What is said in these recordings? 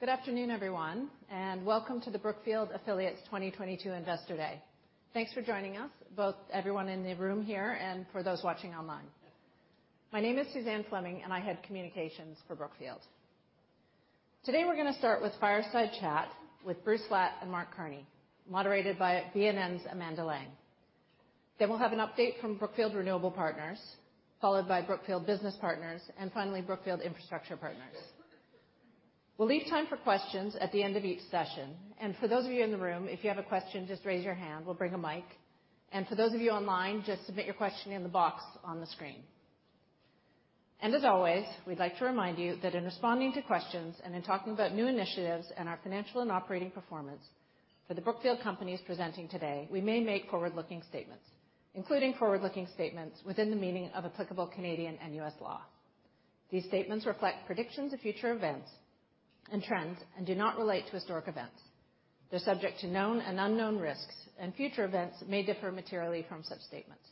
Good afternoon, everyone, and welcome to the Brookfield Affiliates 2022 Investor Day. Thanks for joining us, both everyone in the room here and for those watching online. My name is Suzanne Fleming, and I head communications for Brookfield. Today we're gonna start with Fireside Chat with Bruce Flatt and Mark Carney, moderated by BNN's Amanda Lang. We'll have an update from Brookfield Renewable Partners, followed by Brookfield Business Partners, and finally, Brookfield Infrastructure Partners. We'll leave time for questions at the end of each session. For those of you in the room, if you have a question, just raise your hand. We'll bring a mic. For those of you online, just submit your question in the box on the screen. As always, we'd like to remind you that in responding to questions and in talking about new initiatives and our financial and operating performance for the Brookfield companies presenting today, we may make forward-looking statements, including forward-looking statements within the meaning of applicable Canadian and U.S. law. These statements reflect predictions of future events and trends and do not relate to historic events. They're subject to known and unknown risks, and future events may differ materially from such statements.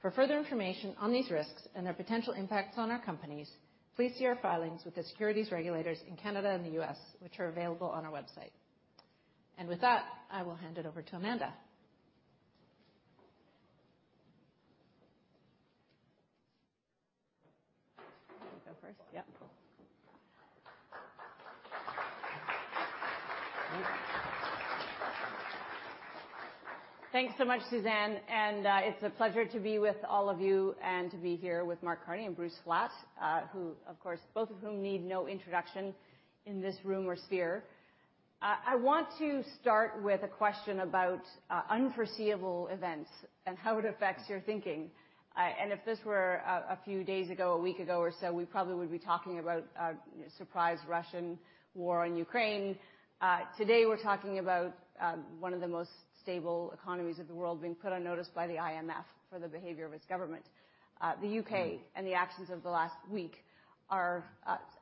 For further information on these risks and their potential impacts on our companies, please see our filings with the securities regulators in Canada and the U.S., which are available on our website. With that, I will hand it over to Amanda. Go first? Yep, cool. Thanks so much, Suzanne, and it's a pleasure to be with all of you and to be here with Mark Carney and Bruce Flatt, who of course, both of whom need no introduction in this room or sphere. I want to start with a question about unforeseeable events and how it affects your thinking. If this were a few days ago, a week ago or so, we probably would be talking about a surprise Russian war on Ukraine. Today we're talking about one of the most stable economies of the world being put on notice by the IMF for the behavior of its government. The U.K. and the actions of the last week are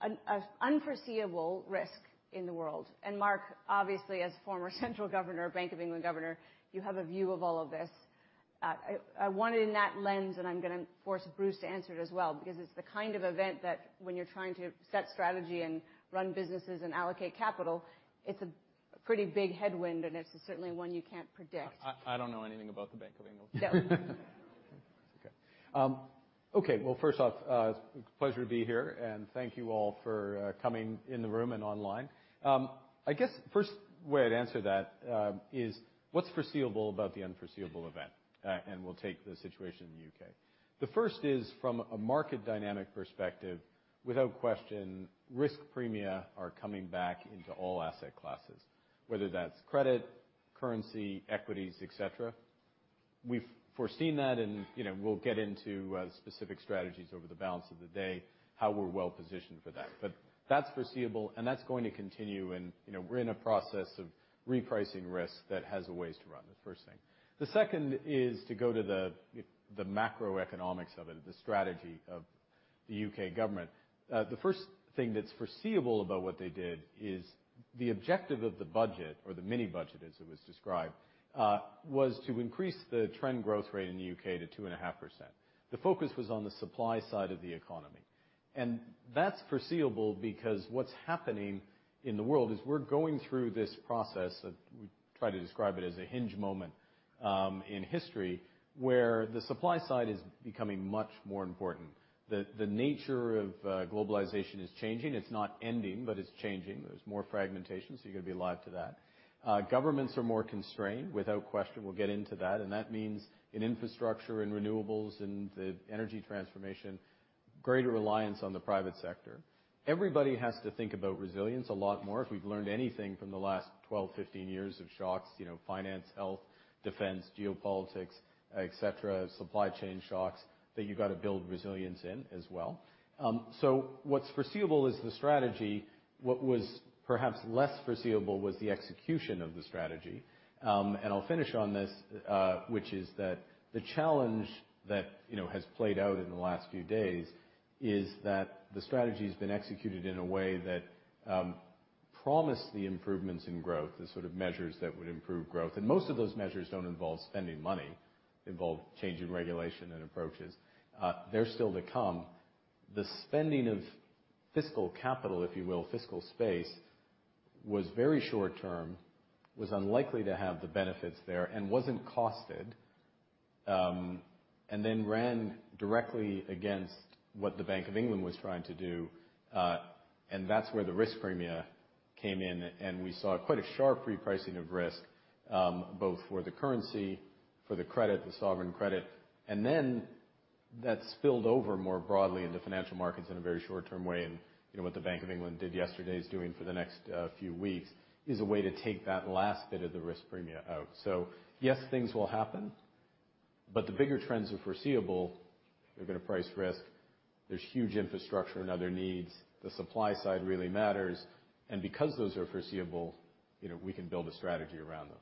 an unforeseeable risk in the world. Mark, obviously as former central bank governor, Bank of England governor, you have a view of all of this. I want it in that lens, and I'm gonna force Bruce to answer it as well, because it's the kind of event that when you're trying to set strategy and run businesses and allocate capital, it's a pretty big headwind, and it's certainly one you can't predict. I don't know anything about the Bank of England. No. Okay. Well, first off, pleasure to be here, and thank you all for coming in the room and online. I guess first way I'd answer that is what's foreseeable about the unforeseeable event? We'll take the situation in the U.K. The first is from a market dynamic perspective, without question, risk premia are coming back into all asset classes, whether that's credit, currency, equities, et cetera. We've foreseen that and, you know, we'll get into specific strategies over the balance of the day, how we're well positioned for that. That's foreseeable and that's going to continue and, you know, we're in a process of repricing risk that has a ways to run. The first thing. The second is to go to the macroeconomics of it, the strategy of the U.K. Government. The first thing that's foreseeable about what they did is the objective of the budget, or the mini budget as it was described, was to increase the trend growth rate in the U.K. to 2.5%. The focus was on the supply side of the economy. That's foreseeable because what's happening in the world is we're going through this process that we try to describe it as a hinge moment in history, where the supply side is becoming much more important. The nature of globalization is changing. It's not ending, but it's changing. There's more fragmentation, so you're gonna be alive to that. Governments are more constrained. Without question, we'll get into that. That means in infrastructure and renewables and the energy transformation, greater reliance on the private sector. Everybody has to think about resilience a lot more. If we've learned anything from the last 12, 15 years of shocks, you know, finance, health, defense, geopolitics, et cetera, supply chain shocks, that you've got to build resilience in as well. So what's foreseeable is the strategy. What was perhaps less foreseeable was the execution of the strategy. And I'll finish on this, which is that the challenge that, you know, has played out in the last few days is that the strategy's been executed in a way that promised the improvements in growth, the sort of measures that would improve growth. Most of those measures don't involve spending money, involve changing regulation and approaches. They're still to come. The spending of fiscal capital, if you will, fiscal space, was very short-term, was unlikely to have the benefits there and wasn't costed, and then ran directly against what the Bank of England was trying to do. That's where the risk premia came in, and we saw quite a sharp repricing of risk, both for the currency, for the credit, the sovereign credit. Then that spilled over more broadly in the financial markets in a very short-term way. You know, what the Bank of England did yesterday is doing for the next few weeks is a way to take that last bit of the risk premia out. Yes, things will happen, but the bigger trends are foreseeable. They're gonna price risk. There's huge infrastructure and other needs. The supply side really matters. Because those are foreseeable, you know, we can build a strategy around those.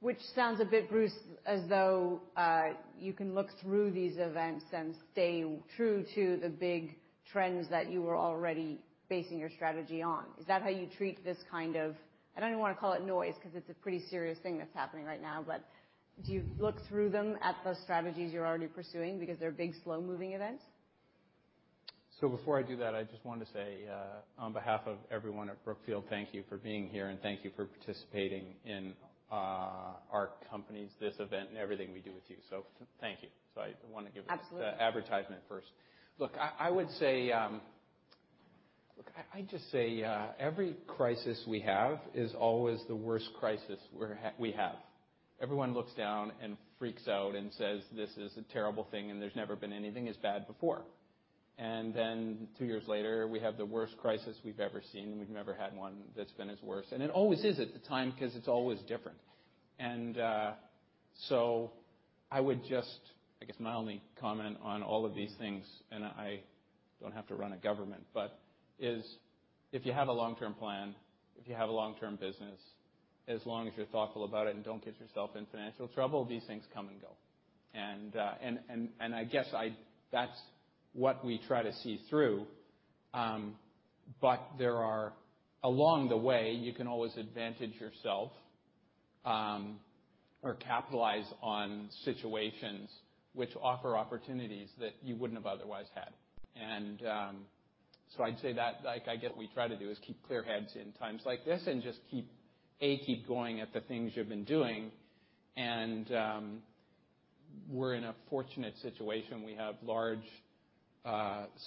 Which sounds a bit, Bruce, as though you can look through these events and stay true to the big trends that you were already basing your strategy on. Is that how you treat this kind of, I don't even wanna call it noise, 'cause it's a pretty serious thing that's happening right now, but do you look through them at the strategies you're already pursuing because they're big, slow-moving events? Before I do that, I just wanted to say, on behalf of everyone at Brookfield, thank you for being here, and thank you for participating in this event and everything we do with you. Thank you. I wanna give- Absolutely. Look, I would say, look, I just say, every crisis we have is always the worst crisis we have. Everyone looks down and freaks out and says, "This is a terrible thing, and there's never been anything as bad before." Then two years later, we have the worst crisis we've ever seen. We've never had one that's been as worse. It always is at the time 'cause it's always different. I guess my only comment on all of these things, and I don't have to run a government, but is if you have a long-term plan, if you have a long-term business, as long as you're thoughtful about it and don't get yourself in financial trouble, these things come and go. That's what we try to see through. Along the way, you can always advantage yourself or capitalize on situations which offer opportunities that you wouldn't have otherwise had. I'd say that like I guess we try to do is keep clear heads in times like this and just keep going at the things you've been doing. We're in a fortunate situation. We have large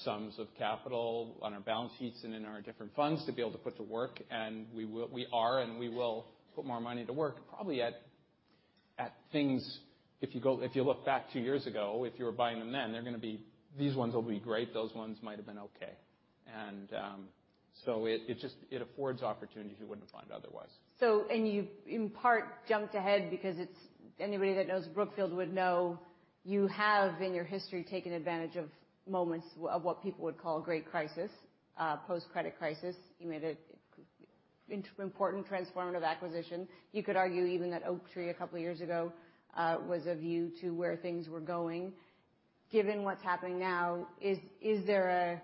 sums of capital on our balance sheets and in our different funds to be able to put to work, and we are, and we will put more money to work probably at things. If you look back two years ago, if you were buying them then, they're gonna be. These ones will be great. Those ones might have been okay. It just affords opportunities you wouldn't find otherwise. You in part jumped ahead because it's anybody that knows Brookfield would know you have, in your history, taken advantage of moments of what people would call great crisis, post-credit crisis. You made an important transformative acquisition. You could argue even that Oaktree a couple of years ago was a view to where things were going. Given what's happening now, is there a?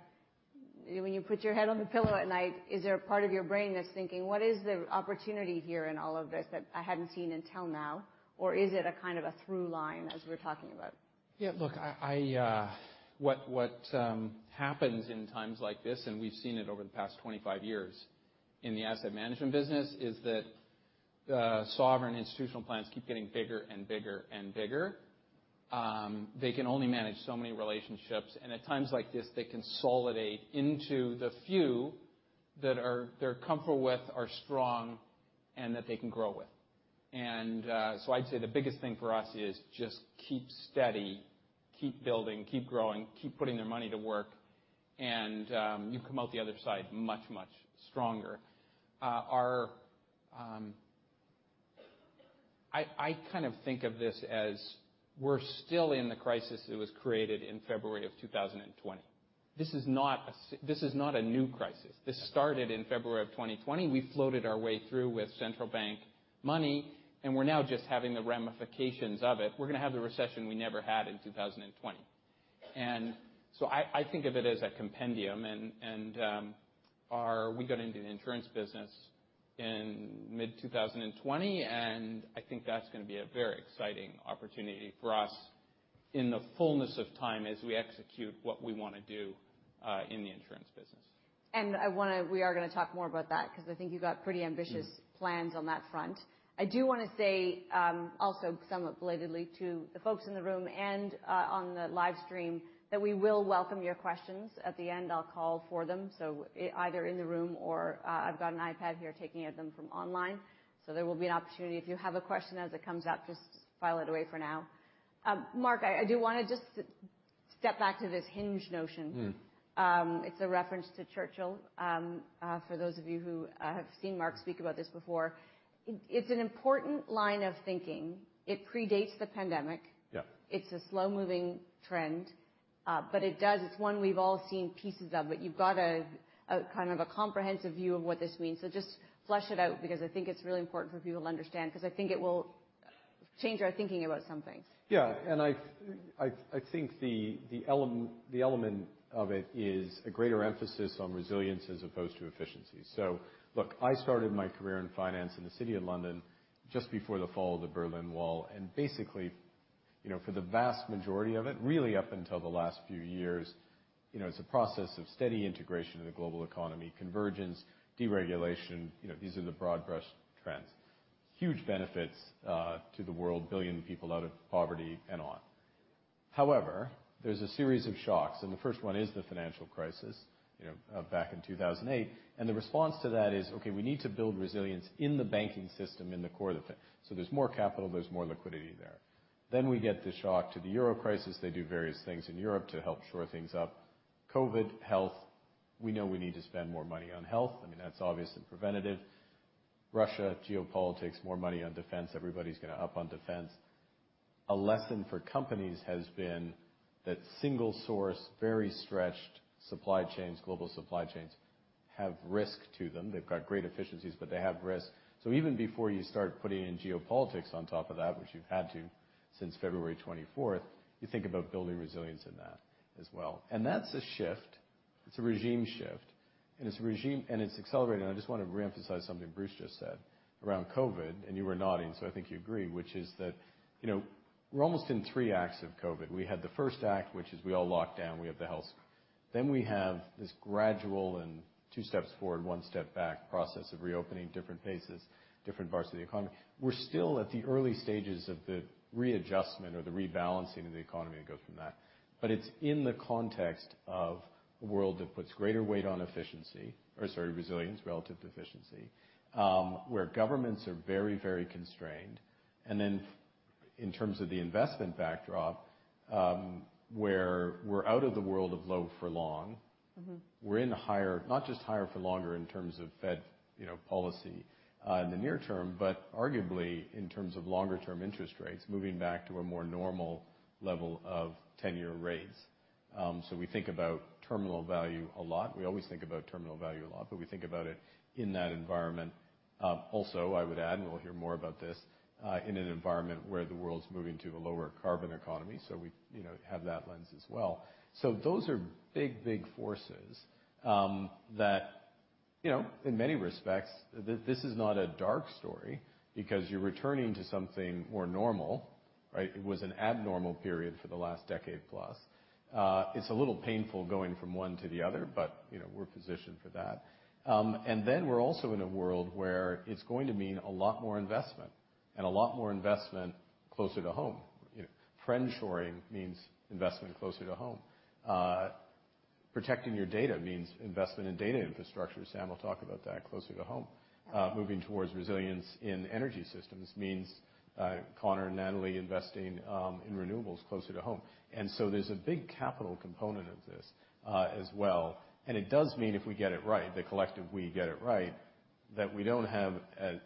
When you put your head on the pillow at night, is there a part of your brain that's thinking, "What is the opportunity here in all of this that I hadn't seen until now?" Or is it a kind of a through line as we're talking about? Yeah. Look, what happens in times like this, and we've seen it over the past 25 years in the asset management business, is that sovereign institutional plans keep getting bigger and bigger and bigger. They can only manage so many relationships, and at times like this, they consolidate into the few that they're comfortable with, are strong, and that they can grow with. I'd say the biggest thing for us is just keep steady, keep building, keep growing, keep putting their money to work, and you come out the other side much, much stronger. I kind of think of this as we're still in the crisis that was created in February of 2020. This is not a new crisis. This started in February of 2020. We floated our way through with central bank money, and we're now just having the ramifications of it. We're gonna have the recession we never had in 2020. I think of it as a complement and we got into the insurance business in mid-2020, and I think that's gonna be a very exciting opportunity for us in the fullness of time as we execute what we wanna do in the insurance business. We are gonna talk more about that 'cause I think you got pretty ambitious. Mm. Plans on that front. I do wanna say, also somewhat belatedly to the folks in the room and, on the live stream that we will welcome your questions. At the end, I'll call for them. Either in the room or, I've got an iPad here taking them from online. There will be an opportunity. If you have a question as it comes up, just file it away for now. Mark, I do wanna just step back to this hinge notion. Mm. It's a reference to Churchill. For those of you who have seen Mark speak about this before, it's an important line of thinking. It predates the pandemic. Yeah. It's a slow-moving trend, but it does. It's one we've all seen pieces of, but you've got a kind of comprehensive view of what this means. Just flesh it out because I think it's really important for people to understand 'cause I think it will change our thinking about some things. Yeah. I think the element of it is a greater emphasis on resilience as opposed to efficiency. Look, I started my career in finance in the City of London just before the fall of the Berlin Wall. Basically, you know, for the vast majority of it, really up until the last few years, you know, it's a process of steady integration in the global economy, convergence, deregulation. You know, these are the broad brush trends. Huge benefits to the world, billion people out of poverty and on. However, there's a series of shocks, and the first one is the financial crisis, you know, back in 2008. The response to that is, okay, we need to build resilience in the banking system in the core of it. There's more capital, there's more liquidity there. We get the shock to the euro crisis. They do various things in Europe to help shore things up. COVID, health. We know we need to spend more money on health. I mean, that's obviously preventative. Russia, geopolitics, more money on defense. Everybody's gonna up on defense. A lesson for companies has been that single source, very stretched supply chains, global supply chains have risk to them. They've got great efficiencies, but they have risk. Even before you start putting in geopolitics on top of that, which you've had to since February 24, you think about building resilience in that as well. That's a shift. It's a regime shift. It's accelerating. I just wanna re-emphasize something Bruce just said around COVID, and you were nodding, so I think you agree, which is that, you know, we're almost in three acts of COVID. We had the first act, which is we all locked down, we have the health. Then we have this gradual and two steps forward, one step back process of reopening different paces, different parts of the economy. We're still at the early stages of the readjustment or the rebalancing of the economy to go from that. But it's in the context of a world that puts greater weight on efficiency or, sorry, resilience relative to efficiency, where governments are very, very constrained. Then in terms of the investment backdrop, where we're out of the world of low for long. Mm-hmm. We're in higher, not just higher for longer in terms of Fed, you know, policy, in the near term, but arguably in terms of longer term interest rates, moving back to a more normal level of ten-year rates. We think about terminal value a lot. We always think about terminal value a lot, but we think about it in that environment. Also, I would add, and we'll hear more about this, in an environment where the world's moving to a lower carbon economy. We, you know, have that lens as well. Those are big forces, that, you know, in many respects, this is not a dark story because you're returning to something more normal, right? It was an abnormal period for the last decade plus. It's a little painful going from one to the other, but you know, we're positioned for that. We're also in a world where it's going to mean a lot more investment and a lot more investment closer-to-home. You know, friendshoring means investment closer-to-home. Protecting your data means investment in data infrastructure. Sam will talk about that closer-to-home. Moving towards resilience in energy systems means Connor and Natalie investing in renewables closer-to-home. There's a big capital component of this as well. It does mean if we get it right, the collective, that we don't have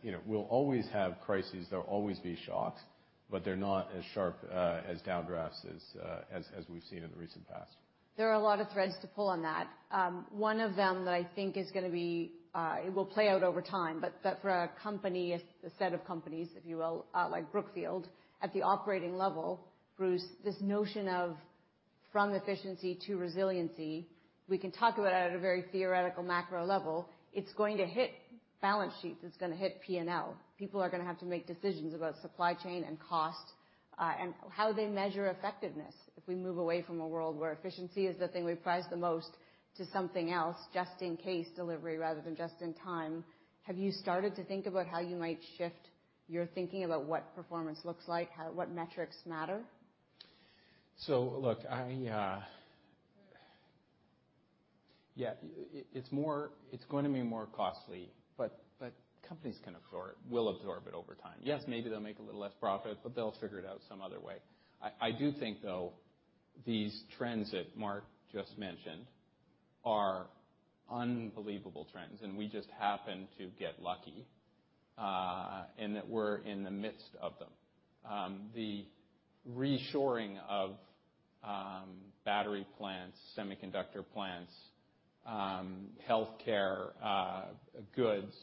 you know, we'll always have crises. There'll always be shocks, but they're not as sharp as downdrafts as we've seen in the recent past. There are a lot of threads to pull on that. One of them that I think is gonna be, it will play out over time, but for a company, a set of companies, if you will, like Brookfield at the operating level, Bruce, this notion of from efficiency to resiliency, we can talk about it at a very theoretical macro level. It's going to hit balance sheets. It's gonna hit P&L. People are gonna have to make decisions about supply chain and cost, and how they measure effectiveness. If we move away from a world where efficiency is the thing we prize the most to something else, just in case delivery rather than just in time. Have you started to think about how you might shift your thinking about what performance looks like? How, what metrics matter? Look, yeah, it's going to be more costly, but companies can absorb, will absorb it over time. Yes, maybe they'll make a little less profit, but they'll figure it out some other way. I do think, though, these trends that Mark just mentioned are unbelievable trends, and we just happen to get lucky, and that we're in the midst of them. The reshoring of battery plants, semiconductor plants, healthcare goods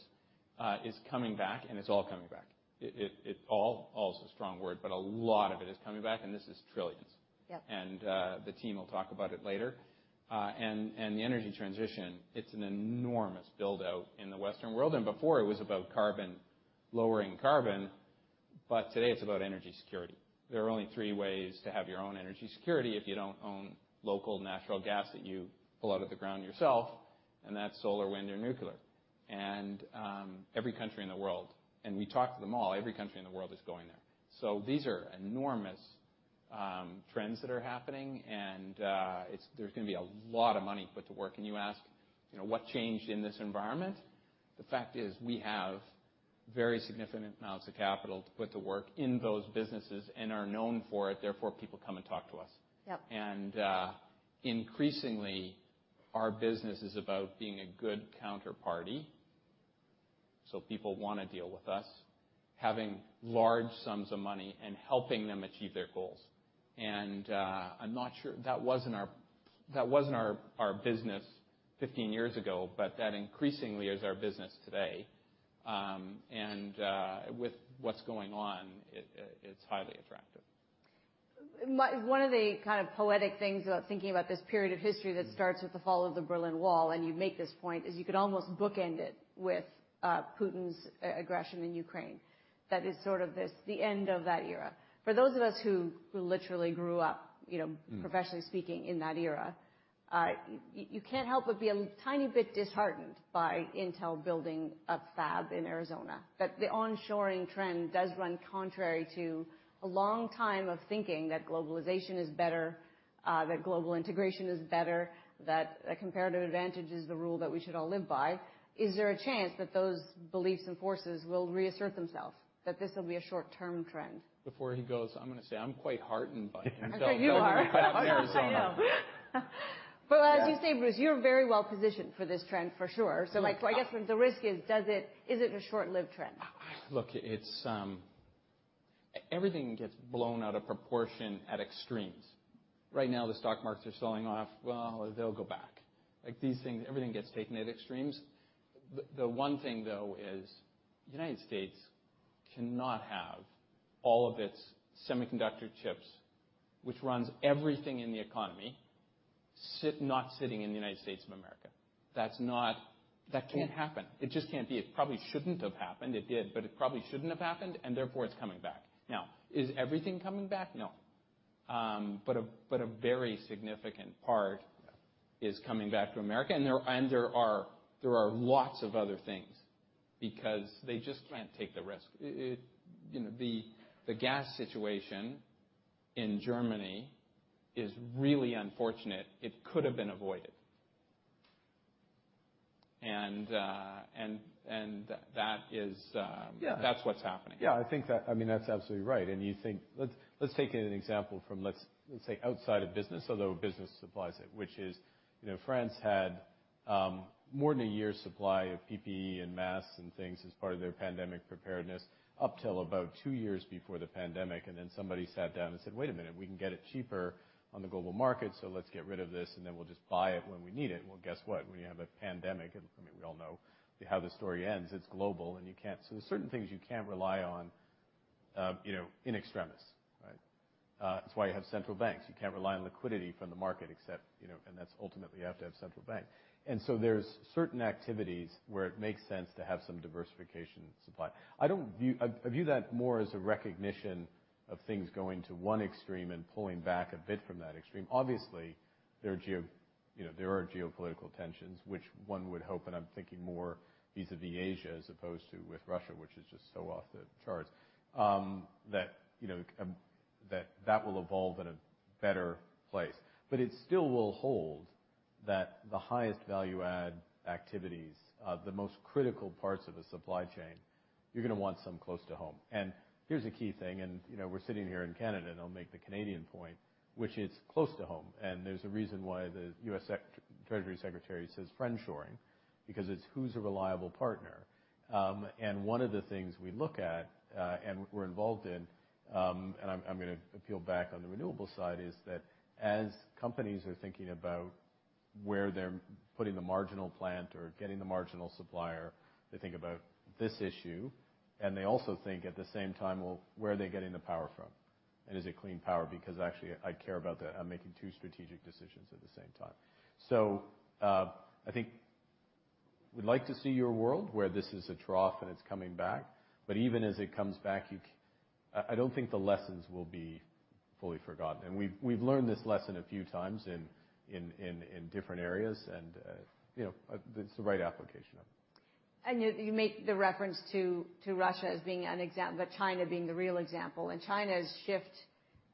is coming back, and it's all coming back. It all is a strong word, but a lot of it is coming back, and this is trillions. Yep. The team will talk about it later. The energy transition, it's an enormous build-out in the Western world before it was about carbon, lowering carbon, but today it's about energy security. There are only three ways to have your own energy security if you don't own local natural gas that you pull out of the ground yourself, and that's solar, wind, or nuclear. Every country in the world, and we talk to them all, every country in the world is going there. These are enormous trends that are happening. There's gonna be a lot of money put to work. You ask, you know, what changed in this environment? The fact is we have very significant amounts of capital to put to work in those businesses and are known for it, therefore people come and talk to us. Yep. Increasingly our business is about being a good counterparty, so people wanna deal with us, having large sums of money and helping them achieve their goals. I'm not sure that wasn't our business 15 years ago, but that increasingly is our business today. With what's going on, it's highly attractive. One of the kind of poetic things about thinking about this period of history that starts with the fall of the Berlin Wall, and you make this point, is you could almost bookend it with Putin's aggression in Ukraine. That is sort of this, the end of that era. For those of us who literally grew up, you know. Mm. Professionally speaking, in that era, you can't help but be a tiny bit disheartened by Intel building a fab in Arizona. That the onshoring trend does run contrary to a long time of thinking that globalization is better, that global integration is better, that a comparative advantage is the rule that we should all live by. Is there a chance that those beliefs and forces will reassert themselves, that this will be a short-term trend? Before he goes, I'm gonna say I'm quite heartened by it. I think you are. Down in Arizona. I know. As you say, Bruce, you're very well positioned for this trend for sure. My, I guess the risk is, does it, is it a short-lived trend? Look, it's everything gets blown out of proportion at extremes. Right now, the stock markets are selling off. Well, they'll go back. Like these things, everything gets taken at extremes. The one thing though is United States cannot have all of its semiconductor chips, which runs everything in the economy, not sitting in the United States of America. That's not. That can't happen. It just can't be. It probably shouldn't have happened. It did, but it probably shouldn't have happened, and therefore it's coming back. Now, is everything coming back? No. But a very significant part is coming back to America, and there are lots of other things because they just can't take the risk. You know, the gas situation in Germany is really unfortunate. It could have been avoided. That is, that's what's happening. Yeah, I think that. I mean, that's absolutely right. Let's take an example from, say, outside of business, although business supplies it, which is, you know, France had more than a year's supply of PPE and masks and things as part of their pandemic preparedness up till about two years before the pandemic. Then somebody sat down and said, "Wait a minute, we can get it cheaper on the global market, so let's get rid of this, and then we'll just buy it when we need it." Well, guess what? When you have a pandemic, I mean, we all know how the story ends, it's global, and you can't. There's certain things you can't rely on, you know, in extremis, right? It's why you have central banks. You can't rely on liquidity from the market except, you know, and that's ultimately you have to have central bank. There's certain activities where it makes sense to have some diversification supply. I view that more as a recognition of things going to one extreme and pulling back a bit from that extreme. Obviously, there are geopolitical tensions, which one would hope, and I'm thinking more vis-à-vis Asia as opposed to with Russia, which is just so off the charts, you know, that it will evolve in a better place. It still will hold that the highest value add activities, the most critical parts of a supply chain, you're gonna want some close-to-home. Here's a key thing, you know, we're sitting here in Canada, and I'll make the Canadian point, which is close-to-home. There's a reason why the U.S. Treasury Secretary says friendshoring, because it's who's a reliable partner. One of the things we look at, and we're involved in, and I'm gonna peel back on the renewables side, is that as companies are thinking about where they're putting the marginal plant or getting the marginal supplier, they think about this issue, and they also think at the same time, well, where are they getting the power from? Is it clean power? Because actually I care about that. I'm making two strategic decisions at the same time. I think we'd like to see a world where this is a trough and it's coming back. Even as it comes back, I don't think the lessons will be fully forgotten. We've learned this lesson a few times in different areas, you know, it's the right application of it. You make the reference to Russia as being an example, but China being the real example. China's shift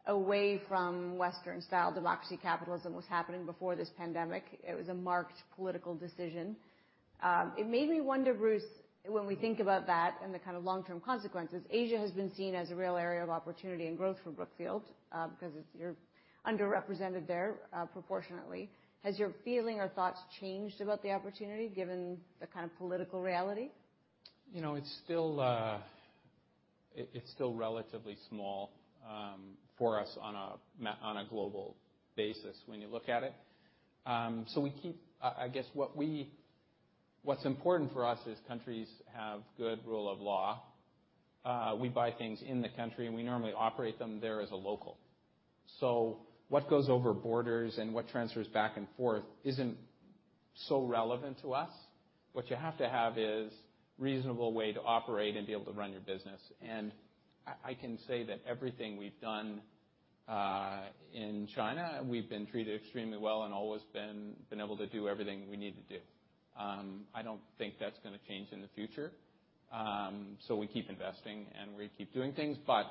away from Western-style democracy, capitalism was happening before this pandemic. It was a marked political decision. It made me wonder, Bruce, when we think about that and the kind of long-term consequences, Asia has been seen as a real area of opportunity and growth for Brookfield, 'cause you're underrepresented there, proportionately. Has your feeling or thoughts changed about the opportunity given the kind of political reality? You know, it's still relatively small for us on a global basis when you look at it. I guess what's important for us is countries have good rule of law. We buy things in the country, and we normally operate them there as a local. So what goes over borders and what transfers back and forth isn't so relevant to us. What you have to have is reasonable way to operate and be able to run your business. I can say that everything we've done in China, we've been treated extremely well and always been able to do everything we need to do. I don't think that's gonna change in the future. We keep investing, and we keep doing things, but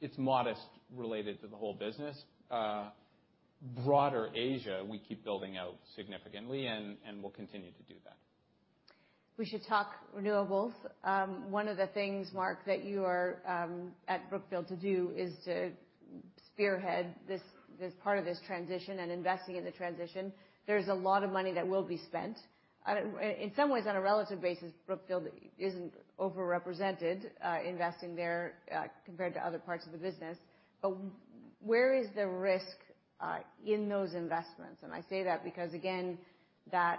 it's modest related to the whole business. Broader Asia, we keep building out significantly and will continue to do that. We should talk renewables. One of the things, Mark, that you are at Brookfield to do is to spearhead this part of this transition and investing in the transition. There's a lot of money that will be spent. In some ways, on a relative basis, Brookfield isn't over-represented investing there compared to other parts of the business. Where is the risk in those investments? I say that because, again, the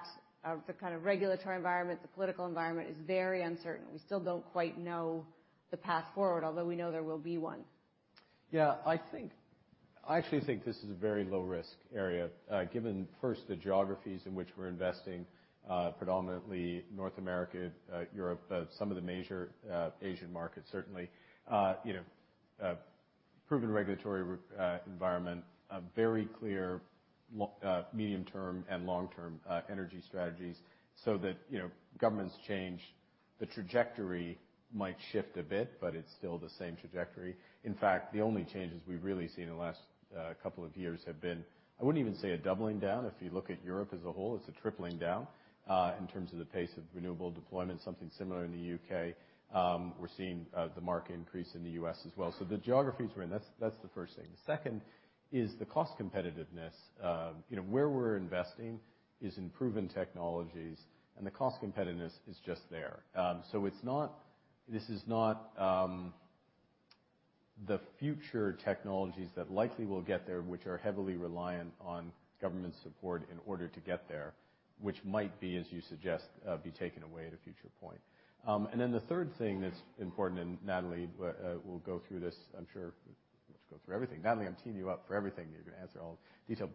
kind of regulatory environment, the political environment is very uncertain. We still don't quite know the path forward, although we know there will be one. Yeah. I actually think this is a very low-risk area, given first the geographies in which we're investing, predominantly North America, Europe, some of the major Asian markets certainly. You know, proven regulatory environment, a very clear medium term and long-term energy strategies so that, you know, governments change. The trajectory might shift a bit, but it's still the same trajectory. In fact, the only changes we've really seen in the last couple of years have been, I wouldn't even say a doubling down. If you look at Europe as a whole, it's a tripling down, in terms of the pace of renewable deployment. Something similar in the U.K. We're seeing the market increase in the U.S. as well. So the geographies we're in, that's the first thing. The second is the cost competitiveness. You know, where we're investing is in proven technologies, and the cost competitiveness is just there. So it's not the future technologies that likely will get there, which are heavily reliant on government support in order to get there, which might be, as you suggest, be taken away at a future point. And then the third thing that's important, and Natalie will go through this, I'm sure. You go through everything. Natalie, I'm teeing you up for everything. You're gonna answer all the detail.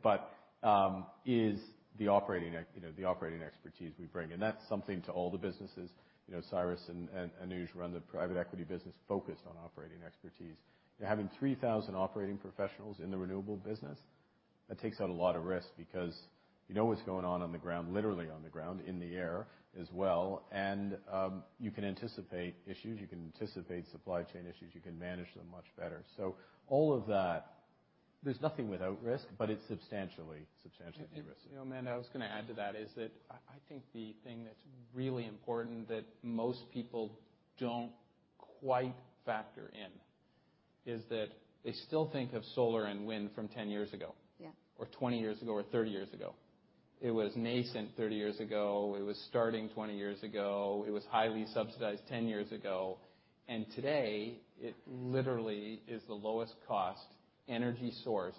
Is the operating expertise we bring, and that's something to all the businesses. You know, Cyrus and Anuj run the private equity business focused on operating expertise. They're having 3,000 operating professionals in the renewable business. That takes out a lot of risk because you know what's going on on the ground, literally on the ground, in the air as well, and you can anticipate issues, you can anticipate supply chain issues, you can manage them much better. All of that, there's nothing without risk, but it's substantially de-risked. you know, Amanda, I was gonna add to that, is that I think the thing that's really important that most people don't quite factor in is that they still think of solar and wind from 10 years ago. Yeah. Twenty years ago or 30 years ago. It was nascent 30 years ago, it was starting 20 years ago, it was highly subsidized 10 years ago, and today it literally is the lowest cost energy source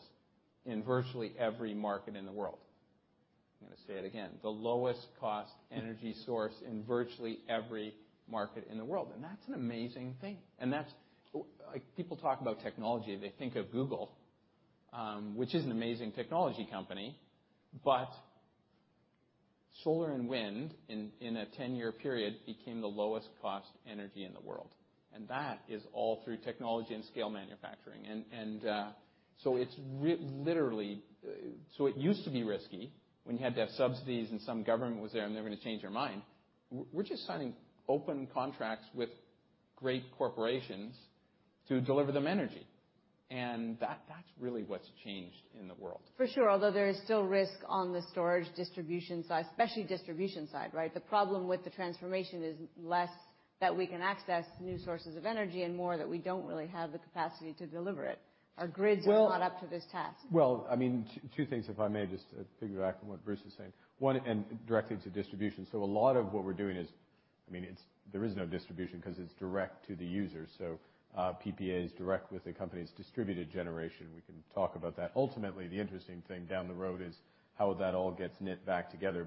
in virtually every market in the world. I'm gonna say it again, the lowest cost energy source in virtually every market in the world. That's an amazing thing. Like people talk about technology, they think of Google, which is an amazing technology company, but solar and wind in a 10-year period became the lowest cost energy in the world. That is all through technology and scale manufacturing. So it's literally so it used to be risky when you had to have subsidies and some government was there, and they were gonna change their mind. We're just signing open contracts with great corporations to deliver them energy, and that's really what's changed in the world. For sure, although there is still risk on the storage and distribution side, especially distribution side, right? The problem with the transformation is less that we can access new sources of energy and more that we don't really have the capacity to deliver it. Well- Our grids are not up to this task. Well, I mean, two things if I may just to piggyback on what Bruce is saying. One, directly to distribution. So a lot of what we're doing is, I mean, it's there is no distribution 'cause it's direct to the user. So, PPA is direct with the company's distributed generation. We can talk about that. Ultimately, the interesting thing down the road is how that all gets knit back together.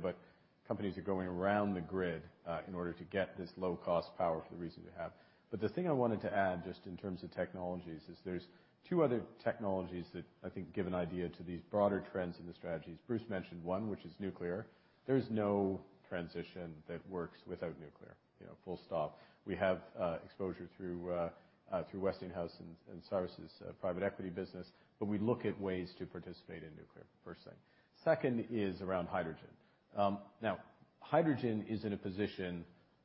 But companies are going around the grid in order to get this low-cost power for the reason they have. But the thing I wanted to add just in terms of technologies is there's two other technologies that I think give an idea to these broader trends in the strategies. Bruce mentioned one, which is nuclear. There's no transition that works without nuclear, you know, full stop. We have exposure through Westinghouse and Cyrus's private equity business, but we look at ways to participate in nuclear, first thing. Second is around hydrogen. Now, hydrogen is in a position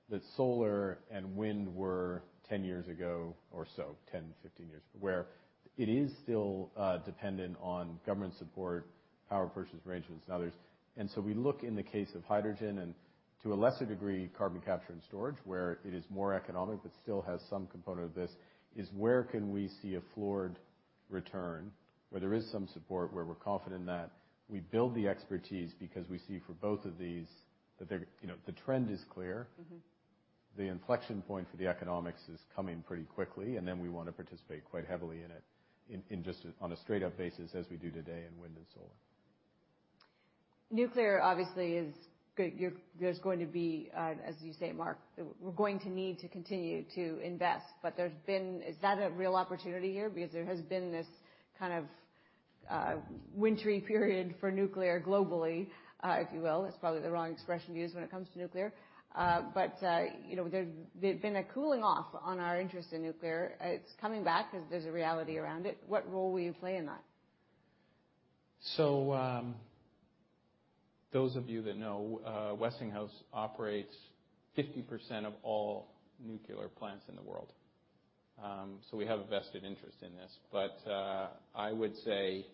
that solar and wind were 10 years ago or so, 10, 15 years, where it is still dependent on government support, power purchase arrangements and others. We look in the case of hydrogen and to a lesser degree, carbon capture and storage, where it is more economic but still has some component of this, is where can we see a floor return where there is some support where we're confident that we build the expertise because we see for both of these that they're, you know, the trend is clear. Mm-hmm. The inflection point for the economics is coming pretty quickly, and then we wanna participate quite heavily in it in just on a straight up basis as we do today in wind and solar. Nuclear obviously is. There's going to be, as you say, Mark, we're going to need to continue to invest. Is that a real opportunity here? Because there has been this kind of wintry period for nuclear globally, if you will. It's probably the wrong expression to use when it comes to nuclear. You know, there's been a cooling off on our interest in nuclear. It's coming back 'cause there's a reality around it. What role will you play in that? Those of you that know, Westinghouse operates 50% of all nuclear plants in the world. We have a vested interest in this. I would say,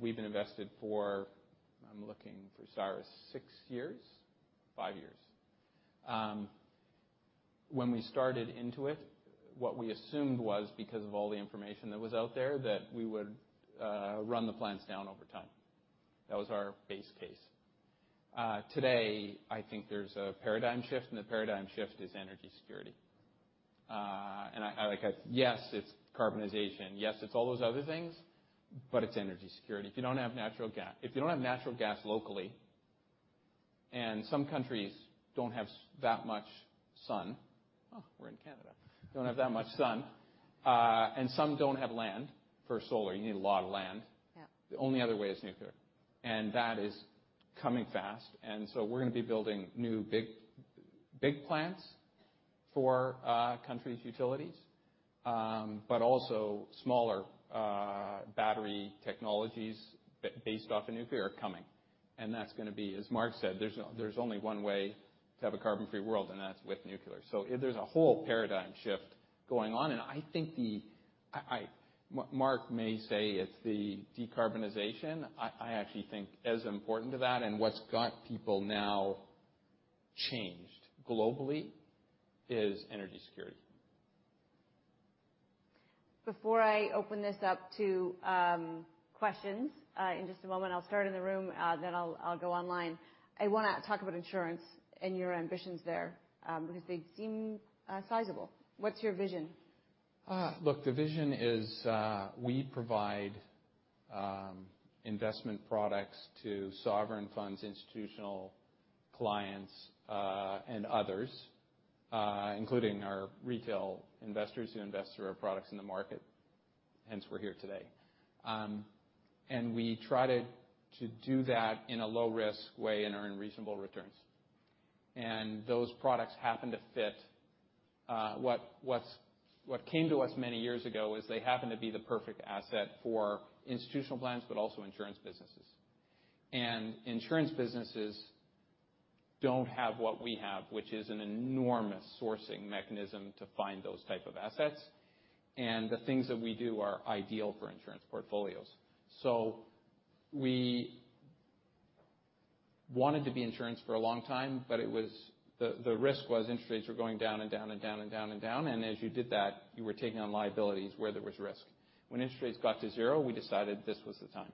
we've been invested for, I'm looking for Cyrus, six years? five years. When we started into it, what we assumed was because of all the information that was out there, that we would run the plants down over time. That was our base case. Today, I think there's a paradigm shift, and the paradigm shift is energy security. Yes, it's decarbonization. Yes, it's all those other things, but it's energy security. If you don't have natural gas locally, and some countries don't have that much sun. Oh, we're in Canada. Don't have that much sun. Some don't have land for solar. You need a lot of land. Yeah. The only other way is nuclear, and that is coming fast. We're gonna be building new big plants for countries' utilities, but also smaller battery technologies based off of nuclear are coming. That's gonna be, as Mark said, there's only one way to have a carbon-free world, and that's with nuclear. There's a whole paradigm shift going on. I think Mark may say it's the decarbonization. I actually think as important to that and what's got people now changed globally is energy security. Before I open this up to questions, in just a moment, I'll start in the room, then I'll go online. I wanna talk about insurance and your ambitions there, because they seem sizable. What's your vision? Look, the vision is, we provide investment products to sovereign funds, institutional clients, and others, including our retail investors who invest through our products in the market, hence we're here today. We try to do that in a low risk way and earn reasonable returns. Those products happen to fit what came to us many years ago is they happen to be the perfect asset for institutional plans but also insurance businesses. Insurance businesses don't have what we have, which is an enormous sourcing mechanism to find those type of assets. The things that we do are ideal for insurance portfolios. We wanted to be insurance for a long time, but the risk was interest rates were going down. As you did that, you were taking on liabilities where there was risk. When interest rates got to zero, we decided this was the time.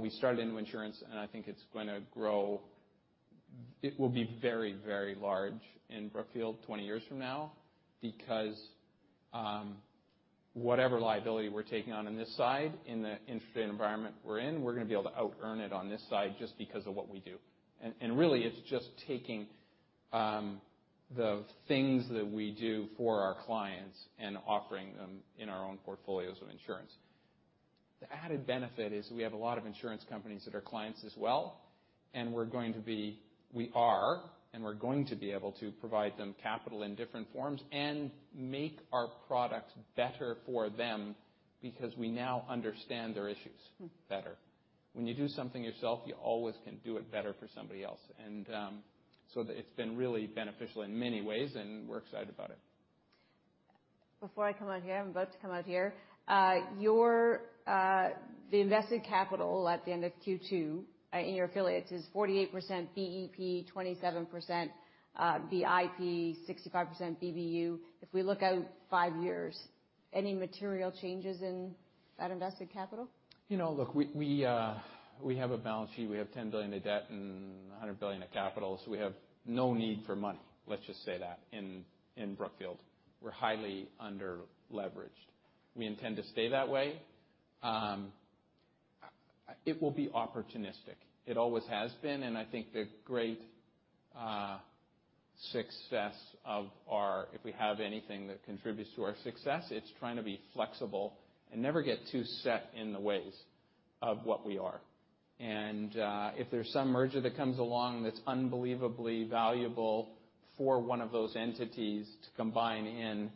We started into insurance, and I think it's gonna grow. It will be very, very large in Brookfield, 20 years from now because whatever liability we're taking on on this side, in the interest rate environment we're in, we're gonna be able to outearn it on this side just because of what we do. Really, it's just taking the things that we do for our clients and offering them in our own portfolios of insurance. The added benefit is we have a lot of insurance companies that are clients as well, and we are, and we're going to be able to provide them capital in different forms and make our products better for them because we now understand their issues better. When you do something yourself, you always can do it better for somebody else. So it's been really beneficial in many ways, and we're excited about it. Before I come out here, I'm about to come out here. The invested capital at the end of Q2 in your affiliates is 48% BEP, 27% BIP, 65% BBU. If we look out five years, any material changes in that invested capital? You know, look, we have a balance sheet. We have $10 billion in debt and $100 billion in capital. We have no need for money, let's just say that, in Brookfield. We're highly underleveraged. We intend to stay that way. It will be opportunistic. It always has been, and I think if we have anything that contributes to our success, it's trying to be flexible and never get too set in the ways of what we are. If there's some merger that comes along that's unbelievably valuable for one of those entities to combine in,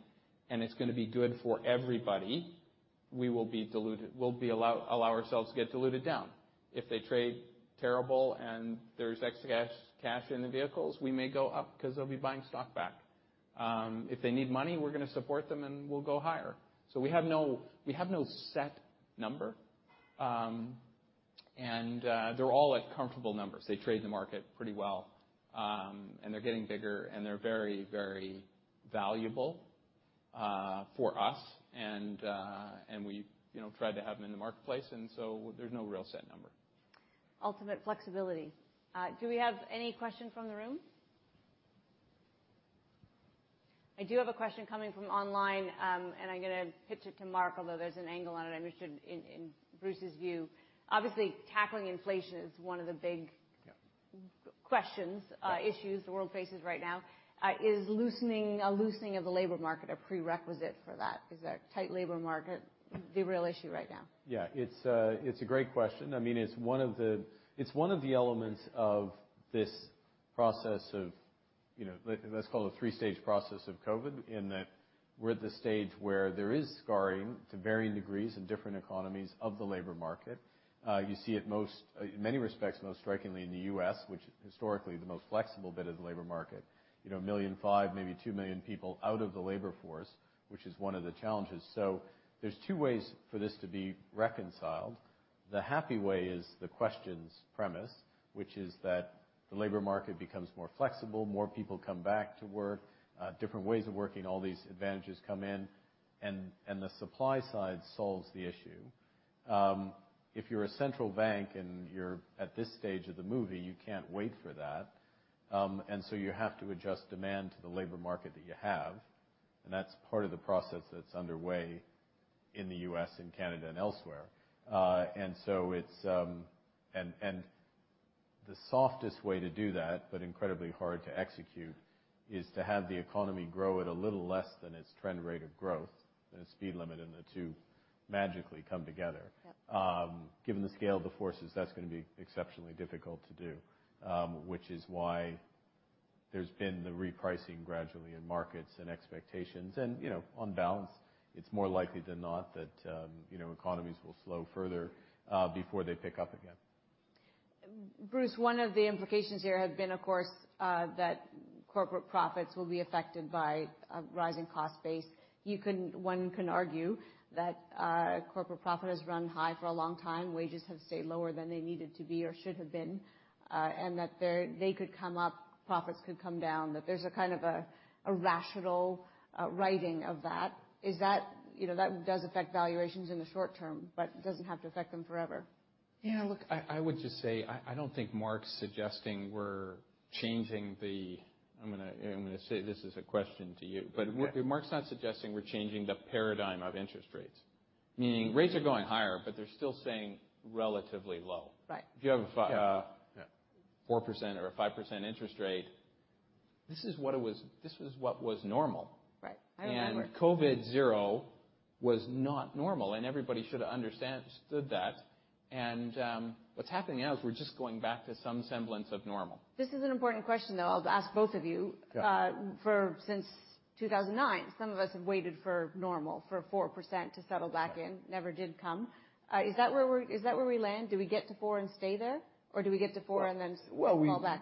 and it's gonna be good for everybody, we will be diluted. We'll allow ourselves to get diluted down. If they trade terrible and there's extra cash in the vehicles, we may go up because they'll be buying stock back. If they need money, we're gonna support them, and we'll go higher. We have no set number. They're all at comfortable numbers. They trade the market pretty well, and they're getting bigger, and they're very, very valuable for us. We, you know, try to have them in the marketplace, and there's no real set number. Ultimate flexibility. Do we have any questions from the room? I do have a question coming from online, and I'm gonna pitch it to Mark, although there's an angle on it I'm interested in Bruce's view. Obviously, tackling inflation is one of the big questions, issues the world faces right now. Is a loosening of the labor market a prerequisite for that? Is that tight labor market the real issue right now? Yeah. It's a great question. I mean, it's one of the elements of this process of, you know, let's call it the three-stage process of COVID, in that we're at the stage where there is scarring to varying degrees in different economies of the labor market. You see it most, in many respects, most strikingly in the U.S., which historically, the most flexible bit of the labor market. You know, 1.5 million, maybe two million people out of the labor force, which is one of the challenges. There's two ways for this to be reconciled. The happy way is the question's premise, which is that the labor market becomes more flexible, more people come back to work, different ways of working, all these advantages come in, and the supply side solves the issue. If you're a central bank and you're at this stage of the movie, you can't wait for that. You have to adjust demand to the labor market that you have, and that's part of the process that's underway in the U.S. and Canada and elsewhere. The softest way to do that, but incredibly hard to execute, is to have the economy grow at a little less than its trend rate of growth and its speed limit, and the two magically come together. Yep. Given the scale of the forces, that's gonna be exceptionally difficult to do, which is why there's been the repricing gradually in markets and expectations. You know, on balance, it's more likely than not that, you know, economies will slow further, before they pick up again. Bruce, one of the implications here have been, of course, that corporate profits will be affected by a rising cost base. One can argue that corporate profit has run high for a long time, wages have stayed lower than they needed to be or should have been, and that they could come up, profits could come down, that there's a kind of rational righting of that. Is that, you know, that does affect valuations in the short term, but it doesn't have to affect them forever. Yeah, look, I would just say I don't think Mark's suggesting we're changing the. I'm gonna say this as a question to you. Yeah. Mark's not suggesting we're changing the paradigm of interest rates. Meaning rates are going higher, but they're still staying relatively low. Right. If you have a. Yeah. 4% or a 5% interest rate, this is what it was. This is what was normal. Right. I remember. COVID zero was not normal, and everybody should've understood that. What's happening now is we're just going back to some semblance of normal. This is an important question, though. I'll ask both of you. Yeah. Since 2009, some of us have waited for normal, for 4% to settle back in. Never did come. Is that where we land? Do we get to 4% and stay there, or do we get to 4% and then- Well, Pull back?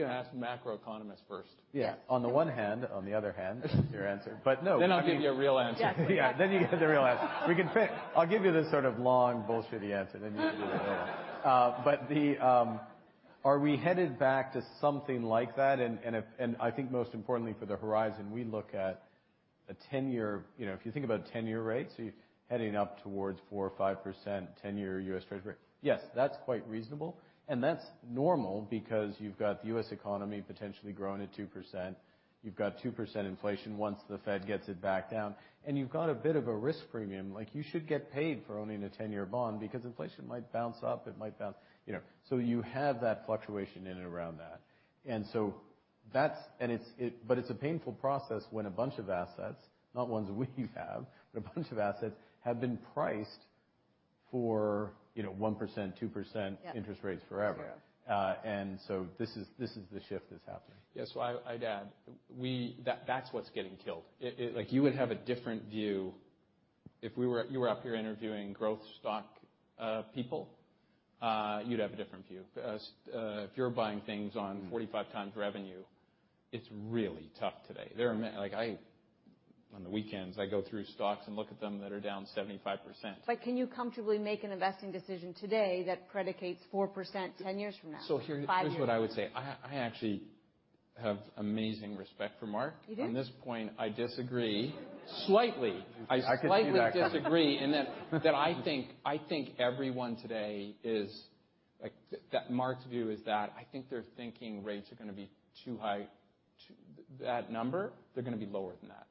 Ask the macroeconomists first. Yeah. Yes. On the one hand, on the other hand is your answer. No, I mean. I'll give you a real answer. Yeah. Yeah, then you give the real answer. I'll give you the sort of long, bullshitty answer, then you can do the real one. But are we headed back to something like that? I think most importantly for the horizon, we look at a 10-year, you know, if you think about 10-year rates, so you're heading up towards 4% or 5% 10-year U.S. Treasury. Yes, that's quite reasonable, and that's normal because you've got the U.S. economy potentially growing at 2%. You've got 2% inflation once the Fed gets it back down, and you've got a bit of a risk premium. Like, you should get paid for owning a 10-year bond because inflation might bounce up, it might bounce, you know. So you have that fluctuation in and around that. It's a painful process when a bunch of assets, not ones we have, but a bunch of assets have been priced for, you know, 1%, 2%. Yeah. Interest rates forever. Yeah. This is the shift that's happening. I'd add, that's what's getting killed. Like, you would have a different view if you were up here interviewing growth stock people. You'd have a different view. If you're buying things on 45x revenue, it's really tough today. Like, on the weekends, I go through stocks and look at them that are down 75%. Can you comfortably make an investing decision today that predicts 4% 10 years from now? So here- Five years. Here's what I would say. I actually have amazing respect for Mark. You do? On this point, I disagree. Slightly. I could see that coming. I slightly disagree in that I think everyone today is like, Mark's view is that I think they're thinking rates are gonna be too high. That number, they're gonna be lower than that.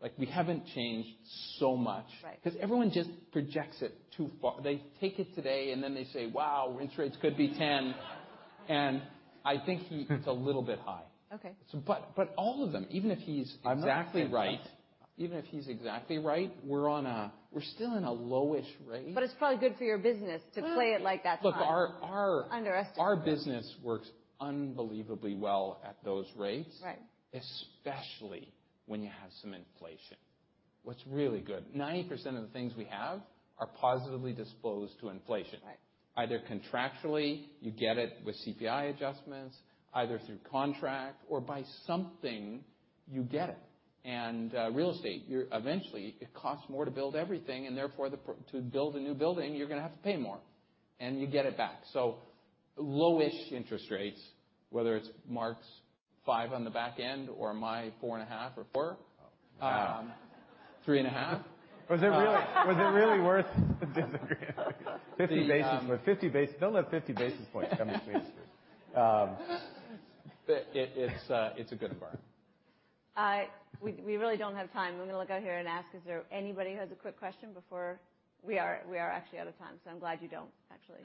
Like, we haven't changed so much. Right. 'Cause everyone just projects it too far. They take it today, and then they say, "Wow, interest rates could be 10%." I think it's a little bit high. Okay. All of them, even if he's exactly right. I'm not saying that. Even if he's exactly right, we're still in a low-ish rate. It's probably good for your business to play it like that, huh? Look, our Underestimate. Our business works unbelievably well at those rates. Right. Especially when you have some inflation. What's really good, 90% of the things we have are positively disposed to inflation. Right. Either contractually, you get it with CPI adjustments, either through contract or by something, you get it. Real estate, eventually it costs more to build everything and therefore to build a new building, you're gonna have to pay more, and you get it back. Low-ish interest rates, whether it's Mark's 5% on the back end or my 4.5% or 4%. Wow. Um, 3.5%. Was it really worth disagreeing? Don't let 50 basis points come between us. It's a good bar. We really don't have time. Let me look out here and ask, is there anybody who has a quick question before we are actually out of time, so I'm glad you don't, actually.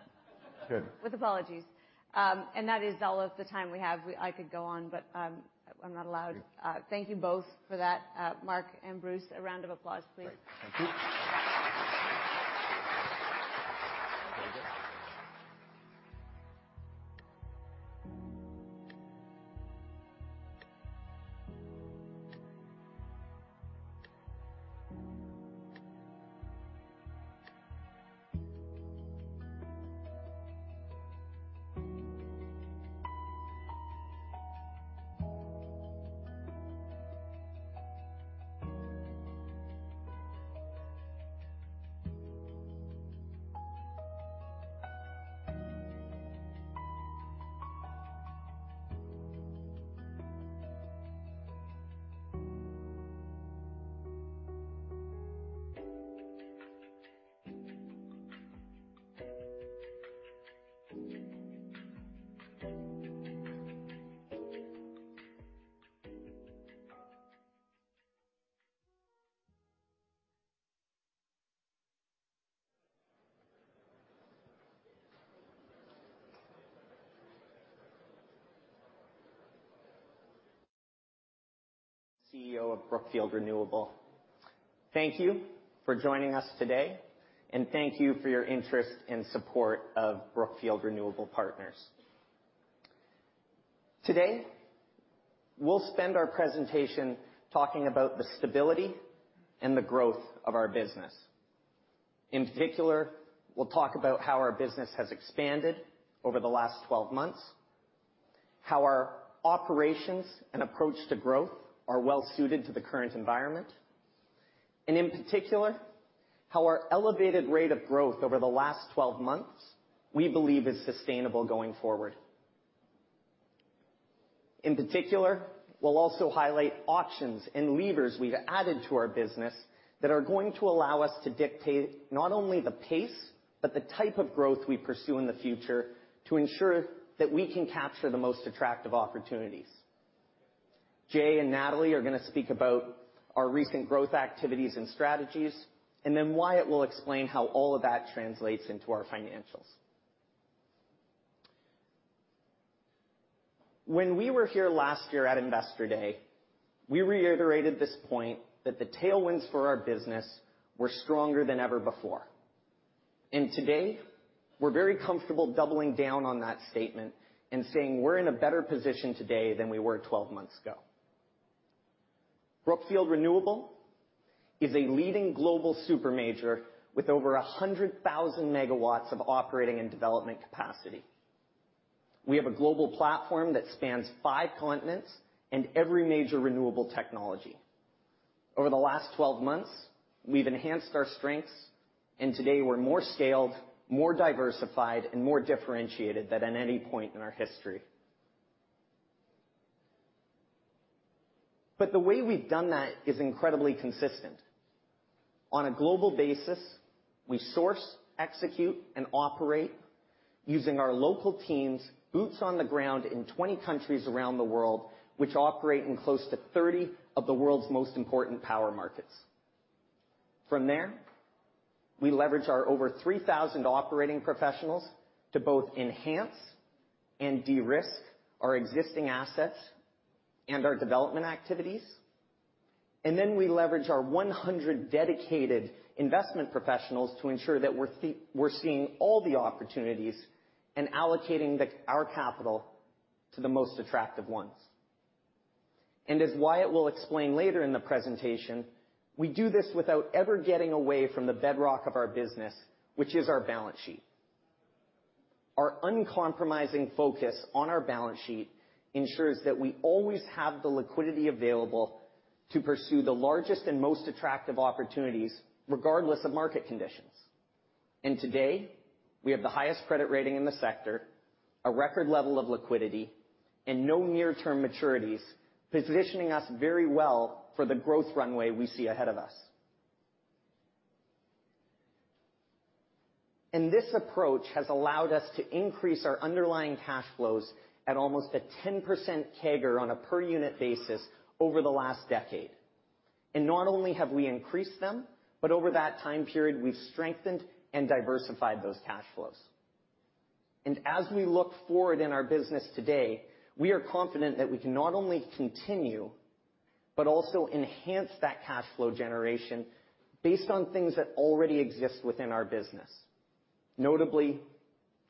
Good. With apologies. That is all of the time we have. I could go on, but I'm not allowed. Thank you both for that. Mark and Bruce, a round of applause, please. Great. Thank you. C`EO of Brookfield Renewable. Thank you for joining us today, and thank you for your interest and support of Brookfield Renewable Partners. Today, we'll spend our presentation talking about the stability and the growth of our business. In particular, we'll talk about how our business has expanded over the last 12 months, how our operations and approach to growth are well suited to the current environment, and in particular, how our elevated rate of growth over the last 12 months we believe is sustainable going forward. In particular, we'll also highlight options and levers we've added to our business that are going to allow us to dictate not only the pace but the type of growth we pursue in the future to ensure that we can capture the most attractive opportunities. Jay and Natalie are gonna speak about our recent growth activities and strategies, and then Wyatt will explain how all of that translates into our financials. When we were here last year at Investor Day, we reiterated this point that the tailwinds for our business were stronger than ever before. Today, we're very comfortable doubling down on that statement and saying we're in a better position today than we were 12 months ago. Brookfield Renewable is a leading global super-major with over 100,000 MW of operating and development capacity. We have a global platform that spans five continents and every major renewable technology. Over the last 12 months, we've enhanced our strengths, and today we're more scaled, more diversified, and more differentiated than at any point in our history. The way we've done that is incredibly consistent. On a global basis, we source, execute, and operate using our local teams, boots on the ground in 20 countries around the world, which operate in close to 30 of the world's most important power markets. From there, we leverage our over 3,000 operating professionals to both enhance and de-risk our existing assets and our development activities. We leverage our 100 dedicated investment professionals to ensure that we're seeing all the opportunities and allocating the, our capital to the most attractive ones. As Wyatt will explain later in the presentation, we do this without ever getting away from the bedrock of our business, which is our balance sheet. Our uncompromising focus on our balance sheet ensures that we always have the liquidity available to pursue the largest and most attractive opportunities regardless of market conditions. Today, we have the highest credit rating in the sector, a record level of liquidity, and no near-term maturities, positioning us very well for the growth runway we see ahead of us. This approach has allowed us to increase our underlying cash flows at almost a 10% CAGR on a per unit basis over the last decade. Not only have we increased them, but over that time period, we've strengthened and diversified those cash flows. As we look forward in our business today, we are confident that we can not only continue, but also enhance that cash flow generation based on things that already exist within our business. Notably,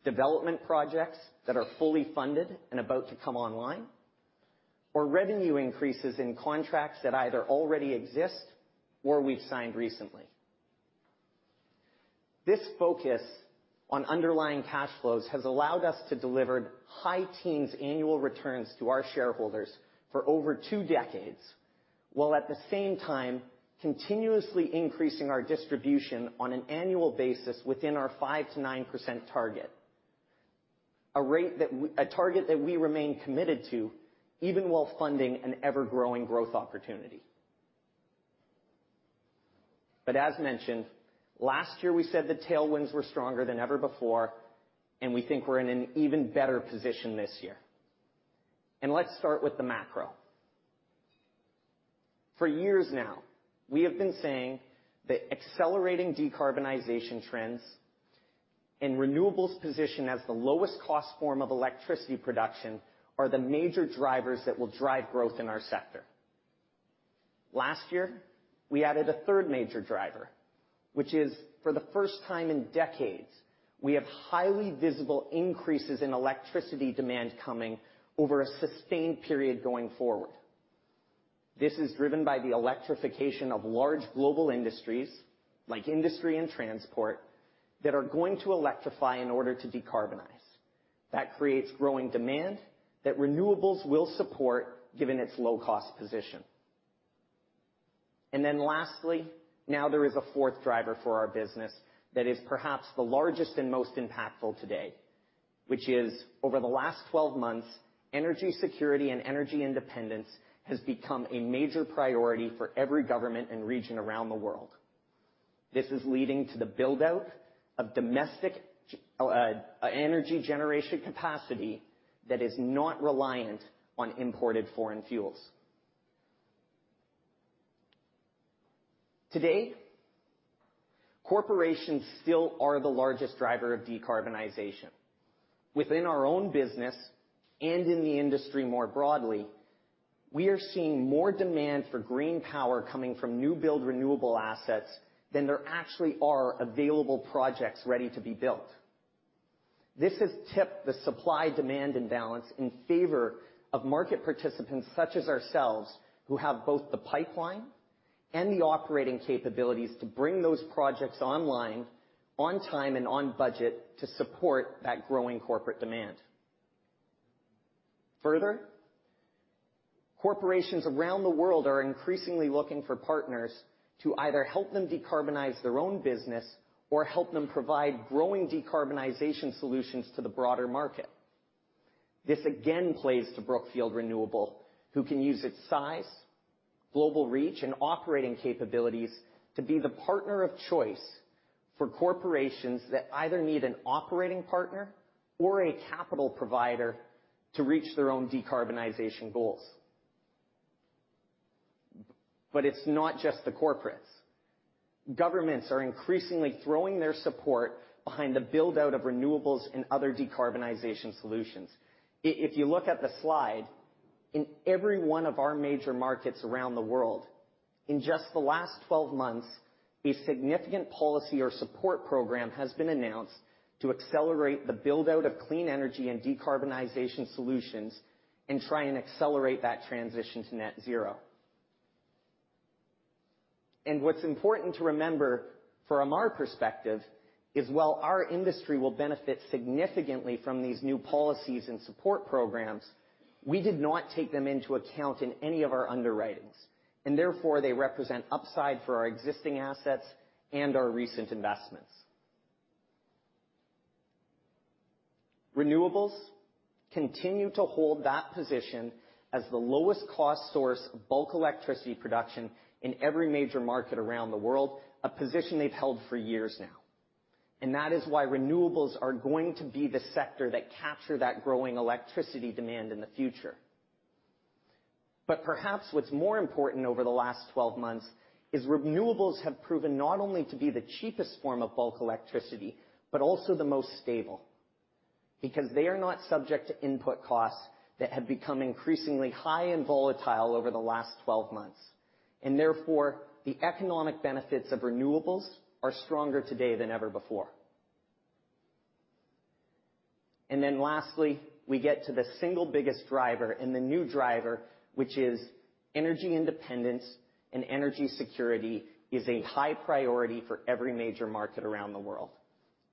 development projects that are fully funded and about to come online, or revenue increases in contracts that either already exist or we've signed recently. This focus on underlying cash flows has allowed us to deliver high teens annual returns to our shareholders for over two decades, while at the same time, continuously increasing our distribution on an annual basis within our 5%-9% target. A target that we remain committed to, even while funding an ever-growing growth opportunity. But as mentioned, last year, we said the tailwinds were stronger than ever before, and we think we're in an even better position this year. Let's start with the macro. For years now, we have been saying that accelerating decarbonization trends and renewables' position as the lowest cost form of electricity production are the major drivers that will drive growth in our sector. Last year, we added a third major driver, which is for the first time in decades, we have highly visible increases in electricity demand coming over a sustained period going forward. This is driven by the electrification of large global industries, like industry and transport, that are going to electrify in order to decarbonize. That creates growing demand that renewables will support given its low-cost position. Lastly, now there is a fourth driver for our business that is perhaps the largest and most impactful today, which is over the last 12 months, energy security and energy independence has become a major priority for every government and region around the world. This is leading to the build-out of domestic energy generation capacity that is not reliant on imported foreign fuels. Today, corporations still are the largest driver of decarbonization. Within our own business and in the industry more broadly, we are seeing more demand for green power coming from new build renewable assets than there actually are available projects ready to be built. This has tipped the supply-demand imbalance in favor of market participants such as ourselves, who have both the pipeline and the operating capabilities to bring those projects online, on time, and on budget to support that growing corporate demand. Furthermore, corporations around the world are increasingly looking for partners to either help them decarbonize their own business or help them provide growing decarbonization solutions to the broader market. This again plays to Brookfield Renewable, who can use its size, global reach, and operating capabilities to be the partner of choice for corporations that either need an operating partner or a capital provider to reach their own decarbonization goals. It's not just the corporates. Governments are increasingly throwing their support behind the build-out of renewables and other decarbonization solutions. If you look at the slide, in every one of our major markets around the world, in just the last 12 months, a significant policy or support program has been announced to accelerate the build-out of clean energy and decarbonization solutions and try and accelerate that transition to net zero. What's important to remember from our perspective is while our industry will benefit significantly from these new policies and support programs, we did not take them into account in any of our underwritings, and therefore, they represent upside for our existing assets and our recent investments. Renewables continue to hold that position as the lowest cost source of bulk electricity production in every major market around the world, a position they've held for years now. That is why renewables are going to be the sector that capture that growing electricity demand in the future. Perhaps what's more important over the last 12 months is renewables have proven not only to be the cheapest form of bulk electricity, but also the most stable, because they are not subject to input costs that have become increasingly high and volatile over the last 12 months. Therefore, the economic benefits of renewables are stronger today than ever before. Then lastly, we get to the single biggest driver and the new driver, which is energy independence and energy security is a high priority for every major market around the world.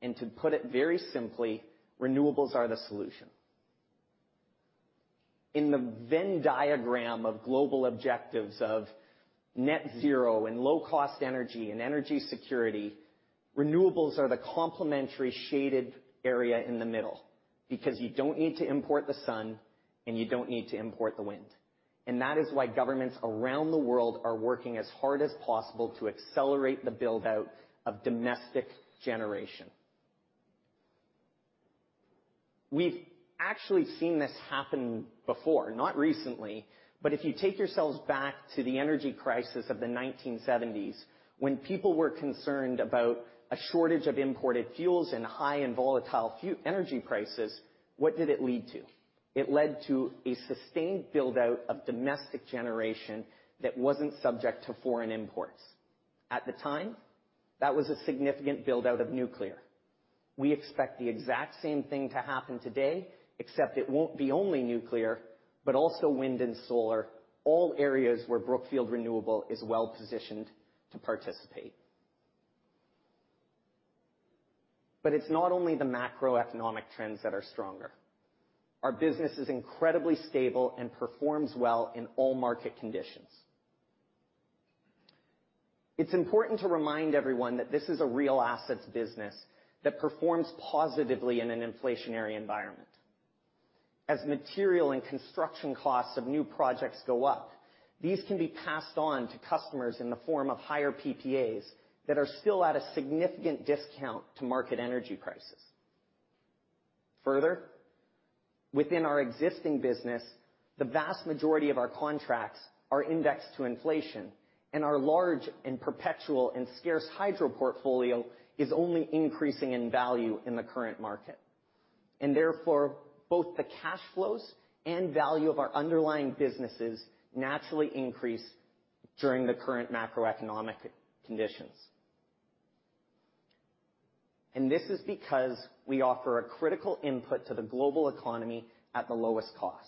To put it very simply, renewables are the solution. In the Venn diagram of global objectives of net zero and low-cost energy and energy security, renewables are the complementary shaded area in the middle because you don't need to import the sun and you don't need to import the wind. That is why governments around the world are working as hard as possible to accelerate the build-out of domestic generation. We've actually seen this happen before, not recently, but if you take yourselves back to the energy crisis of the 1970s, when people were concerned about a shortage of imported fuels and high and volatile energy prices, what did it lead to? It led to a sustained build-out of domestic generation that wasn't subject to foreign imports. At the time, that was a significant build-out of nuclear. We expect the exact same thing to happen today, except it won't be only nuclear, but also wind and solar, all areas where Brookfield Renewable is well-positioned to participate. It's not only the macroeconomic trends that are stronger. Our business is incredibly stable and performs well in all market conditions. It's important to remind everyone that this is a real assets business that performs positively in an inflationary environment. As material and construction costs of new projects go up, these can be passed on to customers in the form of higher PPAs that are still at a significant discount to market energy prices. Further, within our existing business, the vast majority of our contracts are indexed to inflation, and our large and perpetual and scarce hydro portfolio is only increasing in value in the current market. Therefore, both the cash flows and value of our underlying businesses naturally increase during the current macroeconomic conditions. This is because we offer a critical input to the global economy at the lowest cost.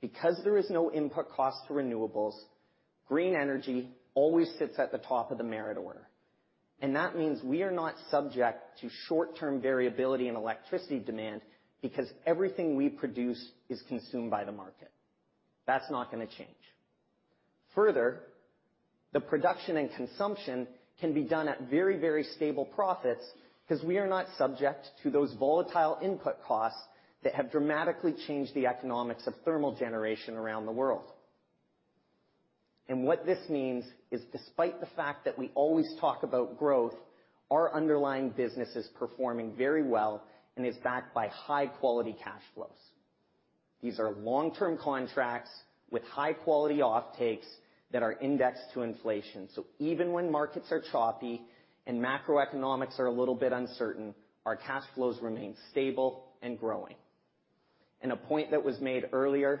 Because there is no input cost to renewables, green energy always sits at the top of the merit order. That means we are not subject to short-term variability in electricity demand because everything we produce is consumed by the market. That's not gonna change. Further, the production and consumption can be done at very, very stable profits because we are not subject to those volatile input costs that have dramatically changed the economics of thermal generation around the world. What this means is despite the fact that we always talk about growth, our underlying business is performing very well and is backed by high-quality cash flows. These are long-term contracts with high-quality offtakes that are indexed to inflation. Even when markets are choppy and macroeconomics are a little bit uncertain, our cash flows remain stable and growing. A point that was made earlier,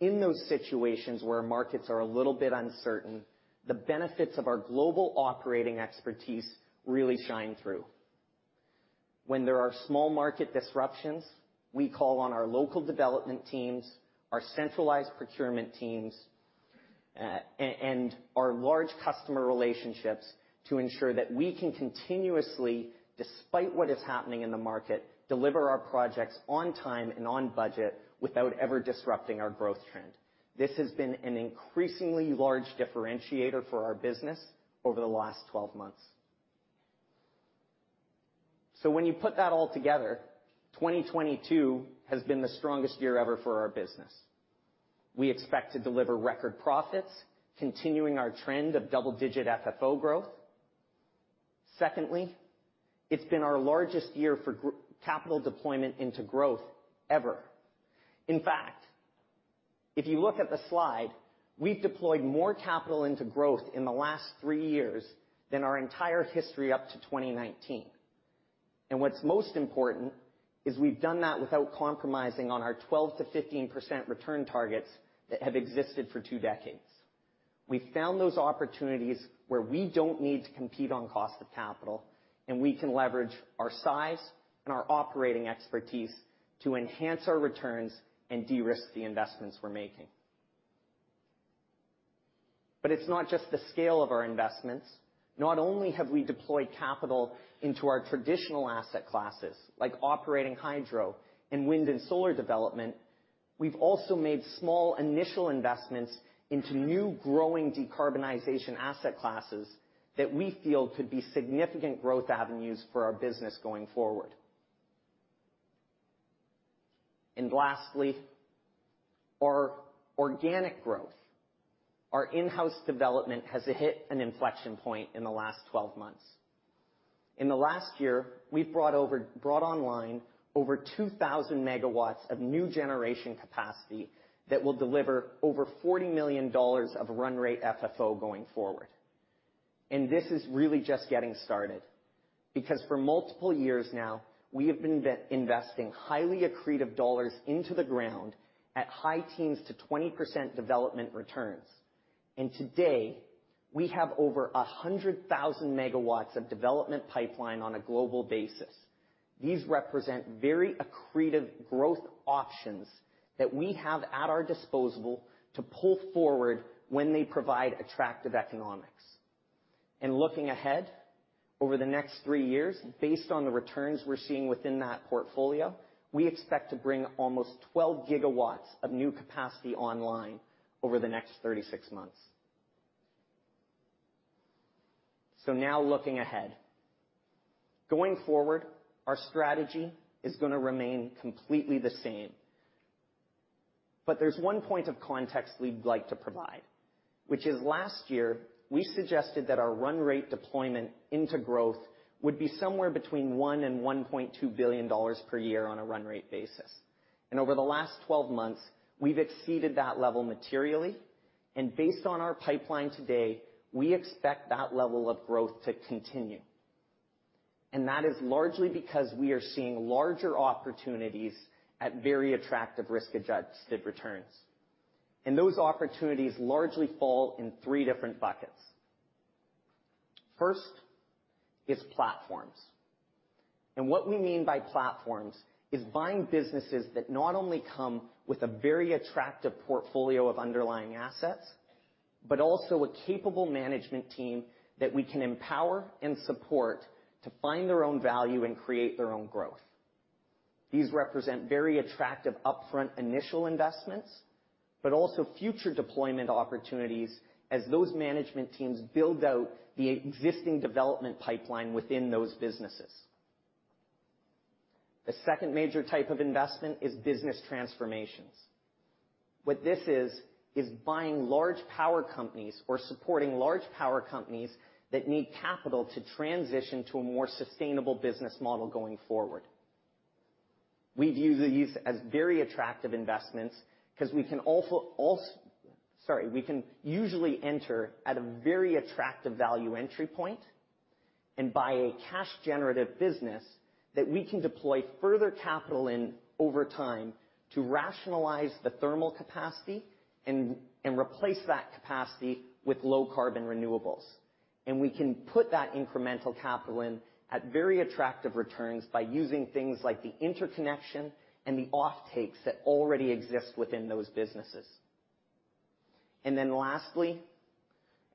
in those situations where markets are a little bit uncertain, the benefits of our global operating expertise really shine through. When there are small market disruptions, we call on our local development teams, our centralized procurement teams, and our large customer relationships to ensure that we can continuously, despite what is happening in the market, deliver our projects on time and on budget without ever disrupting our growth trend. This has been an increasingly large differentiator for our business over the last 12 months. When you put that all together, 2022 has been the strongest year ever for our business. We expect to deliver record profits, continuing our trend of double-digit FFO growth. Secondly, it's been our largest year for capital deployment into growth ever. In fact, if you look at the slide, we've deployed more capital into growth in the last three years than our entire history up to 2019. What's most important is we've done that without compromising on our 12%-15% return targets that have existed for two decades. We found those opportunities where we don't need to compete on cost of capital, and we can leverage our size and our operating expertise to enhance our returns and de-risk the investments we're making. It's not just the scale of our investments. Not only have we deployed capital into our traditional asset classes, like operating hydro and wind and solar development, we've also made small initial investments into new growing decarbonization asset classes that we feel could be significant growth avenues for our business going forward. Lastly, our organic growth, our in-house development, has hit an inflection point in the last 12 months. In the last year, we've brought online over 2,000 MW of new generation capacity that will deliver over $40 million of run rate FFO going forward. This is really just getting started. Because for multiple years now, we have been re-investing highly accretive dollars into the ground at high teens to 20% development returns. Today, we have over 100,000 MW of development pipeline on a global basis. These represent very accretive growth options that we have at our disposal to pull forward when they provide attractive economics. Looking ahead, over the next three years, based on the returns we're seeing within that portfolio, we expect to bring almost 12 GW of new capacity online over the next 36 months. Now looking ahead. Going forward, our strategy is gonna remain completely the same. There's one point of context we'd like to provide, which is last year, we suggested that our run rate deployment into growth would be somewhere between $1 billion and $1.2 billion per year on a run rate basis. Over the last 12 months, we've exceeded that level materially. Based on our pipeline today, we expect that level of growth to continue. That is largely because we are seeing larger opportunities at very attractive risk-adjusted returns. Those opportunities largely fall in three different buckets. First is platforms. What we mean by platforms is buying businesses that not only come with a very attractive portfolio of underlying assets, but also a capable management team that we can empower and support to find their own value and create their own growth. These represent very attractive upfront initial investments, but also future deployment opportunities as those management teams build out the existing development pipeline within those businesses. The second major type of investment is business transformations. What this is buying large power companies or supporting large power companies that need capital to transition to a more sustainable business model going forward. We view these as very attractive investments because we can. We can usually enter at a very attractive value entry point, and buy a cash generative business that we can deploy further capital in over time to rationalize the thermal capacity and replace that capacity with low carbon renewables. We can put that incremental capital in at very attractive returns by using things like the interconnection and the offtakes that already exist within those businesses. Lastly,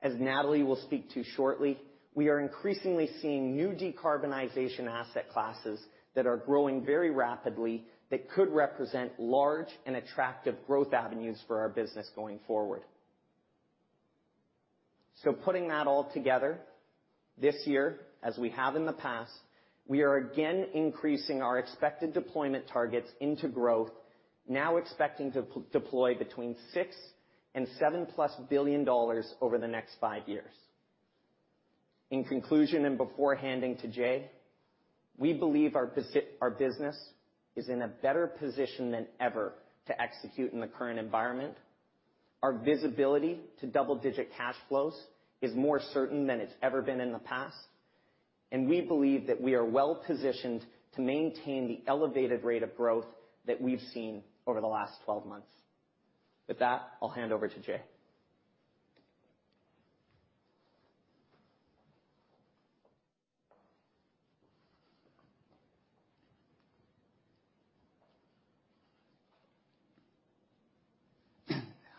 as Natalie will speak to shortly, we are increasingly seeing new decarbonization asset classes that are growing very rapidly that could represent large and attractive growth avenues for our business going forward. Putting that all together, this year, as we have in the past, we are again increasing our expected deployment targets into growth, now expecting to deploy between $6 billion and $7 plus billion over the next five years. In conclusion, and before handing to Jay, we believe our business is in a better position than ever to execute in the current environment. Our visibility to double-digit cash flows is more certain than it's ever been in the past. We believe that we are well-positioned to maintain the elevated rate of growth that we've seen over the last twelve months. With that, I'll hand over to Jay.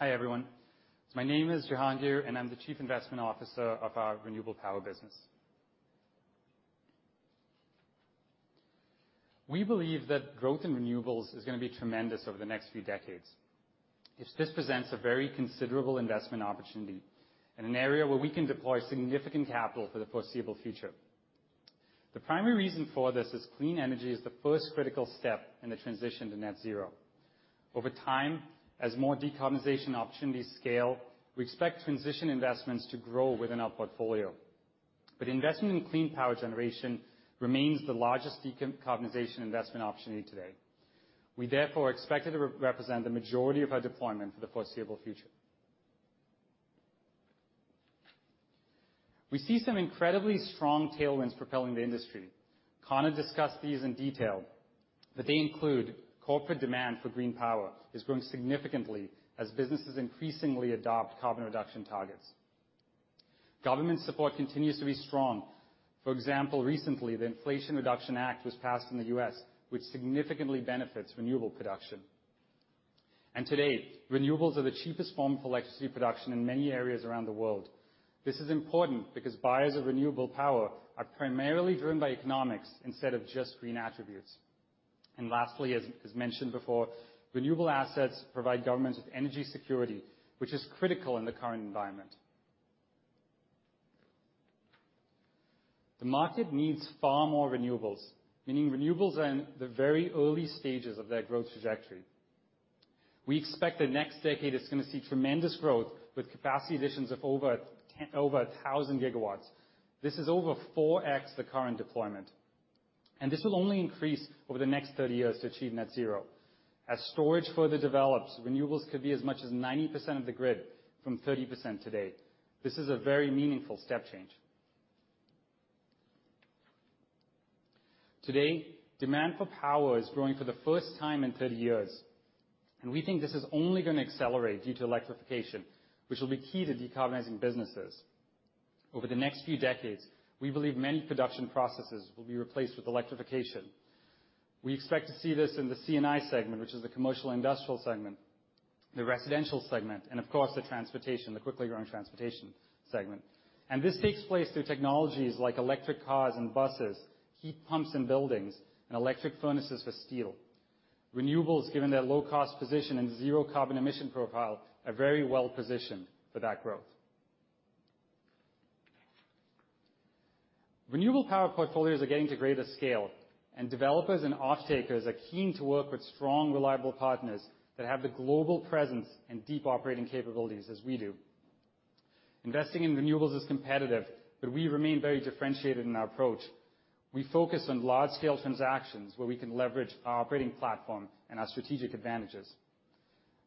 Hi, everyone. My name is Jehangir, and I'm the Chief Investment Officer of our Renewable Power Business. We believe that growth in renewables is gonna be tremendous over the next few decades. This presents a very considerable investment opportunity in an area where we can deploy significant capital for the foreseeable future. The primary reason for this is clean energy is the first critical step in the transition to net zero. Over time, as more decarbonization opportunities scale, we expect transition investments to grow within our portfolio. But investment in clean power generation remains the largest decarbonization investment opportunity today. We therefore expect it to represent the majority of our deployment for the foreseeable future. We see some incredibly strong tailwinds propelling the industry. Connor discussed these in detail, but they include corporate demand for green power is growing significantly as businesses increasingly adopt carbon reduction targets. Government support continues to be strong. For example, recently, the Inflation Reduction Act was passed in the U.S., which significantly benefits renewable production. Today, renewables are the cheapest form for electricity production in many areas around the world. This is important because buyers of renewable power are primarily driven by economics instead of just green attributes. Lastly, as mentioned before, renewable assets provide governments with energy security, which is critical in the current environment. The market needs far more renewables, meaning renewables are in the very early stages of their growth trajectory. We expect the next decade is gonna see tremendous growth with capacity additions of over 1,000 GW. This is over 4x the current deployment, and this will only increase over the next 30 years to achieve net zero. As storage further develops, renewables could be as much as 90% of the grid from 30% today. This is a very meaningful step change. Today, demand for power is growing for the first time in 30 years, and we think this is only gonna accelerate due to electrification, which will be key to decarbonizing businesses. Over the next few decades, we believe many production processes will be replaced with electrification. We expect to see this in the C&I segment, which is the commercial industrial segment, the residential segment, and of course, the transportation, the quickly growing transportation segment. This takes place through technologies like electric cars and buses, heat pumps in buildings, and electric furnaces for steel. Renewables, given their low cost position and zero carbon emission profile, are very well positioned for that growth. Renewable power portfolios are getting to greater scale, and developers and offtakers are keen to work with strong, reliable partners that have the global presence and deep operating capabilities as we do. Investing in renewables is competitive, but we remain very differentiated in our approach. We focus on large scale transactions where we can leverage our operating platform and our strategic advantages.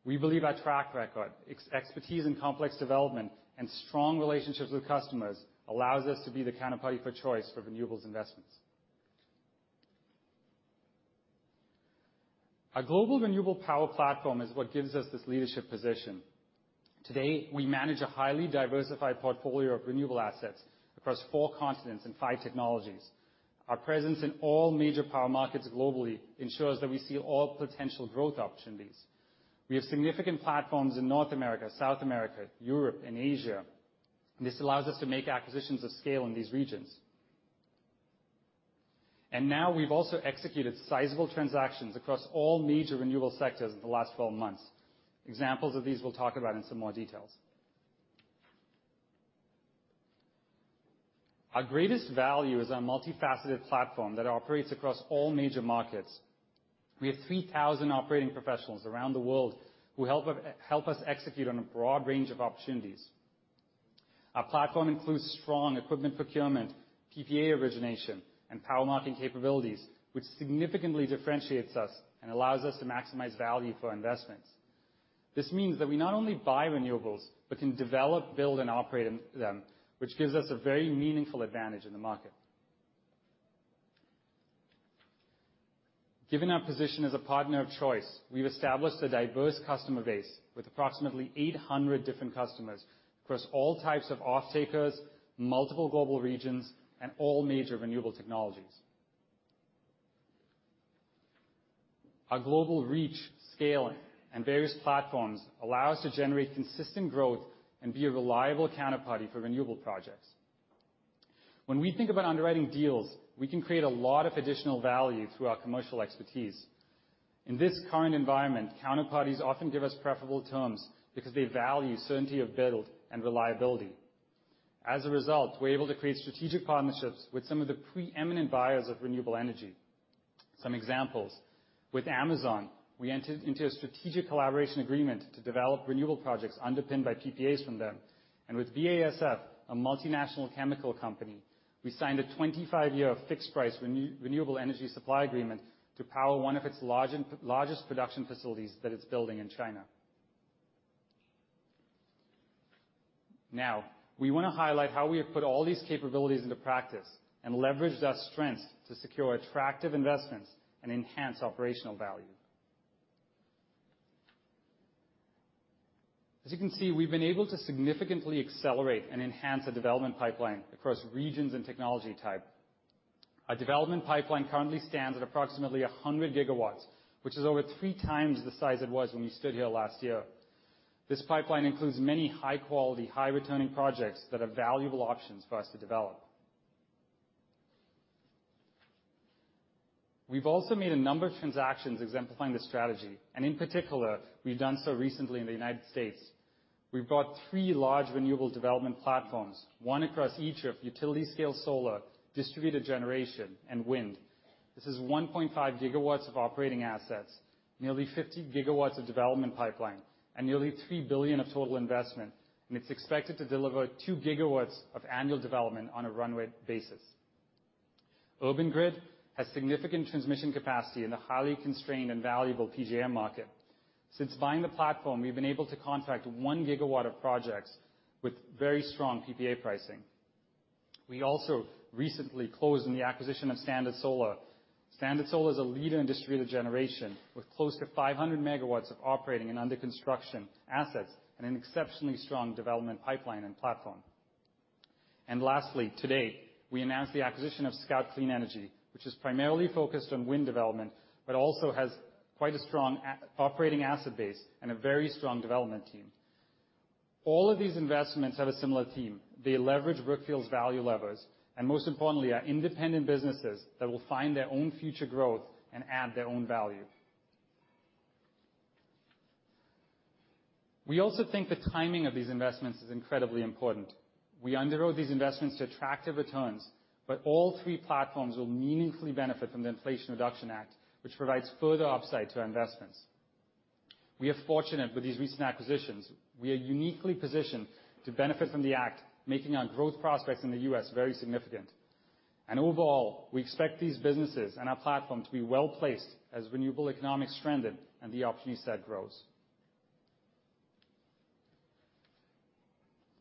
We believe our track record, expertise in complex development, and strong relationships with customers allows us to be the counterparty for choice for renewables investments. Our global renewable power platform is what gives us this leadership position. Today, we manage a highly diversified portfolio of renewable assets across four continents and five technologies. Our presence in all major power markets globally ensures that we see all potential growth opportunities. We have significant platforms in North America, South America, Europe, and Asia, and this allows us to make acquisitions of scale in these regions. Now we've also executed sizable transactions across all major renewable sectors in the last 12 months. Examples of these, we'll talk about in some more details. Our greatest value is our multifaceted platform that operates across all major markets. We have 3,000 operating professionals around the world who help us execute on a broad range of opportunities. Our platform includes strong equipment procurement, PPA origination, and power marketing capabilities, which significantly differentiates us and allows us to maximize value for our investments. This means that we not only buy renewables, but can develop, build, and operate them, which gives us a very meaningful advantage in the market. Given our position as a partner of choice, we've established a diverse customer base with approximately 800 different customers across all types of offtakers, multiple global regions, and all major renewable technologies. Our global reach, scaling, and various platforms allow us to generate consistent growth and be a reliable counterparty for renewable projects. When we think about underwriting deals, we can create a lot of additional value through our commercial expertise. In this current environment, counterparties often give us preferable terms because they value certainty of build and reliability. As a result, we're able to create strategic partnerships with some of the preeminent buyers of renewable energy. Some examples, with Amazon, we entered into a strategic collaboration agreement to develop renewable projects underpinned by PPAs from them. With BASF, a multinational chemical company, we signed a 25-year fixed price renewable energy supply agreement to power one of its largest production facilities that it's building in China. Now, we wanna highlight how we have put all these capabilities into practice and leveraged our strengths to secure attractive investments and enhance operational value. As you can see, we've been able to significantly accelerate and enhance the development pipeline across regions and technology type. Our development pipeline currently stands at approximately 100 GW, which is over 3x the size it was when we stood here last year. This pipeline includes many high-quality, high-returning projects that are valuable options for us to develop. We've also made a number of transactions exemplifying the strategy, and in particular, we've done so recently in the United States. We've bought three large renewable development platforms, one across each of utility-scale solar, distributed generation, and wind. This is 1.5 GW of operating assets, nearly 50 GW of development pipeline, and nearly $3 billion of total investment, and it's expected to deliver 2 GW of annual development on a runway basis. Urban Grid has significant transmission capacity in the highly constrained and valuable PJM market. Since buying the platform, we've been able to contract 1 GW of projects with very strong PPA pricing. We also recently closed on the acquisition of Standard Solar. Standard Solar is a leader in distributed generation with close to 500 MW of operating and under-construction assets, and an exceptionally strong development pipeline and platform. Lastly, today, we announced the acquisition of Scout Clean Energy, which is primarily focused on wind development, but also has quite a strong operating asset base and a very strong development team. All of these investments have a similar theme. They leverage Brookfield's value levers, and most importantly, are independent businesses that will find their own future growth and add their own value. We also think the timing of these investments is incredibly important. We underwrote these investments to attractive returns, but all three platforms will meaningfully benefit from the Inflation Reduction Act, which provides further upside to our investments. We are fortunate with these recent acquisitions. We are uniquely positioned to benefit from the act, making our growth prospects in the U.S. very significant. Overall, we expect these businesses and our platform to be well-placed as renewable economics strengthen and the opportunity set grows.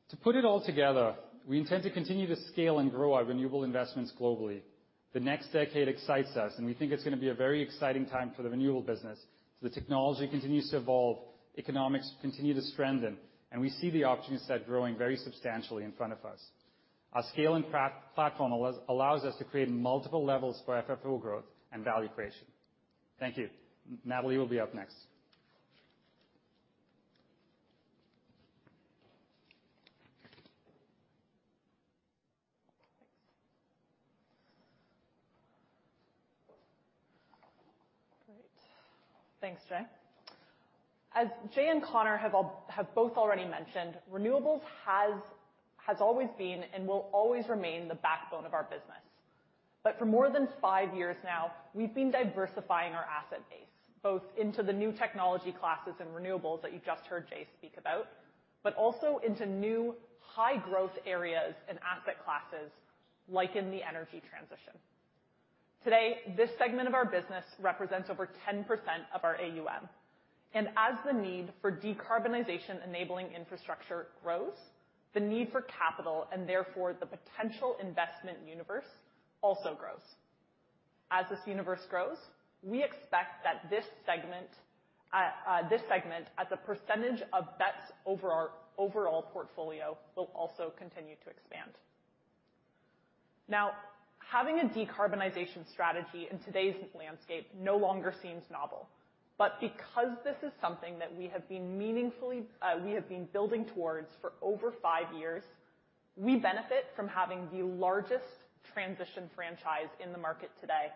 To put it all together, we intend to continue to scale and grow our renewable investments globally. The next decade excites us, and we think it's gonna be a very exciting time for the renewable business. The technology continues to evolve, economics continue to strengthen, and we see the opportunity set growing very substantially in front of us. Our scale and platform allows us to create multiple levels for FFO growth and value creation. Thank you. Natalie will be up next. Great. Thanks, Jay. As Jay and Connor have both already mentioned, renewables has always been and will always remain the backbone of our business. For more than five years now, we've been diversifying our asset base, both into the new technology classes and renewables that you just heard Jay speak about, but also into new high-growth areas and asset classes, like in the energy transition. Today, this segment of our business represents over 10% of our AUM, and as the need for decarbonization-enabling infrastructure grows, the need for capital, and therefore the potential investment universe also grows. As this universe grows, we expect that this segment as a percentage of our overall portfolio will also continue to expand. Now, having a decarbonization strategy in today's landscape no longer seems novel, but because this is something that we have been meaningfully, we have been building towards for over five years, we benefit from having the largest transition franchise in the market today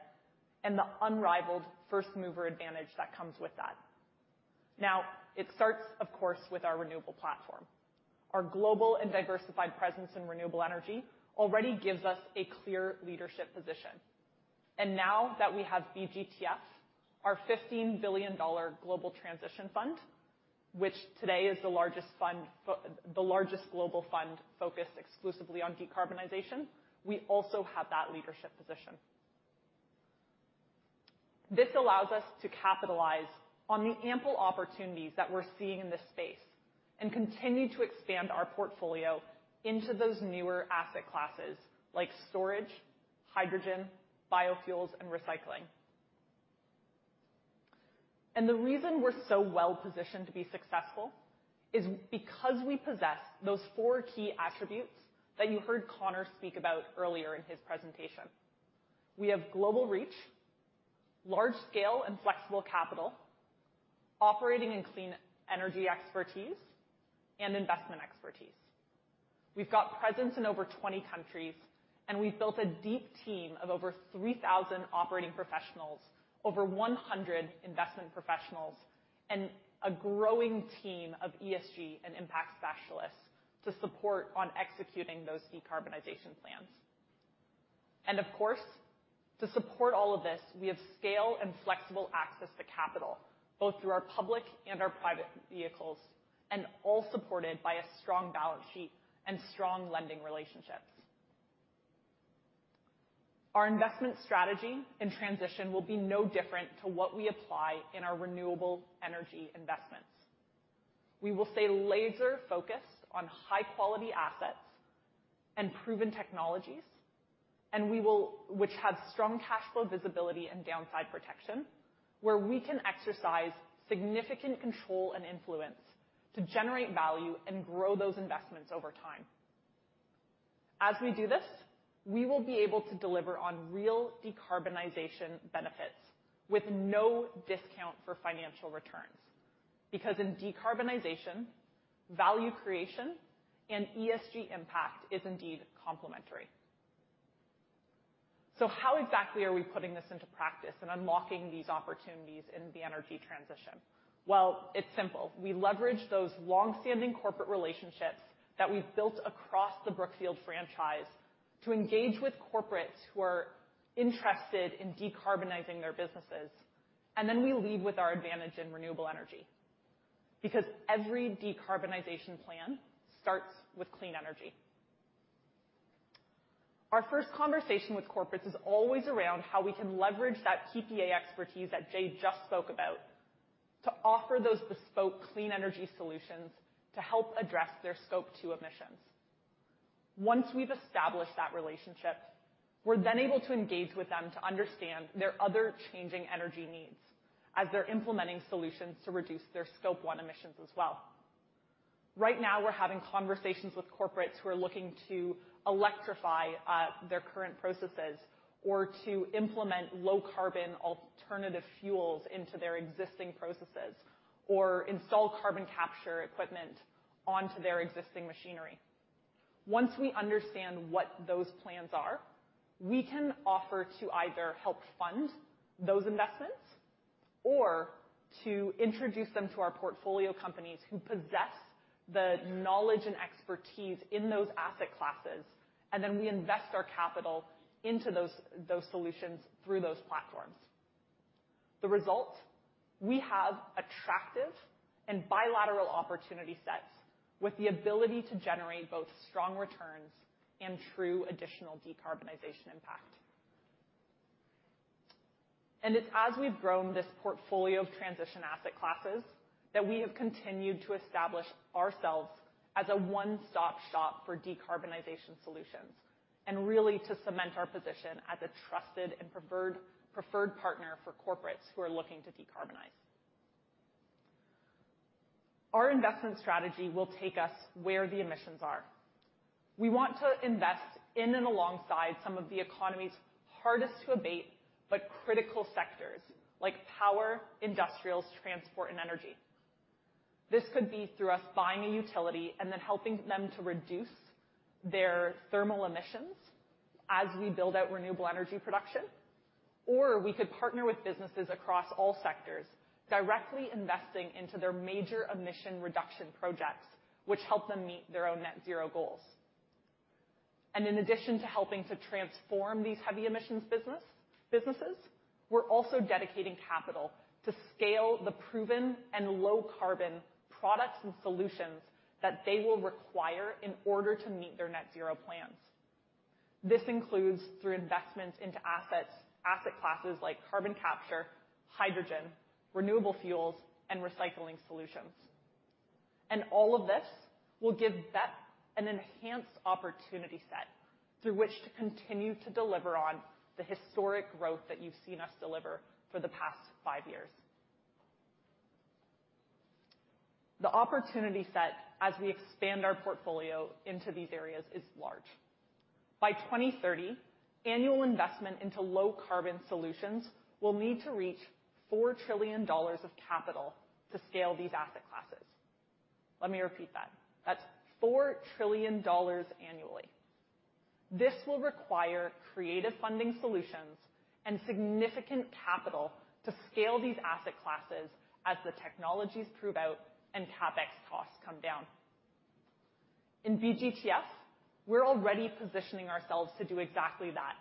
and the unrivaled first-mover advantage that comes with that. Now, it starts, of course, with our renewable platform. Our global and diversified presence in renewable energy already gives us a clear leadership position. Now that we have BGTF, our $15 billion global transition fund, which today is the largest global fund focused exclusively on decarbonization, we also have that leadership position. This allows us to capitalize on the ample opportunities that we're seeing in this space and continue to expand our portfolio into those newer asset classes like storage, hydrogen, biofuels, and recycling. The reason we're so well-positioned to be successful is because we possess those four key attributes that you heard Connor speak about earlier in his presentation. We have global reach, large scale and flexible capital, operating and clean energy expertise, and investment expertise. We've got presence in over 20 countries, and we've built a deep team of over 3,000 operating professionals, over 100 investment professionals, and a growing team of ESG and impact specialists to support on executing those decarbonization plans. Of course, to support all of this, we have scale and flexible access to capital, both through our public and our private vehicles, and all supported by a strong balance sheet and strong lending relationships. Our investment strategy and transition will be no different to what we apply in our renewable energy investments. We will stay laser-focused on high-quality assets and proven technologies which have strong cash flow visibility and downside protection, where we can exercise significant control and influence to generate value and grow those investments over time. As we do this, we will be able to deliver on real decarbonization benefits with no discount for financial returns. Because in decarbonization, value creation and ESG impact is indeed complementary. How exactly are we putting this into practice and unlocking these opportunities in the energy transition? Well, it's simple. We leverage those long-standing corporate relationships that we've built across the Brookfield franchise to engage with corporates who are interested in decarbonizing their businesses. Then we lead with our advantage in renewable energy. Because every decarbonization plan starts with clean energy. Our first conversation with corporates is always around how we can leverage that PPA expertise that Jay just spoke about to offer those bespoke clean energy solutions to help address their Scope 2 emissions. Once we've established that relationship, we're then able to engage with them to understand their other changing energy needs as they're implementing solutions to reduce their Scope 1 emissions as well. Right now we're having conversations with corporates who are looking to electrify their current processes or to implement low carbon alternative fuels into their existing processes, or install carbon capture equipment onto their existing machinery. Once we understand what those plans are, we can offer to either help fund those investments or to introduce them to our portfolio companies who possess the knowledge and expertise in those asset classes, and then we invest our capital into those solutions through those platforms. The result, we have attractive and bilateral opportunity sets with the ability to generate both strong returns and true additional decarbonization impact. It's as we've grown this portfolio of transition asset classes that we have continued to establish ourselves as a one-stop shop for decarbonization solutions and really to cement our position as a trusted and preferred partner for corporates who are looking to decarbonize. Our investment strategy will take us where the emissions are. We want to invest in and alongside some of the economy's hardest to abate, but critical sectors like power, industrials, transport and energy. This could be through us buying a utility and then helping them to reduce their thermal emissions as we build out renewable energy production. We could partner with businesses across all sectors, directly investing into their major emission reduction projects, which help them meet their own net zero goals. In addition to helping to transform these heavy emissions businesses, we're also dedicating capital to scale the proven and low carbon products and solutions that they will require in order to meet their net zero plans. This includes through investments into assets, asset classes like carbon capture, hydrogen, renewable fuels and recycling solutions. All of this will give BEP an enhanced opportunity set through which to continue to deliver on the historic growth that you've seen us deliver for the past five years. The opportunity set as we expand our portfolio into these areas is large. By 2030, annual investment into low carbon solutions will need to reach $4 trillion of capital to scale these asset classes. Let me repeat that. That's $4 trillion annually. This will require creative funding solutions and significant capital to scale these asset classes as the technologies prove out and CapEx costs come down. In BGTF, we're already positioning ourselves to do exactly that.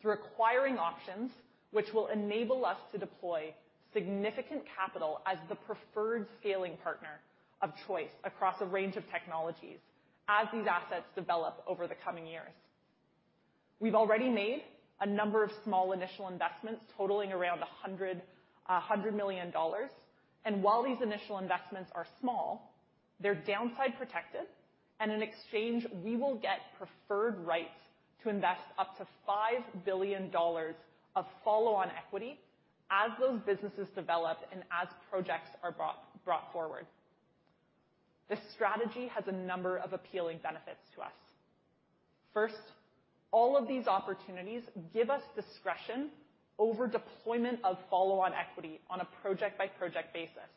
Through acquiring options which will enable us to deploy significant capital as the preferred scaling partner of choice across a range of technologies as these assets develop over the coming years. We've already made a number of small initial investments totaling around $100 million. While these initial investments are small, they're downside protected, and in exchange, we will get preferred rights to invest up to $5 billion of follow-on equity as those businesses develop and as projects are brought forward. This strategy has a number of appealing benefits to us. First, all of these opportunities give us discretion over deployment of follow-on equity on a project-by-project basis.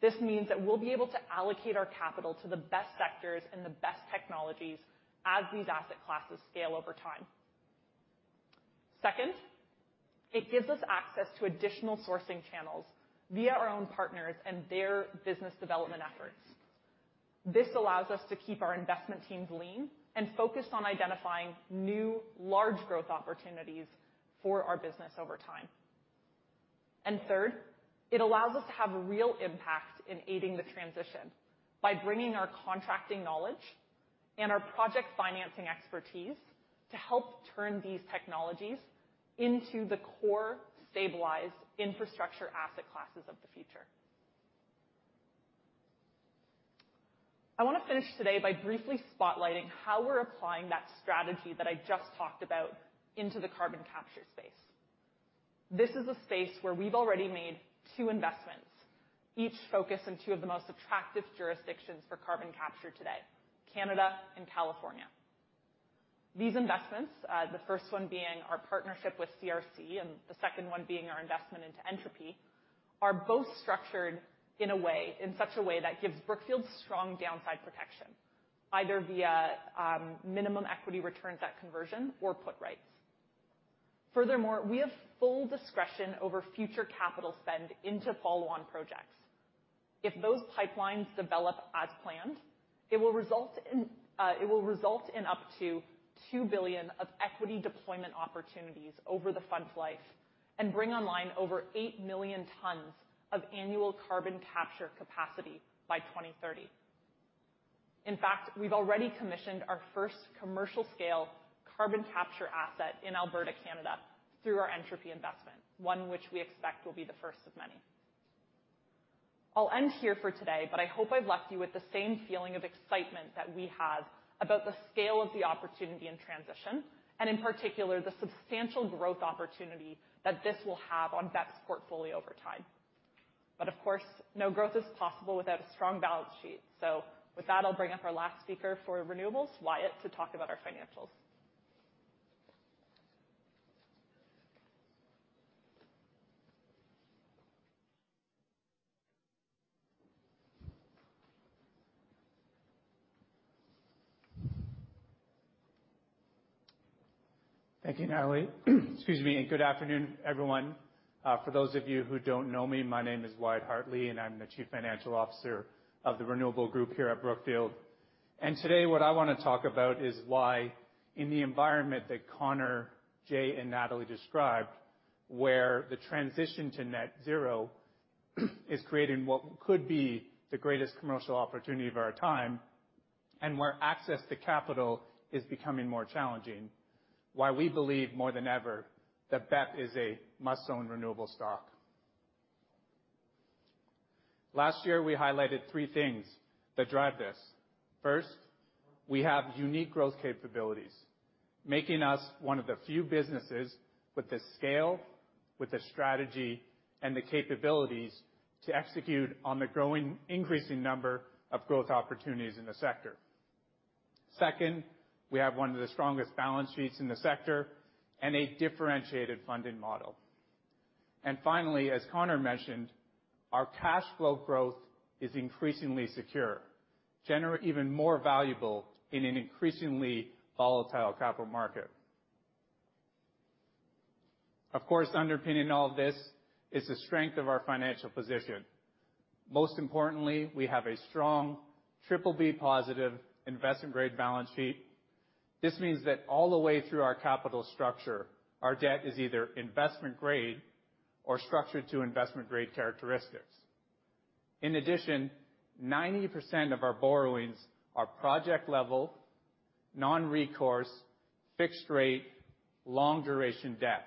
This means that we'll be able to allocate our capital to the best sectors and the best technologies as these asset classes scale over time. Second, it gives us access to additional sourcing channels via our own partners and their business development efforts. This allows us to keep our investment teams lean and focused on identifying new large growth opportunities for our business over time. And third, it allows us to have real impact in aiding the transition by bringing our contracting knowledge and our project financing expertise to help turn these technologies into the core stabilized infrastructure asset classes of the future. I want to finish today by briefly spotlighting how we're applying that strategy that I just talked about into the carbon capture space. This is a space where we've already made two investments, each focused in two of the most attractive jurisdictions for carbon capture today, Canada and California. These investments, the first one being our partnership with CRC and the second one being our investment in Entropy, are both structured in such a way that gives Brookfield strong downside protection, either via minimum equity returns at conversion or put rights. Furthermore, we have full discretion over future capital spend into follow-on projects. If those pipelines develop as planned, it will result in up to $2 billion of equity deployment opportunities over the fund's life and bring online over eight million tons of annual carbon capture capacity by 2030. In fact, we've already commissioned our first commercial scale carbon capture asset in Alberta, Canada, through our Entropy investment, one which we expect will be the first of many. I'll end here for today, but I hope I've left you with the same feeling of excitement that we have about the scale of the opportunity in transition, and in particular, the substantial growth opportunity that this will have on BEP's portfolio over time. Of course, no growth is possible without a strong balance sheet. With that, I'll bring up our last speaker for renewables, Wyatt, to talk about our financials. Thank you, Natalie. Excuse me, and good afternoon, everyone. For those of you who don't know me, my name is Wyatt Hartley, and I'm the Chief Financial Officer of the Renewable Group here at Brookfield. Today, what I wanna talk about is why in the environment that Connor, Jay, and Natalie described, where the transition to net zero is creating what could be the greatest commercial opportunity of our time, and where access to capital is becoming more challenging, why we believe more than ever that BEP is a must-own renewable stock. Last year, we highlighted three things that drive this. First, we have unique growth capabilities, making us one of the few businesses with the scale, with the strategy, and the capabilities to execute on the growing increasing number of growth opportunities in the sector. Second, we have one of the strongest balance sheets in the sector and a differentiated funding model. Finally, as Connor mentioned, our cash flow growth is increasingly secure, even more valuable in an increasingly volatile capital market. Of course, underpinning all of this is the strength of our financial position. Most importantly, we have a strong BBB+ investment-grade balance sheet. This means that all the way through our capital structure, our debt is either investment-grade or structured to investment-grade characteristics. In addition, 90% of our borrowings are project-level, non-recourse, fixed rate, long duration debt,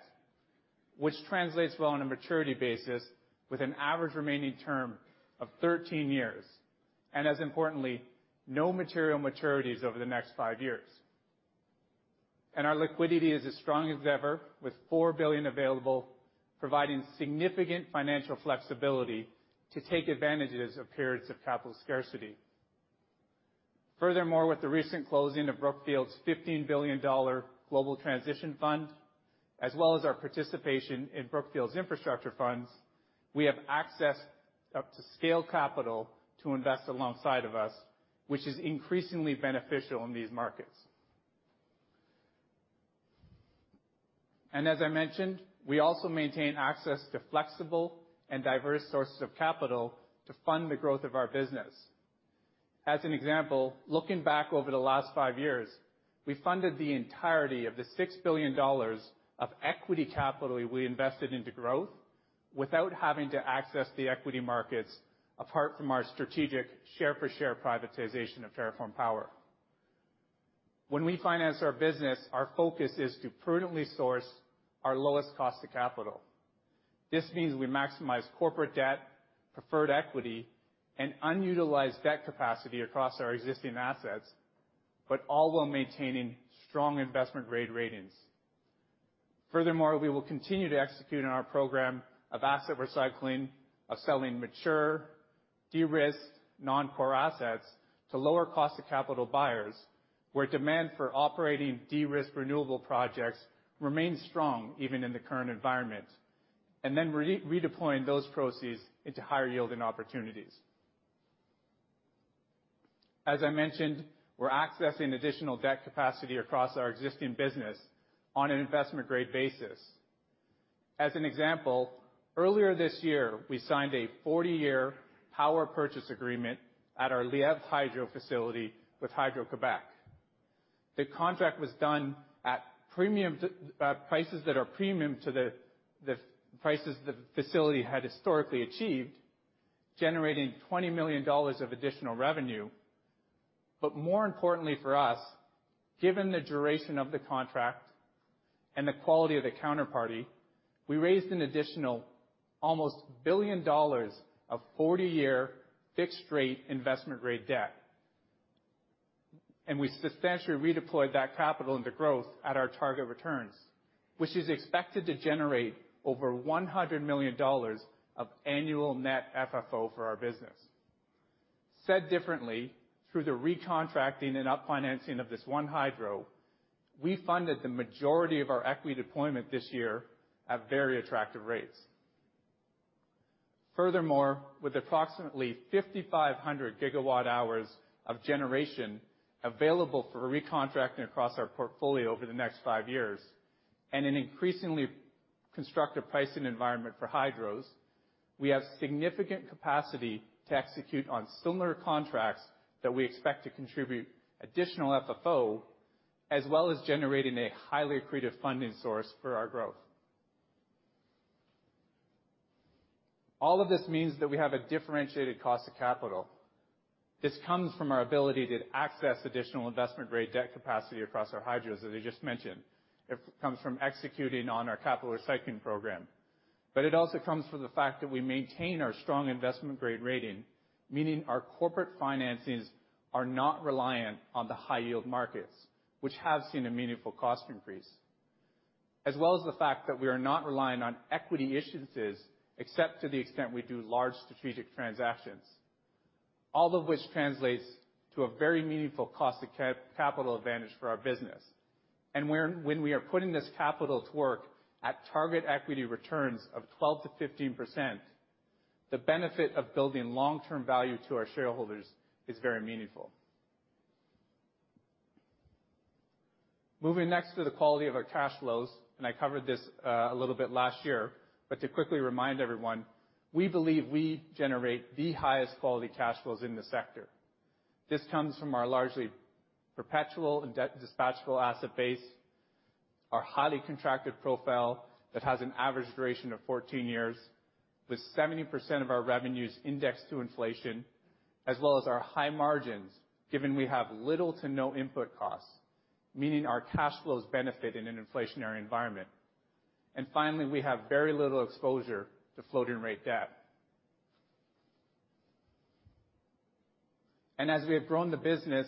which translates well on a maturity basis with an average remaining term of 13 years, and as importantly, no material maturities over the next five years. Our liquidity is as strong as ever, with $4 billion available, providing significant financial flexibility to take advantage of periods of capital scarcity. Furthermore, with the recent closing of Brookfield's $15 billion Global Transition Fund, as well as our participation in Brookfield's infrastructure funds, we have access up to scale capital to invest alongside of us, which is increasingly beneficial in these markets. As I mentioned, we also maintain access to flexible and diverse sources of capital to fund the growth of our business. As an example, looking back over the last five years, we funded the entirety of the $6 billion of equity capital we invested into growth without having to access the equity markets apart from our strategic share for share privatization of TerraForm Power. When we finance our business, our focus is to prudently source our lowest cost of capital. This means we maximize corporate debt, preferred equity, and unutilized debt capacity across our existing assets, but all while maintaining strong investment-grade ratings. Furthermore, we will continue to execute on our program of asset recycling, of selling mature, de-risked, non-core assets to lower cost of capital buyers, where demand for operating de-risked renewable projects remains strong even in the current environment, and then redeploying those proceeds into higher yielding opportunities. As I mentioned, we're accessing additional debt capacity across our existing business on an investment-grade basis. As an example, earlier this year, we signed a 40-year power purchase agreement at our Lièvre Hydro facility with Hydro-Québec. The contract was done at premium prices that are premium to the prices the facility had historically achieved, generating $20 million of additional revenue. More importantly for us, given the duration of the contract and the quality of the counterparty, we raised an additional almost $1 billion of 40-year fixed rate investment-grade debt. We substantially redeployed that capital into growth at our target returns, which is expected to generate over $100 million of annual net FFO for our business. Said differently, through the recontracting and refinancing of this one hydro, we funded the majority of our equity deployment this year at very attractive rates. Furthermore, with approximately 5,500 GW hours of generation available for recontracting across our portfolio over the next five years, and an increasingly constructive pricing environment for hydros, we have significant capacity to execute on similar contracts that we expect to contribute additional FFO, as well as generating a highly accretive funding source for our growth. All of this means that we have a differentiated cost of capital. This comes from our ability to access additional investment-grade debt capacity across our hydros, as I just mentioned. It comes from executing on our capital recycling program. It also comes from the fact that we maintain our strong investment-grade rating, meaning our corporate financings are not reliant on the high yield markets, which have seen a meaningful cost increase. As well as the fact that we are not relying on equity issuances, except to the extent we do large strategic transactions. All of which translates to a very meaningful cost of capital advantage for our business. When we are putting this capital to work at target equity returns of 12%-15%, the benefit of building long-term value to our shareholders is very meaningful. Moving next to the quality of our cash flows, and I covered this, a little bit last year, but to quickly remind everyone, we believe we generate the highest quality cash flows in the sector. This comes from our largely perpetual and debt-dispatchable asset base, our highly contracted profile that has an average duration of 14 years, with 70% of our revenues indexed to inflation, as well as our high margins, given we have little to no input costs, meaning our cash flows benefit in an inflationary environment. Finally, we have very little exposure to floating rate debt. As we have grown the business,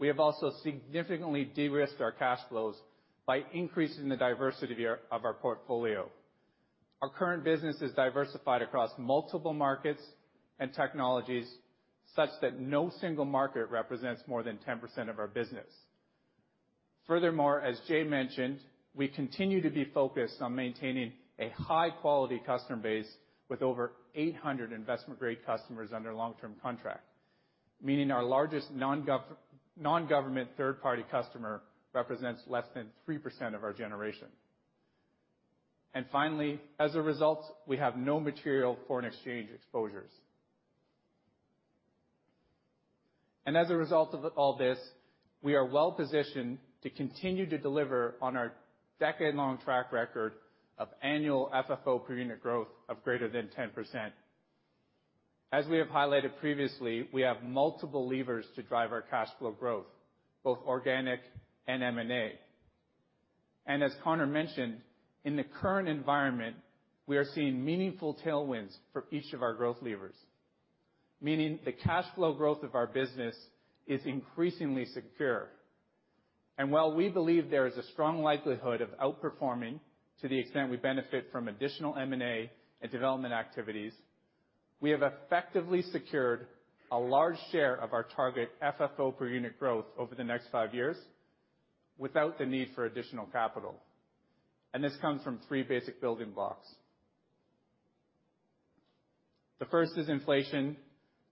we have also significantly de-risked our cash flows by increasing the diversity of our portfolio. Our current business is diversified across multiple markets and technologies such that no single market represents more than 10% of our business. Furthermore, as Jay mentioned, we continue to be focused on maintaining a high-quality customer base with over 800 investment-grade customers under long-term contract. Meaning our largest non-government third-party customer represents less than 3% of our generation. Finally, as a result, we have no material foreign exchange exposures. As a result of all this, we are well-positioned to continue to deliver on our decade-long track record of annual FFO per unit growth of greater than 10%. As we have highlighted previously, we have multiple levers to drive our cash flow growth, both organic and M&A. As Connor mentioned, in the current environment, we are seeing meaningful tailwinds for each of our growth levers, meaning the cash flow growth of our business is increasingly secure. While we believe there is a strong likelihood of outperforming to the extent we benefit from additional M&A and development activities, we have effectively secured a large share of our target FFO per unit growth over the next five years without the need for additional capital. This comes from three basic building blocks. The first is inflation,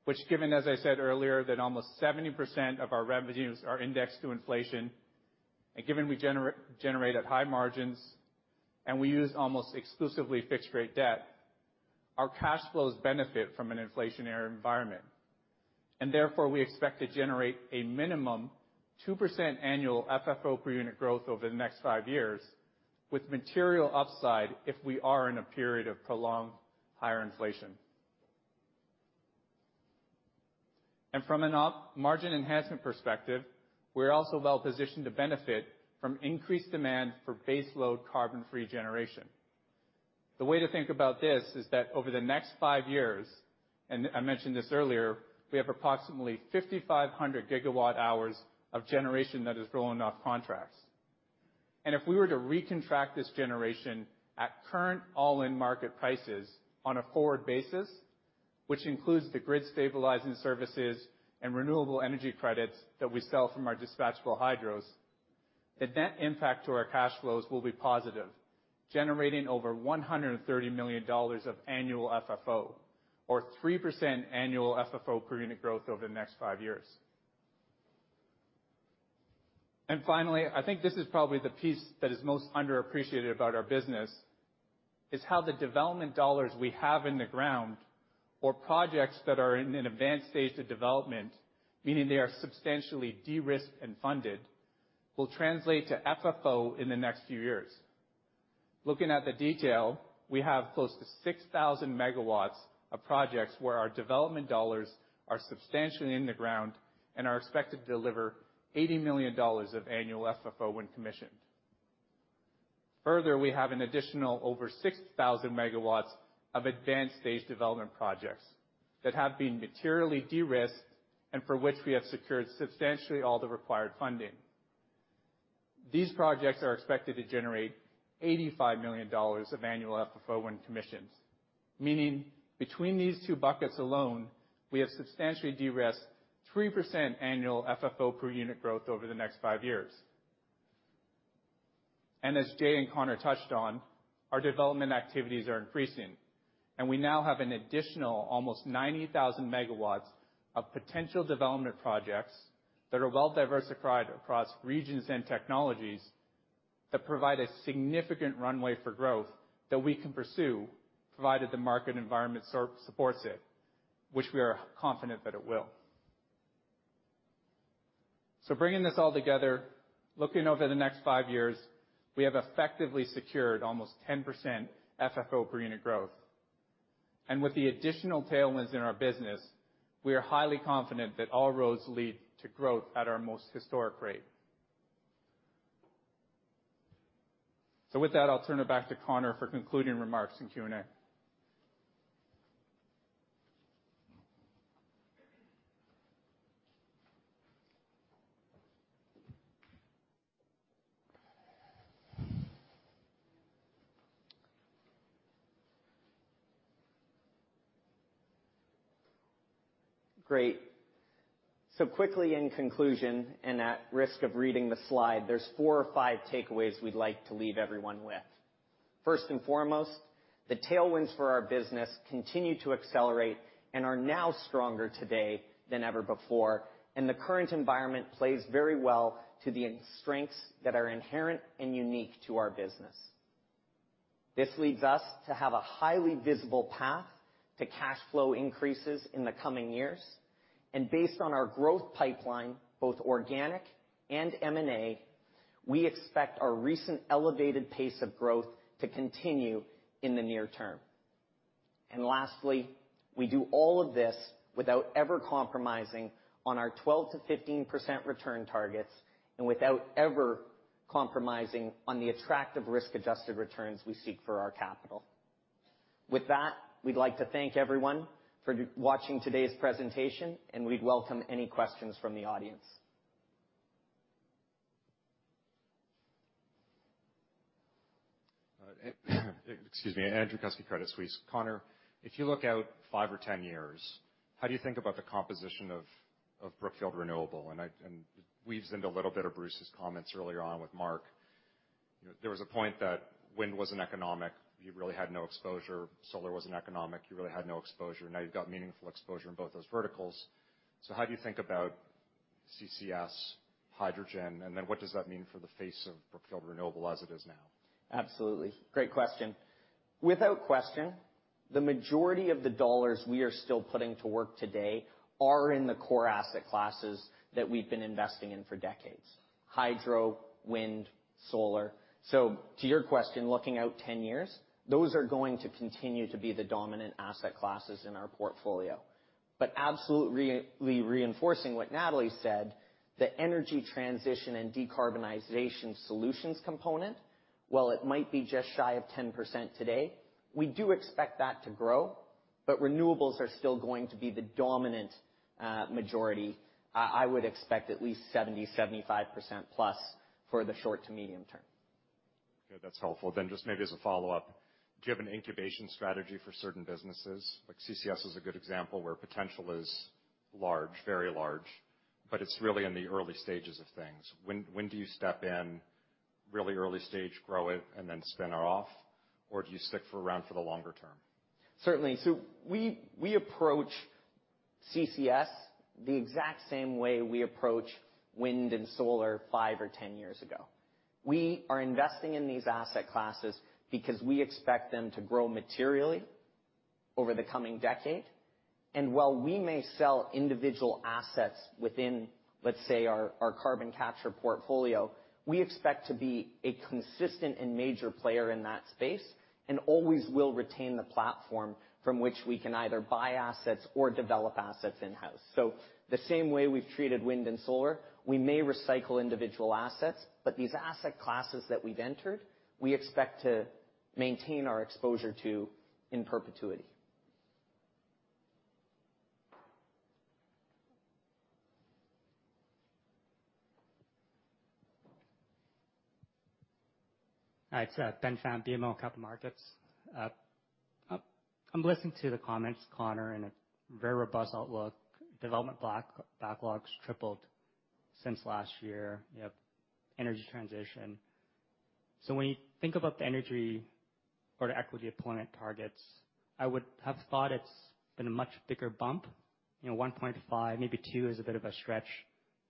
which given, as I said earlier, that almost 70% of our revenues are indexed to inflation, and given we generate at high margins, and we use almost exclusively fixed rate debt, our cash flows benefit from an inflationary environment. Therefore, we expect to generate a minimum 2% annual FFO per unit growth over the next five years with material upside if we are in a period of prolonged higher inflation. From an EBITDA margin enhancement perspective, we're also well-positioned to benefit from increased demand for base load carbon-free generation. The way to think about this is that over the next five years, and I mentioned this earlier, we have approximately 5,500 GWh of generation that is rolling off contracts. If we were to recontract this generation at current all-in market prices on a forward basis, which includes the grid stabilizing services and renewable energy credits that we sell from our dispatchable hydros, the net impact to our cash flows will be positive, generating over $130 million of annual FFO or 3% annual FFO per unit growth over the next five years. Finally, I think this is probably the piece that is most underappreciated about our business, is how the development dollars we have in the ground or projects that are in an advanced stage of development, meaning they are substantially de-risked and funded, will translate to FFO in the next few years. Looking at the detail, we have close to 6,000 MW of projects where our development dollars are substantially in the ground and are expected to deliver $80 million of annual FFO when commissioned. Further, we have an additional over 6,000 MW of advanced stage development projects that have been materially de-risked and for which we have secured substantially all the required funding. These projects are expected to generate $85 million of annual FFO when commissioned, meaning between these two buckets alone, we have substantially de-risked 3% annual FFO per unit growth over the next five years. As Jay and Connor touched on, our development activities are increasing, and we now have an additional almost 90,000 MW of potential development projects that are well-diversified across regions and technologies that provide a significant runway for growth that we can pursue, provided the market environment supports it, which we are confident that it will. Bringing this all together, looking over the next five years, we have effectively secured almost 10% FFO per unit growth. With the additional tailwinds in our business, we are highly confident that all roads lead to growth at our most historic rate. With that, I'll turn it back to Connor for concluding remarks and Q&A. Great. Quickly in conclusion, and at risk of reading the slide, there's four or five takeaways we'd like to leave everyone with. First and foremost, the tailwinds for our business continue to accelerate and are now stronger today than ever before, and the current environment plays very well to the strengths that are inherent and unique to our business. This leads us to have a highly visible path to cash flow increases in the coming years. Based on our growth pipeline, both organic and M&A, we expect our recent elevated pace of growth to continue in the near term. Lastly, we do all of this without ever compromising on our 12%-15% return targets and without ever compromising on the attractive risk-adjusted returns we seek for our capital. With that, we'd like to thank everyone for watching today's presentation, and we'd welcome any questions from the audience. Excuse me. Andrew Kuske, Credit Suisse. Connor, if you look out five or 10 years, how do you think about the composition of Brookfield Renewable? It weaves into a little bit of Bruce's comments earlier on with Mark. You know, there was a point that wind wasn't economic. You really had no exposure. Solar wasn't economic. You really had no exposure. Now you've got meaningful exposure in both those verticals. How do you think about CCS, hydrogen, and then what does that mean for the face of Brookfield Renewable as it is now? Absolutely. Great question. Without question, the majority of the dollars we are still putting to work today are in the core asset classes that we've been investing in for decades, hydro, wind, solar. To your question, looking out 10 years, those are going to continue to be the dominant asset classes in our portfolio. Absolutely reinforcing what Natalie said, the energy transition and decarbonization solutions component, while it might be just shy of 10% today, we do expect that to grow, but renewables are still going to be the dominant majority. I would expect at least 70%-75% plus for the short to medium term. Okay, that's helpful. Just maybe as a follow-up, do you have an incubation strategy for certain businesses? Like, CCS is a good example where potential is large, very large, but it's really in the early stages of things. When do you step in really early stage, grow it, and then spin it off? Or do you stick around for the longer term? Certainly. We approach CCS the exact same way we approached wind and solar five or 10 years ago. We are investing in these asset classes because we expect them to grow materially over the coming decade. While we may sell individual assets within, let's say, our carbon capture portfolio, we expect to be a consistent and major player in that space and always will retain the platform from which we can either buy assets or develop assets in-house. The same way we've treated wind and solar, we may recycle individual assets, but these asset classes that we've entered, we expect to maintain our exposure to in perpetuity. All right. Ben Pham, BMO Capital Markets. I'm listening to the comments, Connor, and a very robust outlook. Development backlogs tripled since last year. You have energy transition. When you think about the energy or the equity deployment targets, I would have thought it's been a much bigger bump. You know, 1.5%, maybe 2% is a bit of a stretch,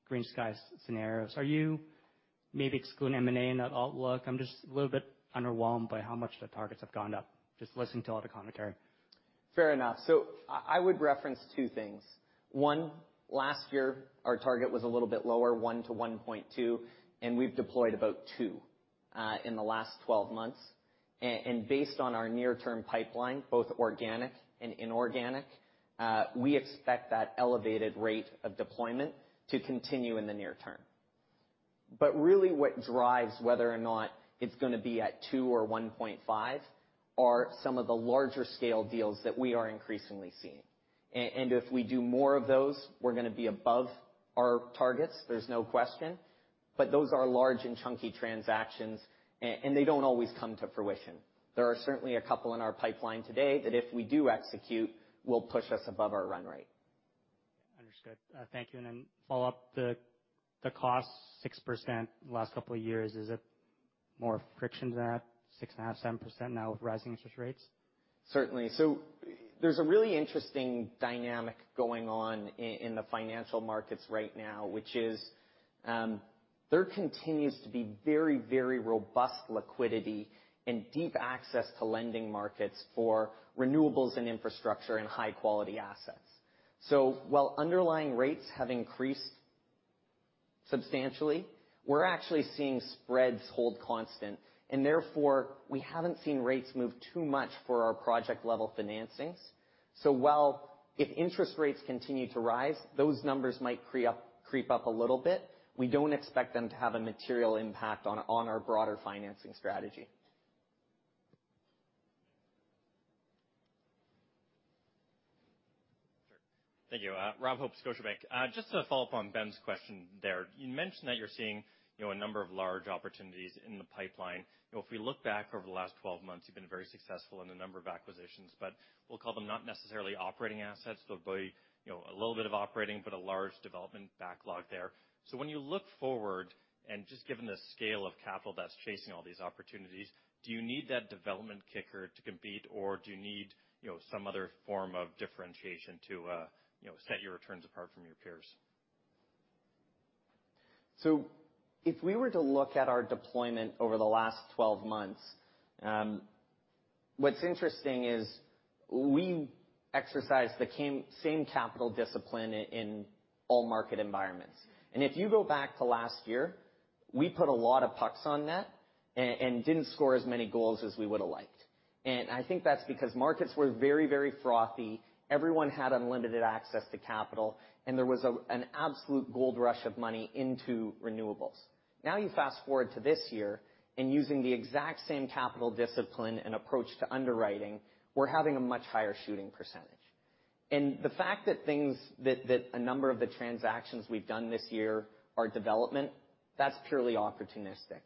blue sky scenarios. Are you maybe excluding M&A in that outlook? I'm just a little bit underwhelmed by how much the targets have gone up, just listening to all the commentary. Fair enough. I would reference two things. One, last year our target was a little bit lower, 1%-1.2%, and we've deployed about 2% in the last 12 months. Based on our near-term pipeline, both organic and inorganic, we expect that elevated rate of deployment to continue in the near term. Really what drives whether or not it's gonna be at 2% or 1.5% are some of the larger scale deals that we are increasingly seeing. If we do more of those, we're gonna be above our targets, there's no question. Those are large and chunky transactions and they don't always come to fruition. There are certainly a couple in our pipeline today that if we do execute, will push us above our run rate. Understood. Thank you. Then follow up, the cost 6% last couple of years, is it more friction than that? 6.5%-7% now with rising interest rates. Certainly. There's a really interesting dynamic going on in the financial markets right now, which is, there continues to be very, very robust liquidity and deep access to lending markets for renewables and infrastructure and high-quality assets. While underlying rates have increased substantially, we're actually seeing spreads hold constant, and therefore, we haven't seen rates move too much for our project-level financings. While if interest rates continue to rise, those numbers might creep up a little bit, we don't expect them to have a material impact on our broader financing strategy. Thank you. Rob Hope, Scotiabank. Just to follow up on Ben's question there, you mentioned that you're seeing, you know, a number of large opportunities in the pipeline. You know, if we look back over the last 12 months, you've been very successful in a number of acquisitions, but we'll call them not necessarily operating assets. They'll be, you know, a little bit of operating, but a large development backlog there. When you look forward and just given the scale of capital that's chasing all these opportunities, do you need that development kicker to compete, or do you need, you know, some other form of differentiation to, you know, set your returns apart from your peers? If we were to look at our deployment over the last 12 months, what's interesting is we exercise the same capital discipline in all market environments. If you go back to last year, we put a lot of pucks on net and didn't score as many goals as we would've liked. I think that's because markets were very, very frothy. Everyone had unlimited access to capital, and there was an absolute gold rush of money into renewables. Now, you fast-forward to this year and using the exact same capital discipline and approach to underwriting, we're having a much higher shooting percentage. The fact that a number of the transactions we've done this year are development, that's purely opportunistic.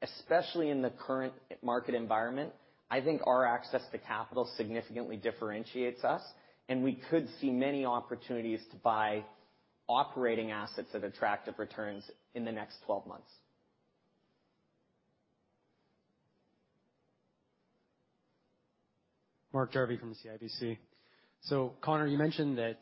Especially in the current market environment, I think our access to capital significantly differentiates us, and we could see many opportunities to buy operating assets at attractive returns in the next 12 months. Mark Jarvi from CIBC. Connor, you mentioned that,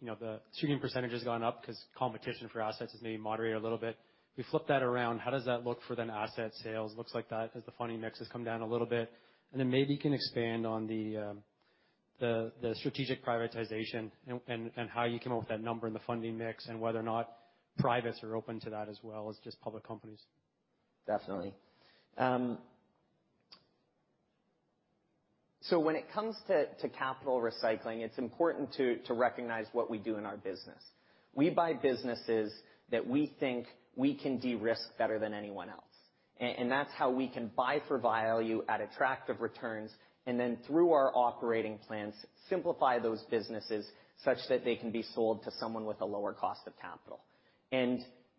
you know, the shooting percentage has gone up 'cause competition for assets has maybe moderated a little bit. If we flip that around, how does that look for the asset sales? Looks like that, as the funding mix has come down a little bit. Maybe you can expand on the strategic privatization and how you come up with that number and the funding mix and whether or not privates are open to that as well as just public companies. Definitely. When it comes to capital recycling, it's important to recognize what we do in our business. We buy businesses that we think we can de-risk better than anyone else. That's how we can buy for value at attractive returns and then through our operating plans, simplify those businesses such that they can be sold to someone with a lower cost of capital.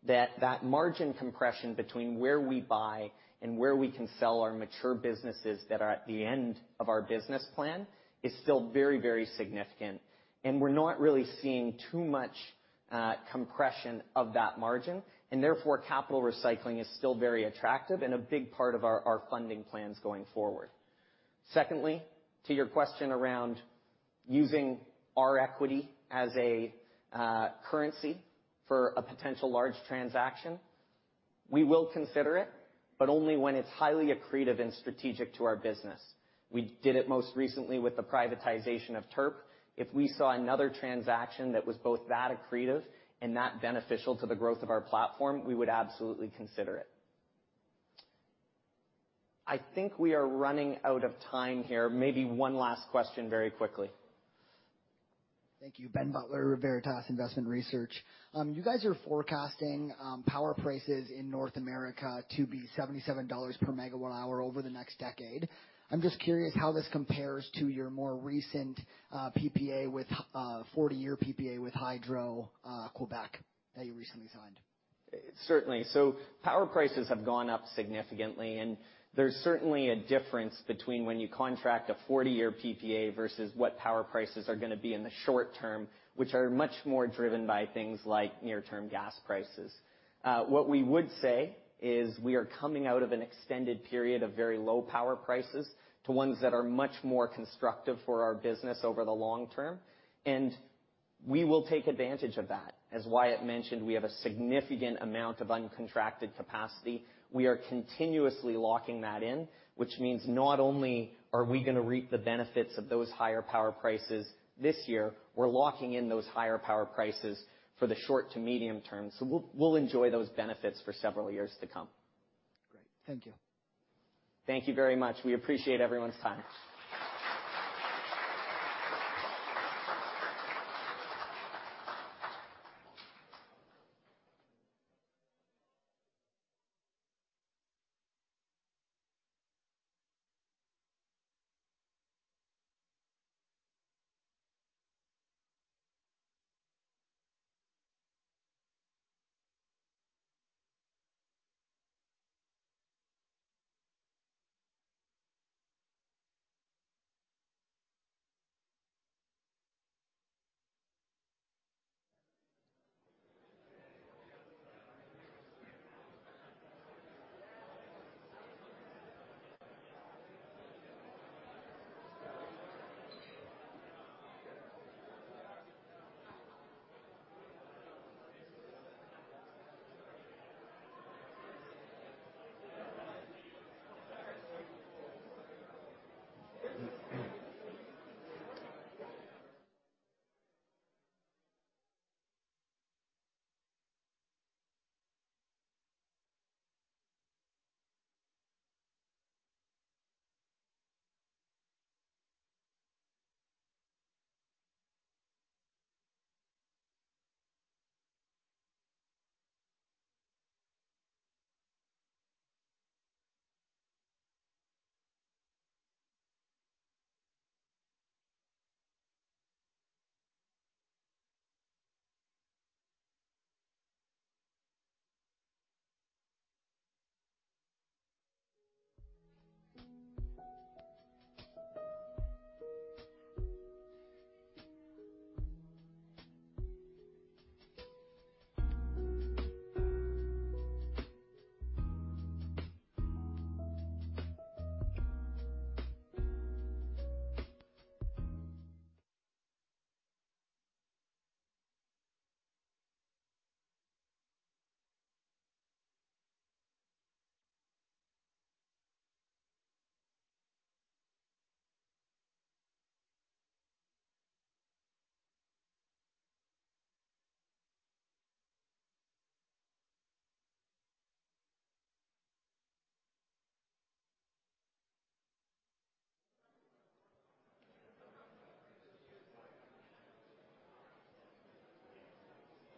That margin compression between where we buy and where we can sell our mature businesses that are at the end of our business plan is still very, very significant. We're not really seeing too much compression of that margin, and therefore, capital recycling is still very attractive and a big part of our funding plans going forward. Secondly, to your question around using our equity as a currency for a potential large transaction, we will consider it, but only when it's highly accretive and strategic to our business. We did it most recently with the privatization of TERP. If we saw another transaction that was both that accretive and that beneficial to the growth of our platform, we would absolutely consider it. I think we are running out of time here. Maybe one last question very quickly. Thank you. Ben Butler, Veritas Investment Research. You guys are forecasting power prices in North America to be $77 per megawatt-hour over the next decade. I'm just curious how this compares to your more recent 40-year PPA with Hydro-Québec that you recently signed. Certainly. Power prices have gone up significantly, and there's certainly a difference between when you contract a 40-year PPA versus what power prices are gonna be in the short term, which are much more driven by things like near-term gas prices. What we would say is we are coming out of an extended period of very low power prices to ones that are much more constructive for our business over the long term. We will take advantage of that. As Wyatt mentioned, we have a significant amount of uncontracted capacity. We are continuously locking that in, which means not only are we gonna reap the benefits of those higher power prices this year, we're locking in those higher power prices for the short to medium term. We'll enjoy those benefits for several years to come. Great. Thank you. Thank you very much. We appreciate everyone's time.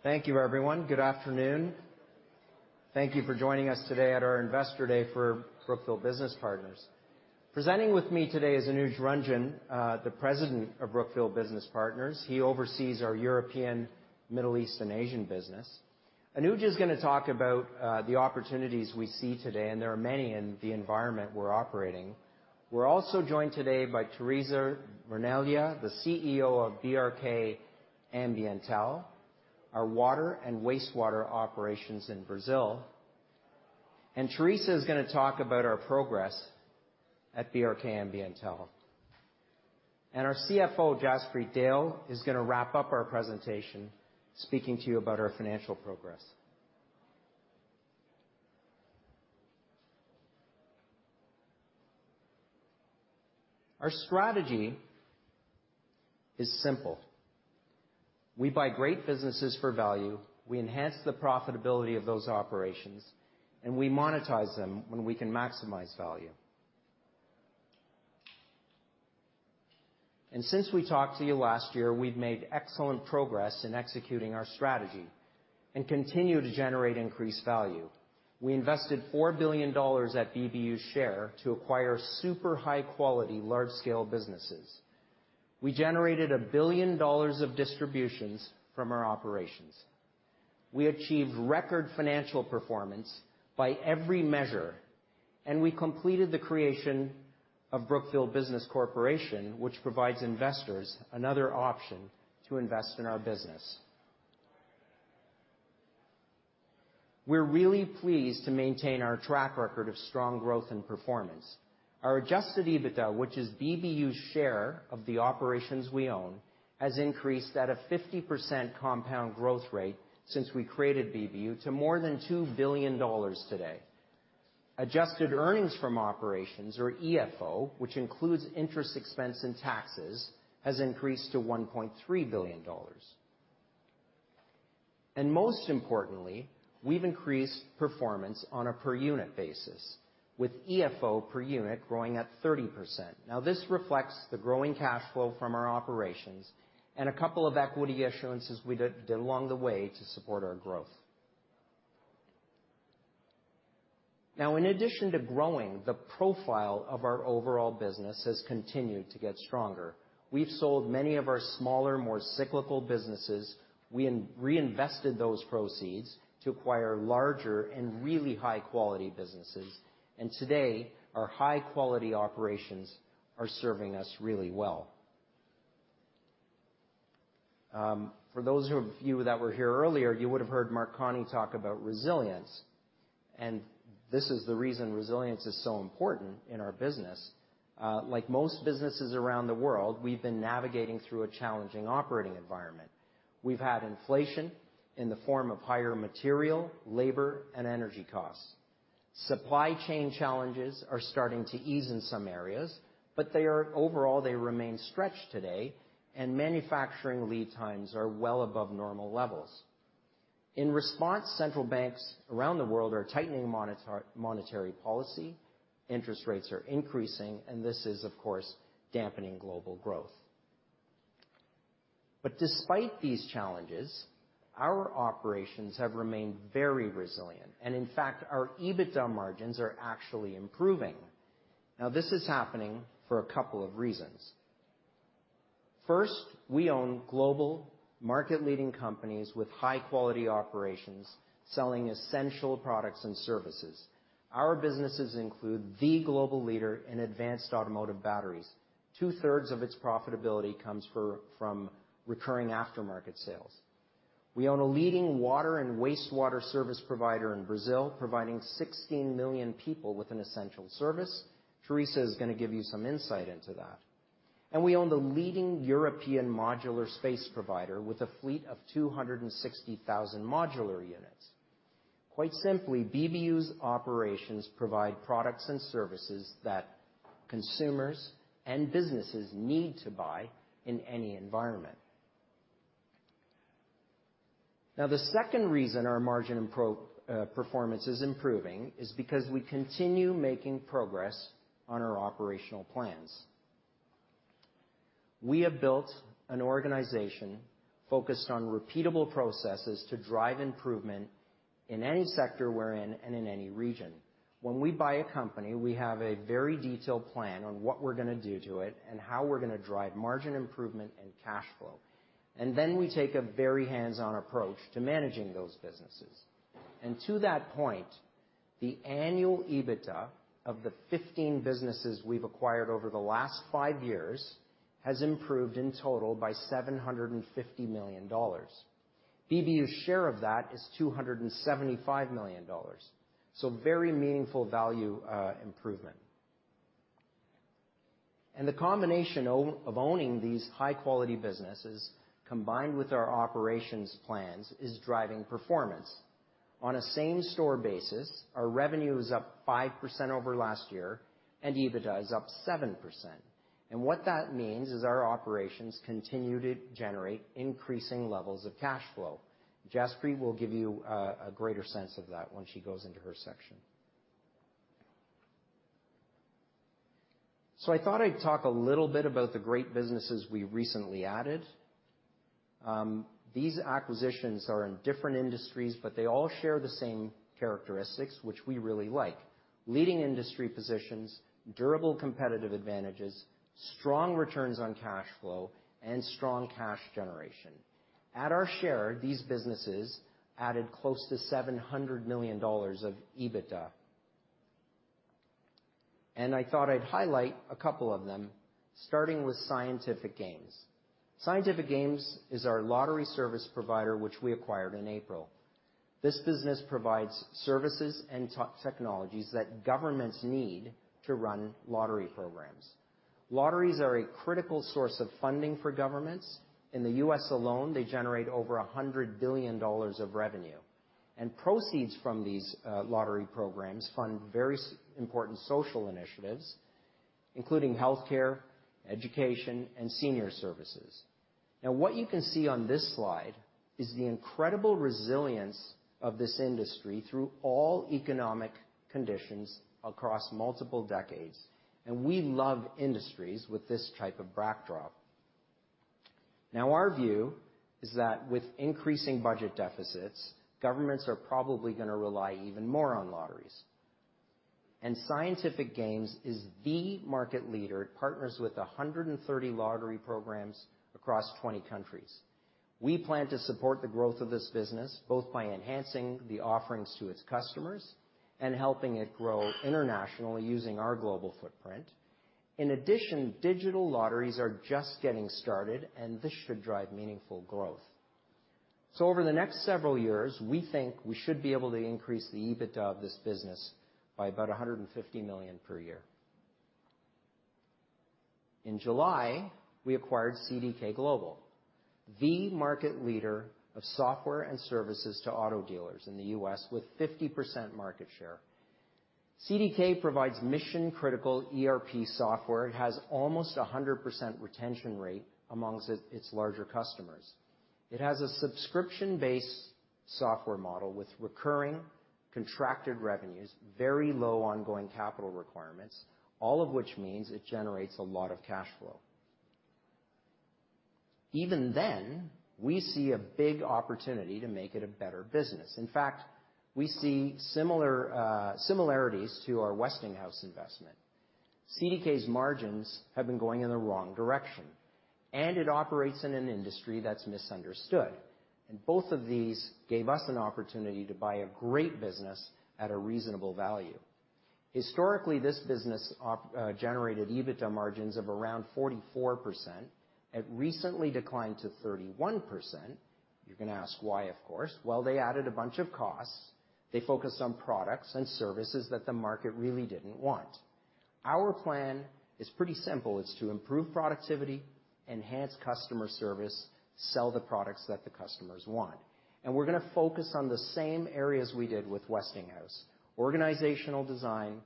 Thank you, everyone. Good afternoon. Thank you for joining us today at our Investor Day for Brookfield Business Partners. Presenting with me today is Anuj Ranjan, the president of Brookfield Business Partners. He oversees our European, Middle East, and Asian business. Anuj is gonna talk about the opportunities we see today, and there are many in the environment we're operating. We're also joined today by Teresa Vernaglia, the CEO of BRK Ambiental, our water and wastewater operations in Brazil. Teresa is gonna talk about our progress at BRK Ambiental. Our CFO, Jaspreet Dehl, is gonna wrap up our presentation, speaking to you about our financial progress. Our strategy is simple. We buy great businesses for value, we enhance the profitability of those operations, and we monetize them when we can maximize value. Since we talked to you last year, we've made excellent progress in executing our strategy and continue to generate increased value. We invested $4 billion at BBU's share to acquire super high quality, large scale businesses. We generated $1 billion of distributions from our operations. We achieved record financial performance by every measure, and we completed the creation of Brookfield Business Corporation, which provides investors another option to invest in our business. We're really pleased to maintain our track record of strong growth and performance. Our adjusted EBITDA, which is BBU's share of the operations we own, has increased at a 50% compound growth rate since we created BBU to more than $2 billion today. Adjusted earnings from operations, or EFO, which includes interest, expense, and taxes, has increased to $1.3 billion. Most importantly, we've increased performance on a per unit basis, with EFO per unit growing at 30%. Now this reflects the growing cash flow from our operations and a couple of equity issuances we did along the way to support our growth. Now, in addition to growing, the profile of our overall business has continued to get stronger. We've sold many of our smaller, more cyclical businesses. We reinvested those proceeds to acquire larger and really high-quality businesses. Today, our high-quality operations are serving us really well. For those of you that were here earlier, you would've heard Mark Carney talk about resilience. This is the reason resilience is so important in our business. Like most businesses around the world, we've been navigating through a challenging operating environment. We've had inflation in the form of higher material, labor, and energy costs. Supply chain challenges are starting to ease in some areas, but they are overall, they remain stretched today, and manufacturing lead times are well above normal levels. In response, central banks around the world are tightening monetary policy, interest rates are increasing, and this is, of course, dampening global growth. Despite these challenges, our operations have remained very resilient, and in fact, our EBITDA margins are actually improving. Now this is happening for a couple of reasons. First, we own global market-leading companies with high-quality operations, selling essential products and services. Our businesses include the global leader in advanced automotive batteries. Two-thirds of its profitability comes from recurring aftermarket sales. We own a leading water and wastewater service provider in Brazil, providing 16 million people with an essential service. Teresa is gonna give you some insight into that. We own the leading European modular space provider with a fleet of 260,000 modular units. Quite simply, BBU's operations provide products and services that consumers and businesses need to buy in any environment. Now, the second reason our margin performance is improving is because we continue making progress on our operational plans. We have built an organization focused on repeatable processes to drive improvement in any sector we're in and in any region. When we buy a company, we have a very detailed plan on what we're gonna do to it and how we're gonna drive margin improvement and cash flow. To that point, the annual EBITDA of the 15 businesses we've acquired over the last five years has improved in total by $750 million. BBU's share of that is $275 million. Very meaningful value improvement. The combination of owning these high-quality businesses, combined with our operations plans, is driving performance. On a same-store basis, our revenue is up 5% over last year, and EBITDA is up 7%. What that means is our operations continue to generate increasing levels of cash flow. Jaspreet will give you a greater sense of that when she goes into her section. I thought I'd talk a little bit about the great businesses we recently added. These acquisitions are in different industries, but they all share the same characteristics, which we really like, leading industry positions, durable competitive advantages, strong returns on cash flow, and strong cash generation. At our share, these businesses added close to $700 million of EBITDA. I thought I'd highlight a couple of them, starting with Scientific Games. Scientific Games is our lottery service provider, which we acquired in April. This business provides services and technologies that governments need to run lottery programs. Lotteries are a critical source of funding for governments. In the U.S. alone, they generate over $100 billion of revenue. Proceeds from these lottery programs fund very important social initiatives, including healthcare, education, and senior services. Now, what you can see on this slide is the incredible resilience of this industry through all economic conditions across multiple decades. We love industries with this type of backdrop. Now, our view is that with increasing budget deficits, governments are probably gonna rely even more on lotteries. Scientific Games is the market leader. It partners with 130 lottery programs across 20 countries. We plan to support the growth of this business, both by enhancing the offerings to its customers and helping it grow internationally using our global footprint. In addition, digital lotteries are just getting started, and this should drive meaningful growth. Over the next several years, we think we should be able to increase the EBITDA of this business by about $150 million per year. In July, we acquired CDK Global, the market leader of software and services to auto dealers in the U.S. with 50% market share. CDK provides mission-critical ERP software. It has almost a 100% retention rate amongst its larger customers. It has a subscription-based software model with recurring contracted revenues, very low ongoing capital requirements, all of which means it generates a lot of cash flow. Even then, we see a big opportunity to make it a better business. In fact, we see similar similarities to our Westinghouse investment. CDK's margins have been going in the wrong direction, and it operates in an industry that's misunderstood. Both of these gave us an opportunity to buy a great business at a reasonable value. Historically, this business generated EBITDA margins of around 44%. It recently declined to 31%. You're gonna ask why, of course. Well, they added a bunch of costs. They focused on products and services that the market really didn't want. Our plan is pretty simple. It's to improve productivity, enhance customer service, sell the products that the customers want. We're gonna focus on the same areas we did with Westinghouse. Organizational design,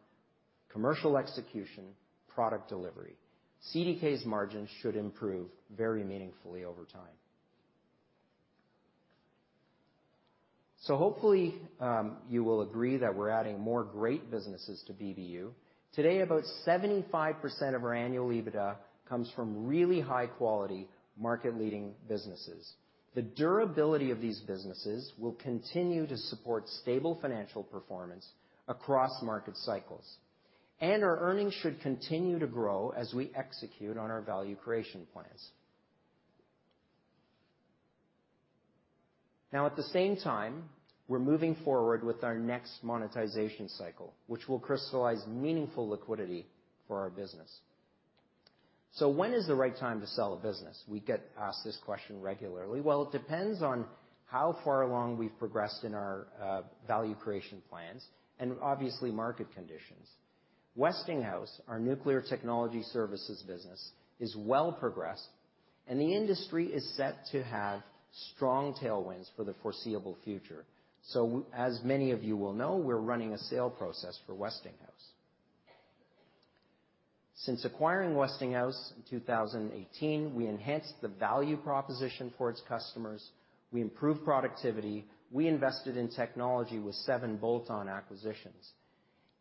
commercial execution, product delivery. CDK's margins should improve very meaningfully over time. Hopefully, you will agree that we're adding more great businesses to BBU. Today, about 75% of our annual EBITDA comes from really high quality market-leading businesses. The durability of these businesses will continue to support stable financial performance across market cycles, and our earnings should continue to grow as we execute on our value creation plans. Now, at the same time, we're moving forward with our next monetization cycle, which will crystallize meaningful liquidity for our business. When is the right time to sell a business? We get asked this question regularly. Well, it depends on how far along we've progressed in our value creation plans, and obviously market conditions. Westinghouse, our nuclear technology services business, is well progressed, and the industry is set to have strong tailwinds for the foreseeable future. As many of you will know, we're running a sale process for Westinghouse. Since acquiring Westinghouse in 2018, we enhanced the value proposition for its customers. We improved productivity. We invested in technology with seven bolt-on acquisitions.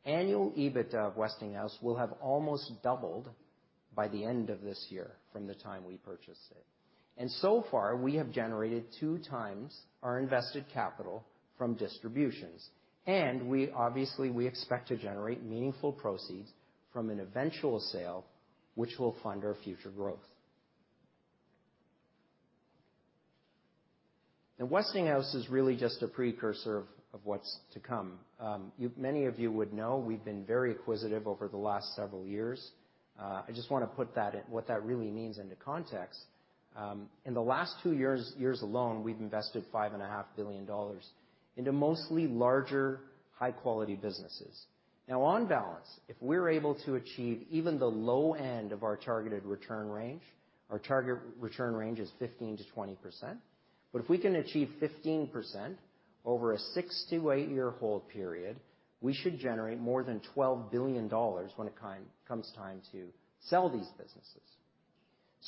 Annual EBITDA of Westinghouse will have almost doubled by the end of this year from the time we purchased it. So far, we have generated 2x our invested capital from distributions. We obviously expect to generate meaningful proceeds from an eventual sale, which will fund our future growth. Now, Westinghouse is really just a precursor of what's to come. Many of you would know we've been very acquisitive over the last several years. I just wanna put that what that really means into context. In the last two years alone, we've invested $5.5 billion into mostly larger, high-quality businesses. Now on balance, if we're able to achieve even the low end of our targeted return range, our target return range is 15%-20%, but if we can achieve 15% over a six to eight-year hold period, we should generate more than $12 billion when the time comes to sell these businesses.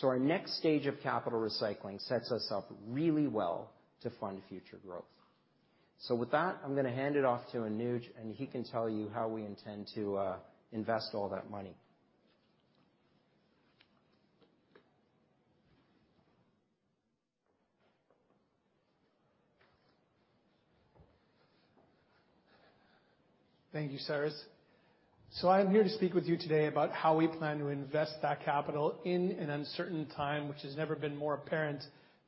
Our next stage of capital recycling sets us up really well to fund future growth. With that, I'm gonna hand it off to Anuj, and he can tell you how we intend to invest all that money. Thank you, Cyrus. I am here to speak with you today about how we plan to invest that capital in an uncertain time, which has never been more apparent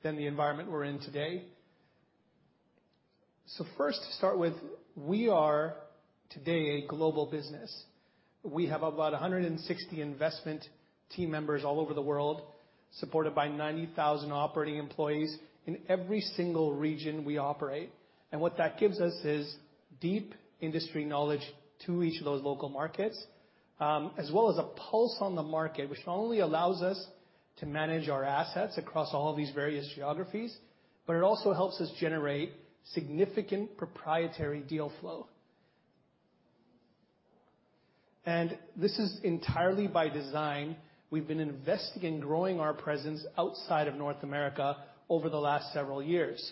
than the environment we're in today. First to start with, we are today a global business. We have about 160 investment team members all over the world, supported by 90,000 operating employees in every single region we operate. What that gives us is deep industry knowledge to each of those local markets, as well as a pulse on the market, which not only allows us to manage our assets across all these various geographies, but it also helps us generate significant proprietary deal flow. This is entirely by design. We've been investing in growing our presence outside of North America over the last several years.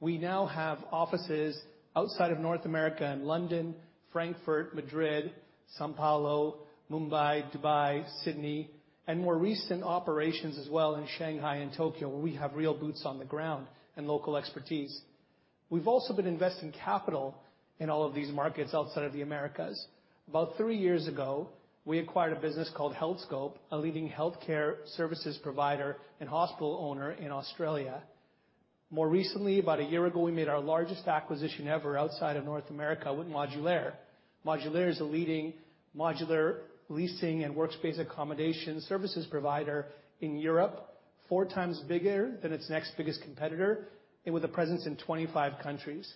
We now have offices outside of North America in London, Frankfurt, Madrid, São Paulo, Mumbai, Dubai, Sydney, and more recent operations as well in Shanghai and Tokyo, where we have real boots on the ground and local expertise. We've also been investing capital in all of these markets outside of the Americas. About three years ago, we acquired a business called Healthscope, a leading healthcare services provider and hospital owner in Australia. More recently, about a year ago, we made our largest acquisition ever outside of North America with Modulaire. Modulaire is a leading modular leasing and workspace accommodation services provider in Europe, four times bigger than its next biggest competitor, and with a presence in 25 countries.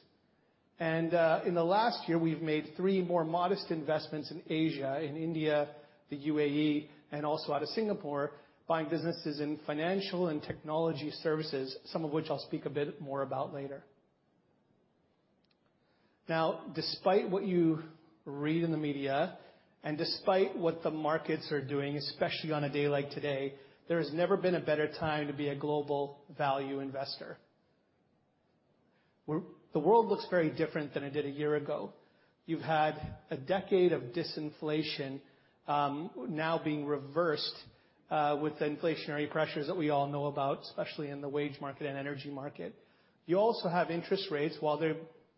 In the last year, we've made three more modest investments in Asia, in India, the UAE, and also out of Singapore, buying businesses in financial and technology services, some of which I'll speak a bit more about later. Now, despite what you read in the media, and despite what the markets are doing, especially on a day like today, there has never been a better time to be a global value investor, where the world looks very different than it did a year ago. You've had a decade of disinflation, now being reversed, with the inflationary pressures that we all know about, especially in the wage market and energy market. You also have interest rates. While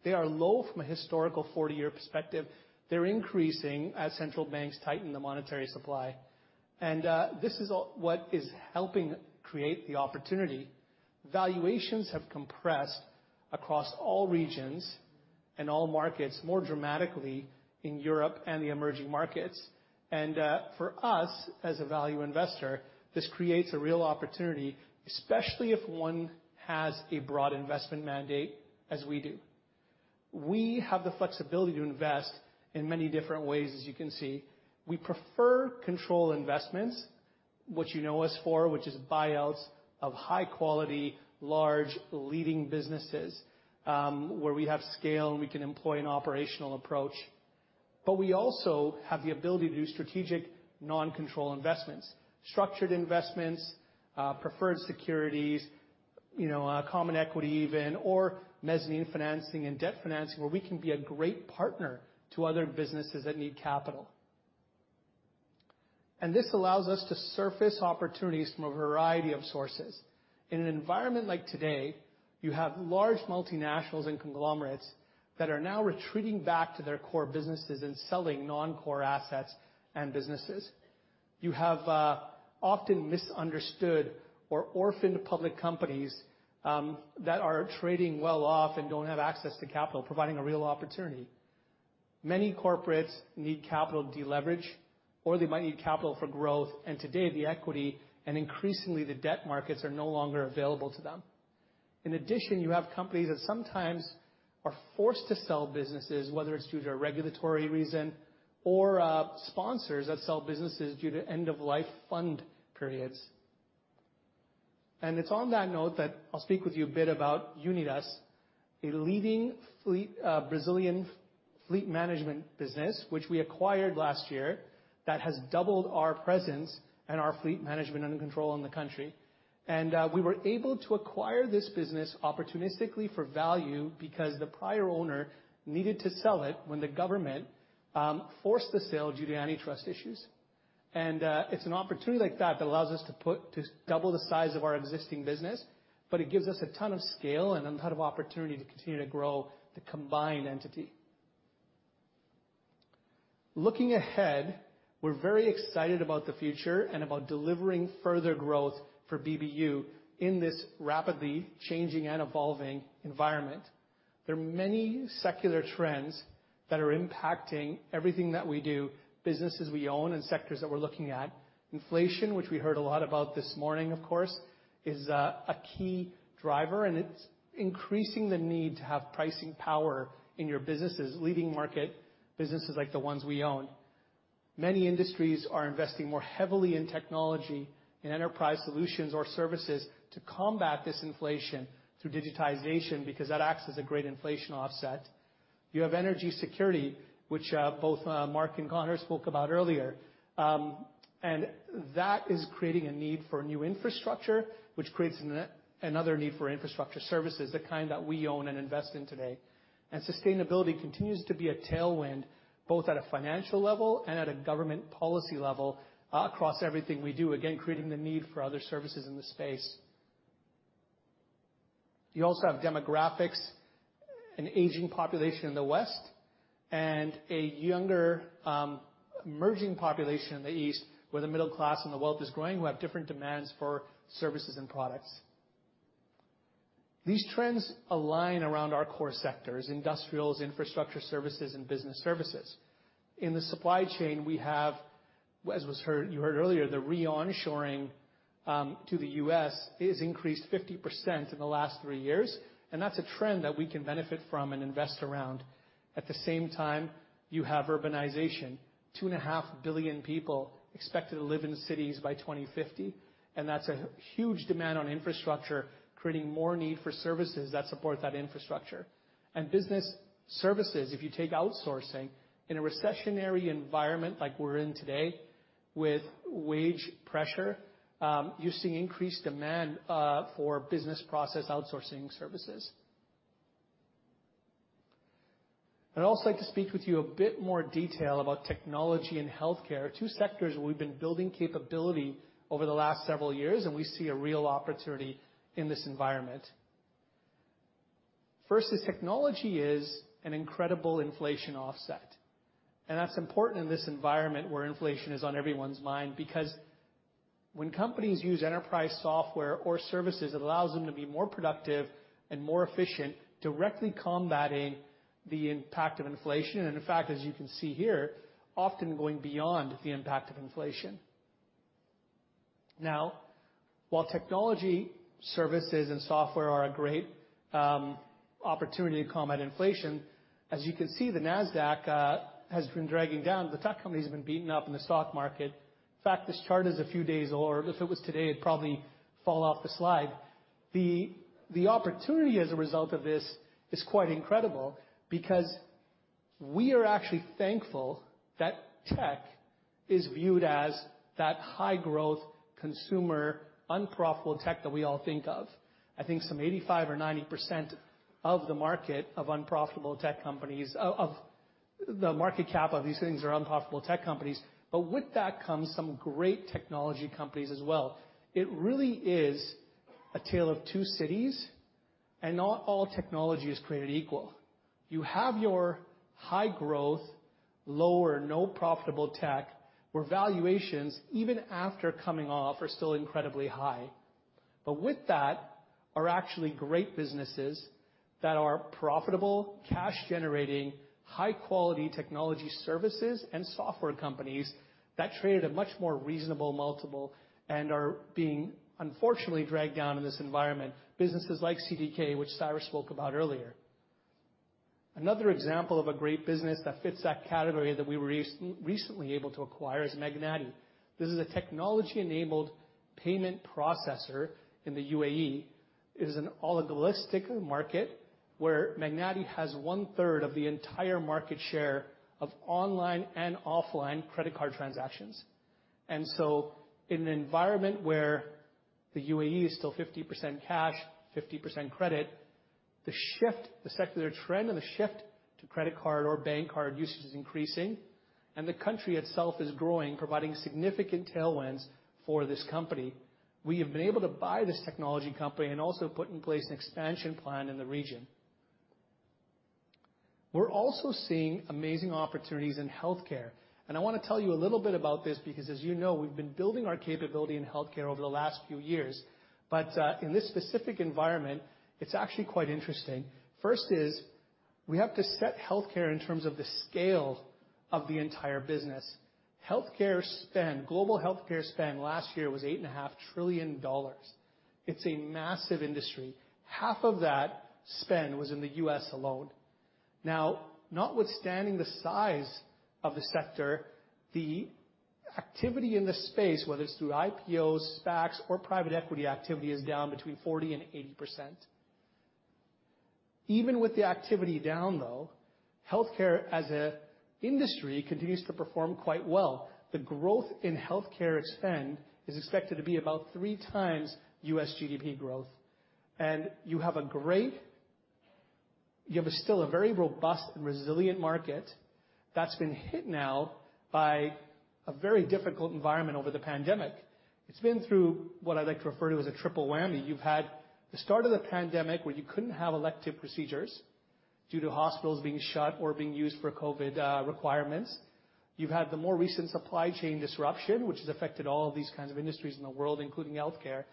they are low from a historical 40-year perspective, they're increasing as central banks tighten the monetary supply. This is all what is helping create the opportunity. Valuations have compressed across all regions and all markets more dramatically in Europe and the emerging markets. For us as a value investor, this creates a real opportunity, especially if one has a broad investment mandate, as we do. We have the flexibility to invest in many different ways, as you can see. We prefer control investments. What you know us for, which is buyouts of high quality, large leading businesses, where we have scale, and we can employ an operational approach. We also have the ability to do strategic non-control investments, structured investments, preferred securities, you know, common equity even, or mezzanine financing and debt financing, where we can be a great partner to other businesses that need capital. This allows us to surface opportunities from a variety of sources. In an environment like today, you have large multinationals and conglomerates that are now retreating back to their core businesses and selling non-core assets and businesses. You have often misunderstood or orphaned public companies that are trading well off and don't have access to capital, providing a real opportunity. Many corporates need capital to deleverage, or they might need capital for growth. Today the equity and increasingly the debt markets are no longer available to them. In addition, you have companies that sometimes are forced to sell businesses, whether it's due to a regulatory reason or sponsors that sell businesses due to end of life fund periods. It's on that note that I'll speak with you a bit about Unidas, a leading fleet Brazilian fleet management business, which we acquired last year, that has doubled our presence and our fleet management under control in the country. We were able to acquire this business opportunistically for value because the prior owner needed to sell it when the government forced the sale due to antitrust issues. It's an opportunity like that that allows us to double the size of our existing business. It gives us a ton of scale and a ton of opportunity to continue to grow the combined entity. Looking ahead, we're very excited about the future and about delivering further growth for BBU in this rapidly changing and evolving environment. There are many secular trends that are impacting everything that we do, businesses we own, and sectors that we're looking at. Inflation, which we heard a lot about this morning, of course, is a key driver, and it's increasing the need to have pricing power in your businesses, leading market businesses like the ones we own. Many industries are investing more heavily in technology and enterprise solutions or services to combat this inflation through digitization, because that acts as a great inflation offset. You have energy security, which both Mark and Connor spoke about earlier. That is creating a need for new infrastructure, which creates another need for infrastructure services, the kind that we own and invest in today. Sustainability continues to be a tailwind, both at a financial level and at a government policy level across everything we do, again, creating the need for other services in the space. You also have demographics, an aging population in the West, and a younger, emerging population in the East, where the middle class and the wealth is growing, who have different demands for services and products. These trends align around our core sectors industrials, infrastructure services, and business services. In the supply chain we have, as you heard earlier, the reshoring to the U.S. is increased 50% in the last three years. That's a trend that we can benefit from and invest around. At the same time, you have urbanization. 2.5 billion people expected to live in cities by 2050, and that's a huge demand on infrastructure, creating more need for services that support that infrastructure. Business services, if you take outsourcing in a recessionary environment like we're in today with wage pressure, you see increased demand for business process outsourcing services. I'd also like to speak with you a bit more detail about technology and healthcare, two sectors we've been building capability over the last several years, and we see a real opportunity in this environment. First is technology is an incredible inflation offset, and that's important in this environment where inflation is on everyone's mind because when companies use enterprise software or services, it allows them to be more productive and more efficient, directly combating the impact of inflation. In fact, as you can see here, often going beyond the impact of inflation. Now, while technology services and software are a great opportunity to combat inflation, as you can see, the Nasdaq has been dragging down. The tech companies have been beaten up in the stock market. In fact, this chart is a few days old. If it was today, it'd probably fall off the slide. The opportunity as a result of this is quite incredible because we are actually thankful that tech is viewed as that high growth consumer unprofitable tech that we all think of. I think some 85% or 90% of the market of unprofitable tech companies, of the market cap of these things are unprofitable tech companies. But with that comes some great technology companies as well. It really is a tale of two cities. Not all technology is created equal. You have your high growth, low or no profitable tech, where valuations, even after coming off, are still incredibly high. With that are actually great businesses that are profitable, cash generating, high quality technology services and software companies that trade at a much more reasonable multiple and are being unfortunately dragged down in this environment. Businesses like CDK, which Cyrus spoke about earlier. Another example of a great business that fits that category that we were recently able to acquire is Magnati. This is a technology-enabled payment processor in the UAE. It is an oligopolistic market where Magnati has one-third of the entire market share of online and offline credit card transactions. In an environment where the UAE is still 50% cash, 50% credit, the shift, the secular trend and the shift to credit card or bank card usage is increasing, and the country itself is growing, providing significant tailwinds for this company. We have been able to buy this technology company and also put in place an expansion plan in the region. We're also seeing amazing opportunities in healthcare, and I wanna tell you a little bit about this because as you know, we've been building our capability in healthcare over the last few years. In this specific environment, it's actually quite interesting. First is we have to set healthcare in terms of the scale of the entire business. Healthcare spend, global healthcare spend last year was $8.5 trillion. It's a massive industry. Half of that spend was in the U.S. alone. Now, notwithstanding the size of the sector, the activity in the space, whether it's through IPOs, SPACs or private equity activity, is down between 40% and 80%. Even with the activity down though, healthcare as an industry continues to perform quite well. The growth in healthcare spend is expected to be about three times U.S. GDP growth. You have still a very robust and resilient market that's been hit now by a very difficult environment over the pandemic. It's been through what I like to refer to as a triple whammy. You've had the start of the pandemic where you couldn't have elective procedures due to hospitals being shut or being used for COVID requirements. You've had the more recent supply chain disruption, which has affected all of these kinds of industries in the world, including healthcare.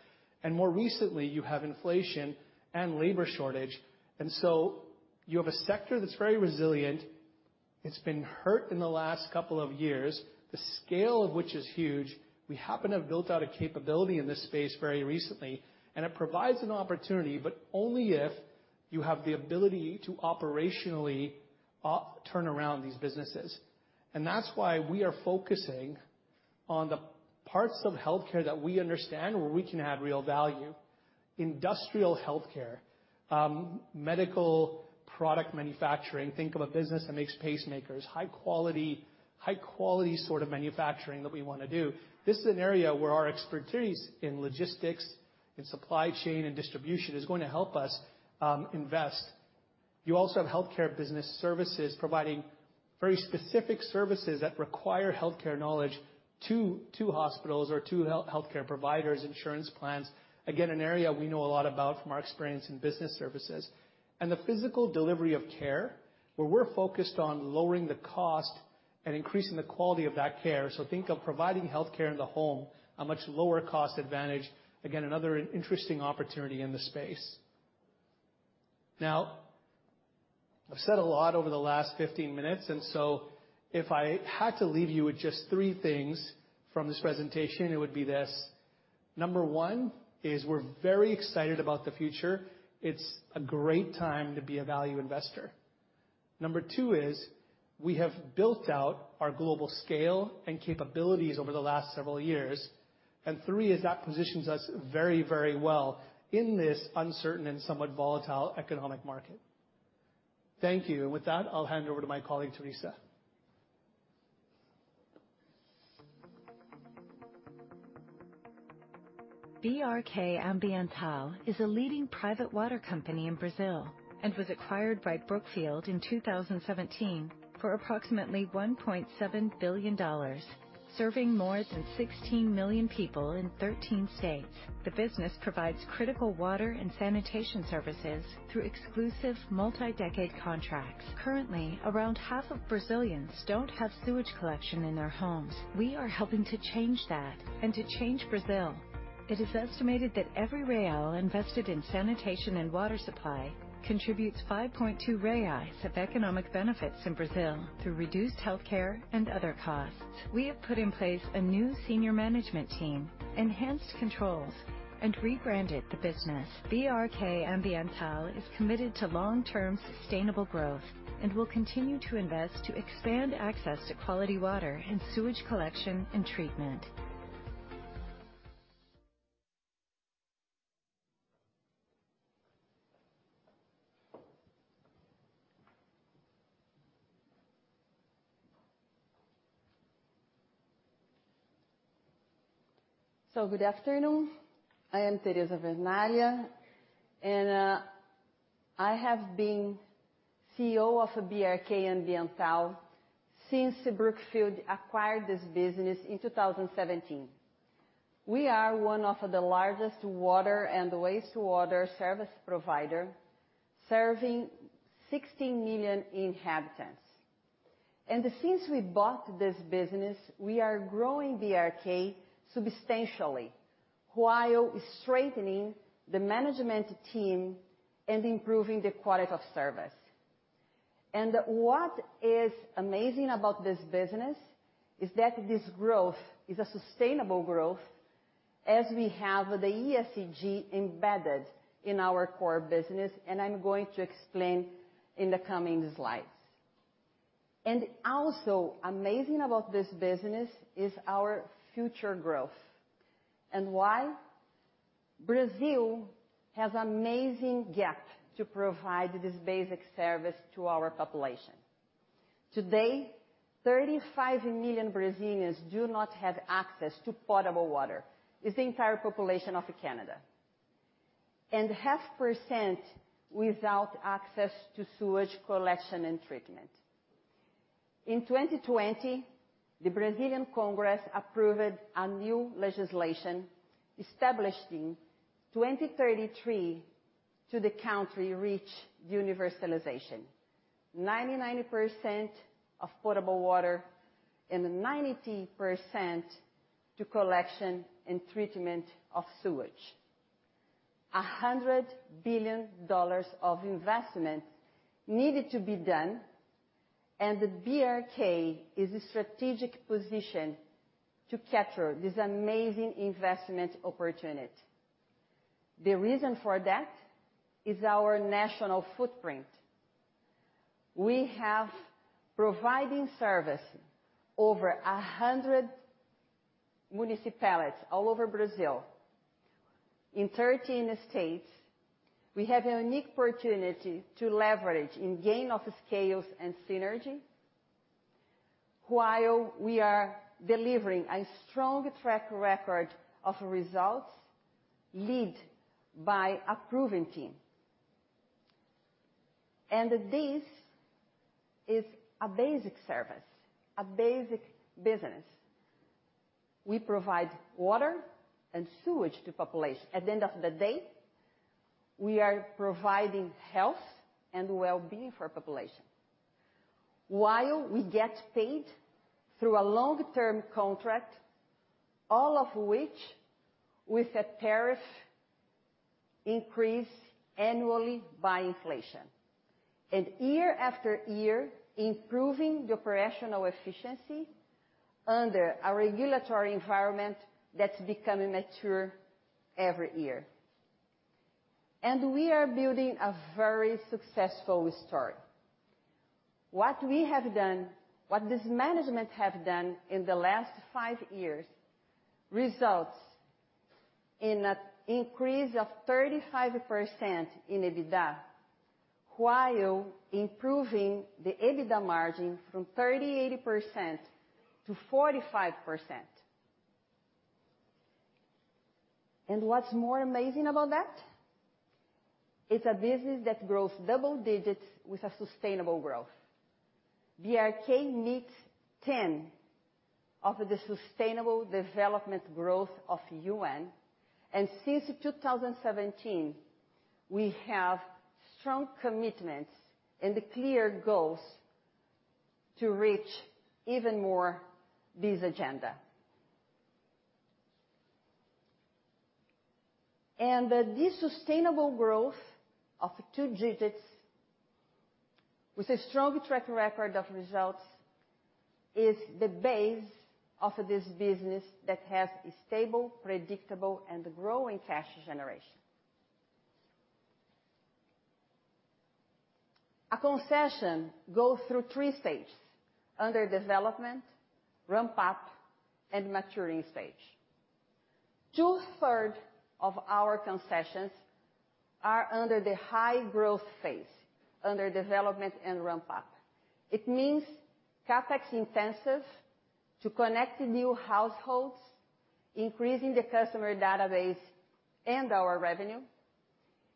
More recently, you have inflation and labor shortage. You have a sector that's very resilient. It's been hurt in the last couple of years, the scale of which is huge. We happen to have built out a capability in this space very recently, and it provides an opportunity, but only if you have the ability to operationally turn around these businesses. That's why we are focusing on the parts of healthcare that we understand where we can add real value. Industrial healthcare, medical product manufacturing. Think of a business that makes pacemakers. High quality sort of manufacturing that we wanna do. This is an area where our expertise in logistics and supply chain and distribution is going to help us invest. You also have healthcare business services providing very specific services that require healthcare knowledge to hospitals or to healthcare providers, insurance plans. Again, an area we know a lot about from our experience in business services. The physical delivery of care, where we're focused on lowering the cost and increasing the quality of that care. Think of providing healthcare in the home, a much lower cost advantage. Again, another interesting opportunity in this space. Now, I've said a lot over the last 15 minutes, and if I had to leave you with just three things from this presentation, it would be this. Number one is we're very excited about the future. It's a great time to be a value investor. Number two is we have built out our global scale and capabilities over the last several years. Three is that positions us very, very well in this uncertain and somewhat volatile economic market. Thank you. With that, I'll hand over to my colleague, Teresa. BRK Ambiental is a leading private water company in Brazil and was acquired by Brookfield in 2017 for approximately $1.7 billion, serving more than 16 million people in 13 states. The business provides critical water and sanitation services through exclusive multi-decade contracts. Currently, around half of Brazilians don't have sewage collection in their homes. We are helping to change that and to change Brazil. It is estimated that every BRL invested in sanitation and water supply contributes 5.2 reais of economic benefits in Brazil through reduced healthcare and other costs. We have put in place a new senior management team, enhanced controls, and rebranded the business. BRK Ambiental is committed to long-term sustainable growth and will continue to invest to expand access to quality water and sewage collection and treatment. Good afternoon. I am Teresa Vernaglia, and I have been CEO of BRK Ambiental since Brookfield acquired this business in 2017. We are one of the largest water and wastewater service provider serving 16 million inhabitants. Since we bought this business, we are growing BRK substantially while strengthening the management team and improving the quality of service. What is amazing about this business is that this growth is a sustainable growth as we have the ESG embedded in our core business, and I'm going to explain in the coming slides. Also amazing about this business is our future growth. Why? Brazil has amazing gap to provide this basic service to our population. Today, 35 million Brazilians do not have access to potable water. It's the entire population of Canada. 50% without access to sewage collection and treatment. In 2020, the Brazilian Congress approved a new legislation establishing 2033 to the country reach universalization. 90% of potable water and 90% to collection and treatment of sewage. $100 billion of investment needed to be done, and the BRK Ambiental is a strategic position to capture this amazing investment opportunity. The reason for that is our national footprint. We have providing service over 100 municipalities all over Brazil. In 13 states, we have a unique opportunity to leverage economies of scale and synergy, while we are delivering a strong track record of results led by a proven team. This is a basic service, a basic business. We provide water and sewage to population. At the end of the day, we are providing health and well-being for population. While we get paid through a long-term contract, all of which with a tariff increase annually by inflation. Year-after-year, improving the operational efficiency under a regulatory environment that's becoming mature every year. We are building a very successful story. What we have done, what this management have done in the last five years results in an increase of 35% in EBITDA while improving the EBITDA margin from 38%-45%. What's more amazing about that? It's a business that grows double digits with a sustainable growth. BRK meets ten of the sustainable development goals of UN. Since 2017, we have strong commitments and clear goals to reach even more this agenda. This sustainable growth of two digits with a strong track record of results is the base of this business that has a stable, predictable, and growing cash generation. A concession goes through three stages, under development, ramp up, and maturing stage. Two-thirds of our concessions are under the high growth phase, under development and ramp up. It means CapEx intensive to connect new households, increasing the customer database and our revenue,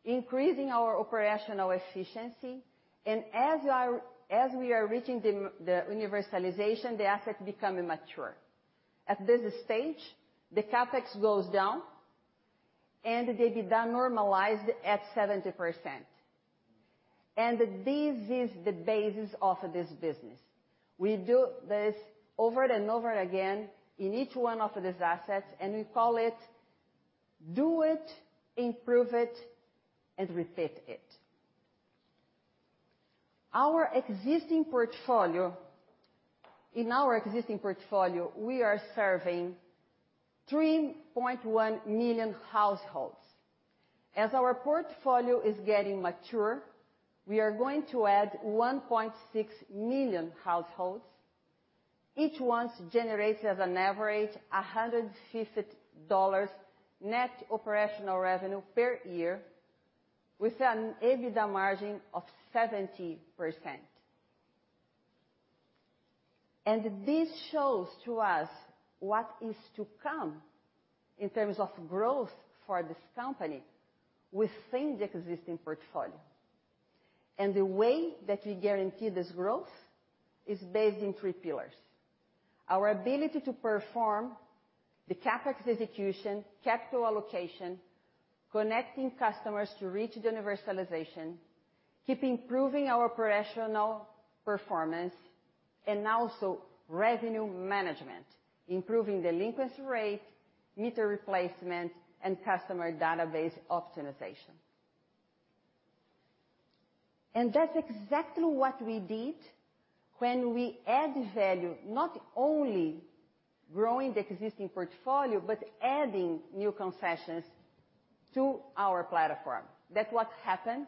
increasing our operational efficiency. As we are reaching the universalization, the assets become mature. At this stage, the CapEx goes down and the EBITDA normalize at 70%. This is the basis of this business. We do this over and over again in each one of these assets, and we call it, do it, improve it, and repeat it. Our existing portfolio, we are serving 3.1 million households. As our portfolio is getting mature, we are going to add 1.6 million households. Each one generates as an average, $150 net operational revenue per year with an EBITDA margin of 70%. This shows to us what is to come in terms of growth for this company within the existing portfolio. The way that we guarantee this growth is based in three pillars. Our ability to perform the CapEx execution, capital allocation, connecting customers to reach universalization, keep improving our professional performance, and also revenue management, improving delinquency rate, meter replacement, and customer database optimization. That's exactly what we did when we add value, not only growing the existing portfolio, but adding new concessions to our platform. That's what happened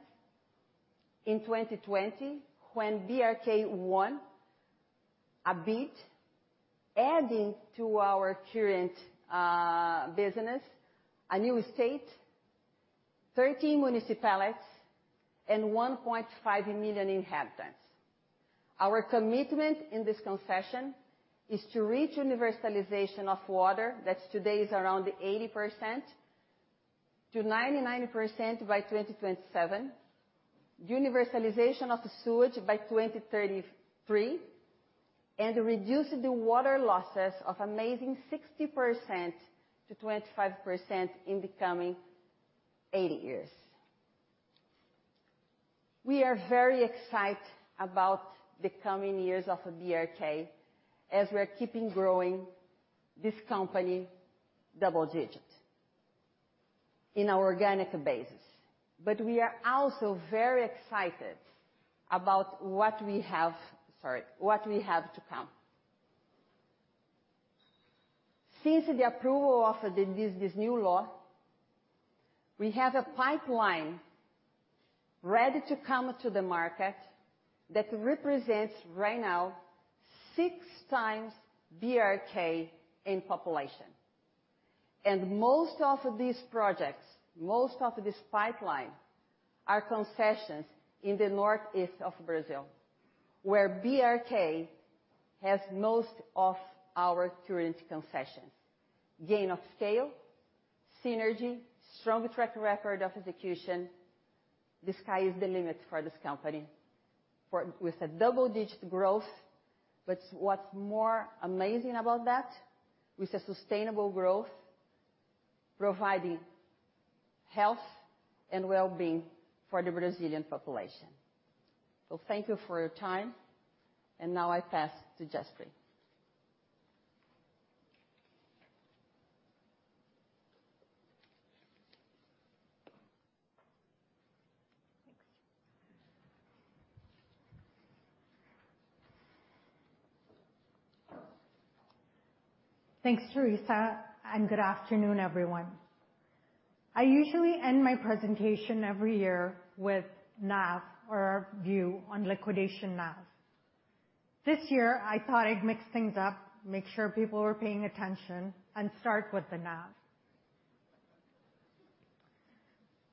in 2020 when BRK won a bid, adding to our current business a new state, 13 municipalities, and 1.5 million inhabitants. Our commitment in this concession is to reach universalization of water that today is around 80%-99% by 2027, universalization of the sewage by 2033, and reduce the water losses from an amazing 60%-25% in the coming 80 years. We are very excited about the coming years of BRK as we're keeping growing this company double-digit on our organic basis. We are also very excited about what we have to come. Since the approval of this new law, we have a pipeline ready to come to the market that represents right now 6x BRK in population. Most of these projects, most of this pipeline, are concessions in the northeast of Brazil, where BRK has most of our current concessions. Gain of scale, synergy, strong track record of execution. The sky is the limit for this company. With a double-digit growth. But what's more amazing about that, with a sustainable growth, providing health and well-being for the Brazilian population. Thank you for your time, and now I pass to Jaspreet. Thanks. Thanks, Teresa, and good afternoon, everyone. I usually end my presentation every year with NAV or our view on liquidation NAV. This year, I thought I'd mix things up, make sure people are paying attention, and start with the NAV.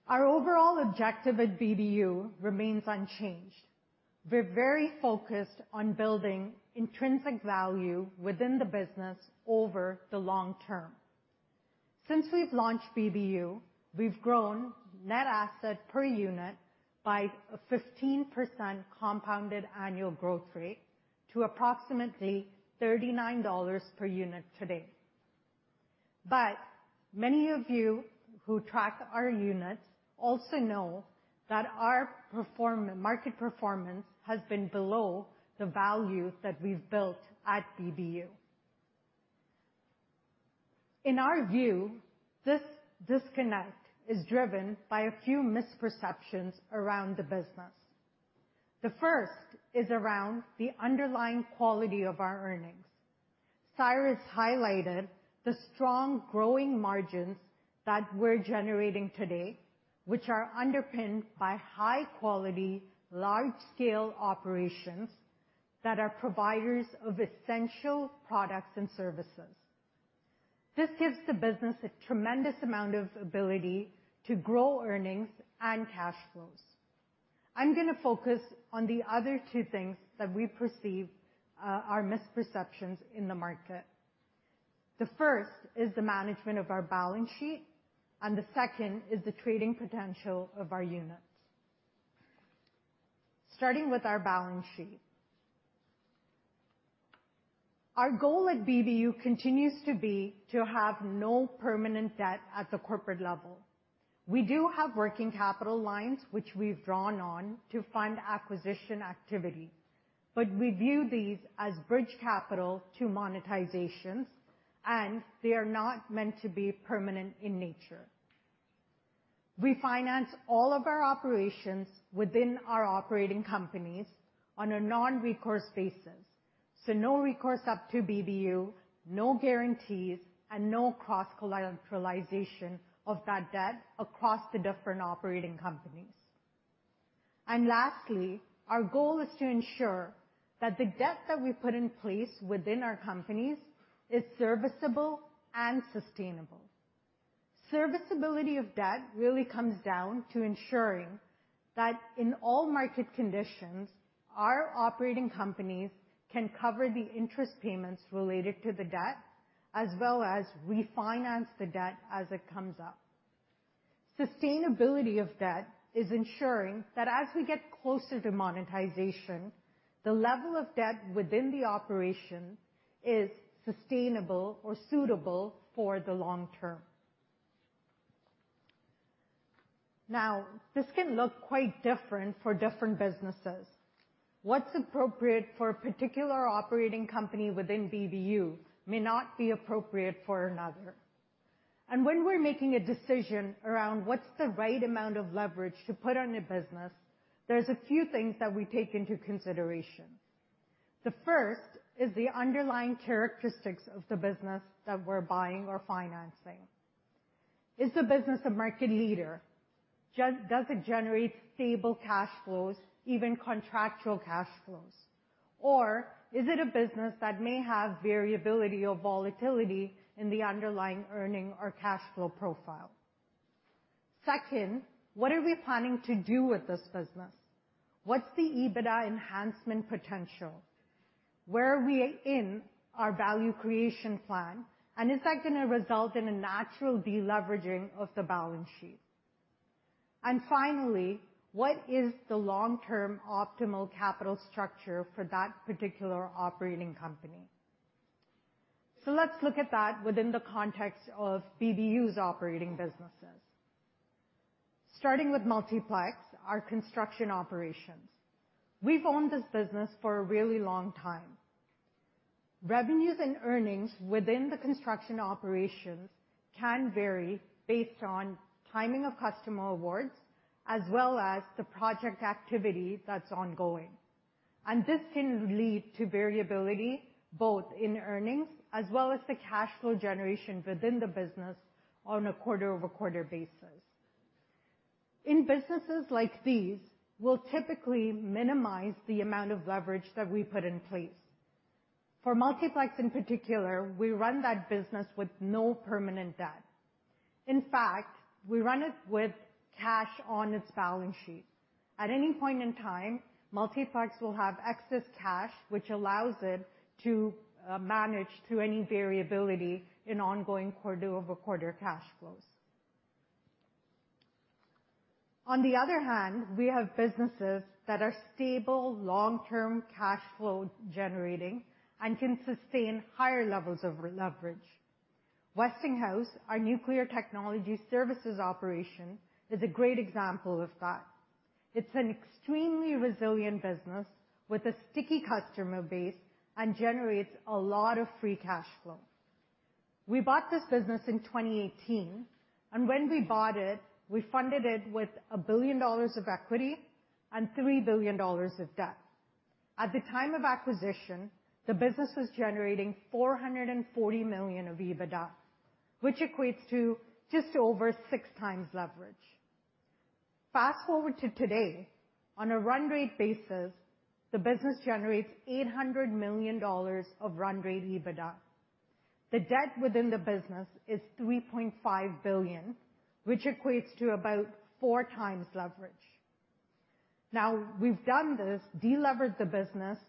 Our overall objective at BBU remains unchanged. We're very focused on building intrinsic value within the business over the long term. Since we've launched BBU, we've grown net asset per unit by a 15% compounded annual growth rate to approximately $39 per unit today. Many of you who track our units also know that our market performance has been below the value that we've built at BBU. In our view, this disconnect is driven by a few misperceptions around the business. The first is around the underlying quality of our earnings. Cyrus highlighted the strong growing margins that we're generating today, which are underpinned by high quality, large scale operations that are providers of essential products and services. This gives the business a tremendous amount of ability to grow earnings and cash flows. I'm gonna focus on the other two things that we perceive are misperceptions in the market. The first is the management of our balance sheet, and the second is the trading potential of our units. Starting with our balance sheet. Our goal at BBU continues to be to have no permanent debt at the corporate level. We do have working capital lines which we've drawn on to fund acquisition activity, but we view these as bridge capital to monetizations, and they are not meant to be permanent in nature. We finance all of our operations within our operating companies on a non-recourse basis, so no recourse up to BBU, no guarantees, and no cross-collateralization of that debt across the different operating companies. Lastly, our goal is to ensure that the debt that we put in place within our companies is serviceable and sustainable. Serviceability of debt really comes down to ensuring that in all market conditions, our operating companies can cover the interest payments related to the debt, as well as refinance the debt as it comes up. Sustainability of debt is ensuring that as we get closer to monetization, the level of debt within the operation is sustainable or suitable for the long term. Now, this can look quite different for different businesses. What's appropriate for a particular operating company within BBU may not be appropriate for another. When we're making a decision around what's the right amount of leverage to put on your business, there's a few things that we take into consideration. The first is the underlying characteristics of the business that we're buying or financing. Is the business a market leader? Does it generate stable cash flows, even contractual cash flows? Or is it a business that may have variability or volatility in the underlying earning or cash flow profile? Second, what are we planning to do with this business? What's the EBITDA enhancement potential? Where are we in our value creation plan, and is that gonna result in a natural deleveraging of the balance sheet? And finally, what is the long-term optimal capital structure for that particular operating company? Let's look at that within the context of BBU's operating businesses. Starting with Multiplex, our construction operations. We've owned this business for a really long time. Revenues and earnings within the construction operations can vary based on timing of customer awards, as well as the project activity that's ongoing. This can lead to variability, both in earnings as well as the cash flow generation within the business on a quarter-over-quarter basis. In businesses like these, we'll typically minimize the amount of leverage that we put in place. For Multiplex, in particular, we run that business with no permanent debt. In fact, we run it with cash on its balance sheet. At any point in time, Multiplex will have excess cash, which allows it to manage through any variability in ongoing quarter-over-quarter cash flows. On the other hand, we have businesses that are stable, long-term cash flow generating and can sustain higher levels of leverage. Westinghouse, our nuclear technology services operation, is a great example of that. It's an extremely resilient business with a sticky customer base and generates a lot of free cash flow. We bought this business in 2018, and when we bought it, we funded it with $1 billion of equity and $3 billion of debt. At the time of acquisition, the business was generating $440 million of EBITDA, which equates to just over 6x leverage. Fast-forward to today, on a run rate basis, the business generates $800 million of run rate EBITDA. The debt within the business is $3.5 billion, which equates to about 4x leverage. Now, we've done this, delevered the business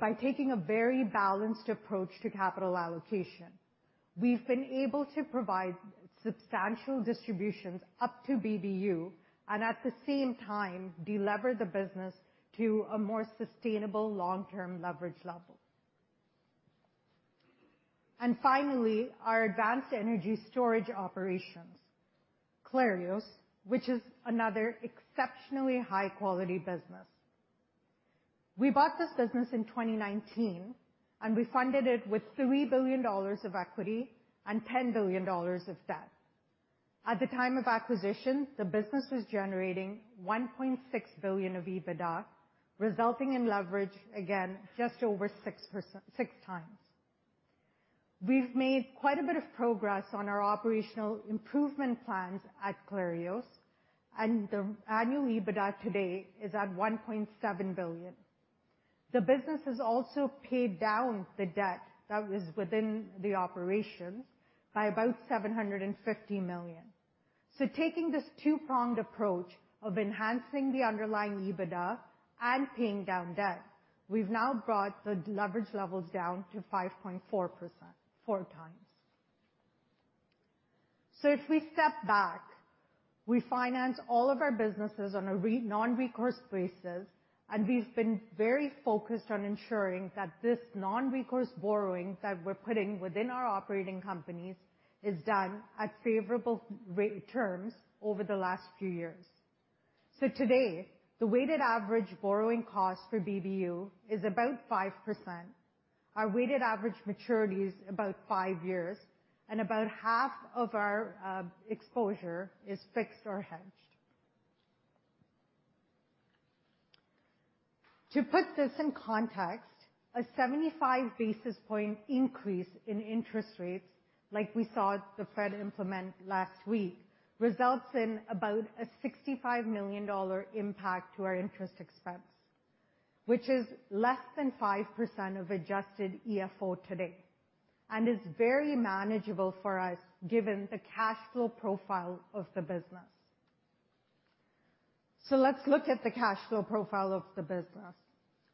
by taking a very balanced approach to capital allocation. We've been able to provide substantial distributions up to BBU and at the same time, delever the business to a more sustainable long-term leverage level. Finally, our advanced energy storage operations, Clarios, which is another exceptionally high-quality business. We bought this business in 2019, and we funded it with $3 billion of equity and $10 billion of debt. At the time of acquisition, the business was generating $1.6 billion of EBITDA, resulting in leverage, again, just over 6x. We've made quite a bit of progress on our operational improvement plans at Clarios, and the annual EBITDA today is at $1.7 billion. The business has also paid down the debt that was within the operations by about $750 million. Taking this two-pronged approach of enhancing the underlying EBITDA and paying down debt, we've now brought the leverage levels down to 5.4x. If we step back, we finance all of our businesses on a non-recourse basis, and we've been very focused on ensuring that this non-recourse borrowing that we're putting within our operating companies is done at favorable terms over the last few years. Today, the weighted average borrowing cost for BBU is about 5%. Our weighted average maturity is about five years, and about half of our exposure is fixed or hedged. To put this in context, a 75 basis point increase in interest rates, like we saw the Fed implement last week, results in about a $65 million impact to our interest expense, which is less than 5% of adjusted EFO today, and is very manageable for us given the cash flow profile of the business. Let's look at the cash flow profile of the business.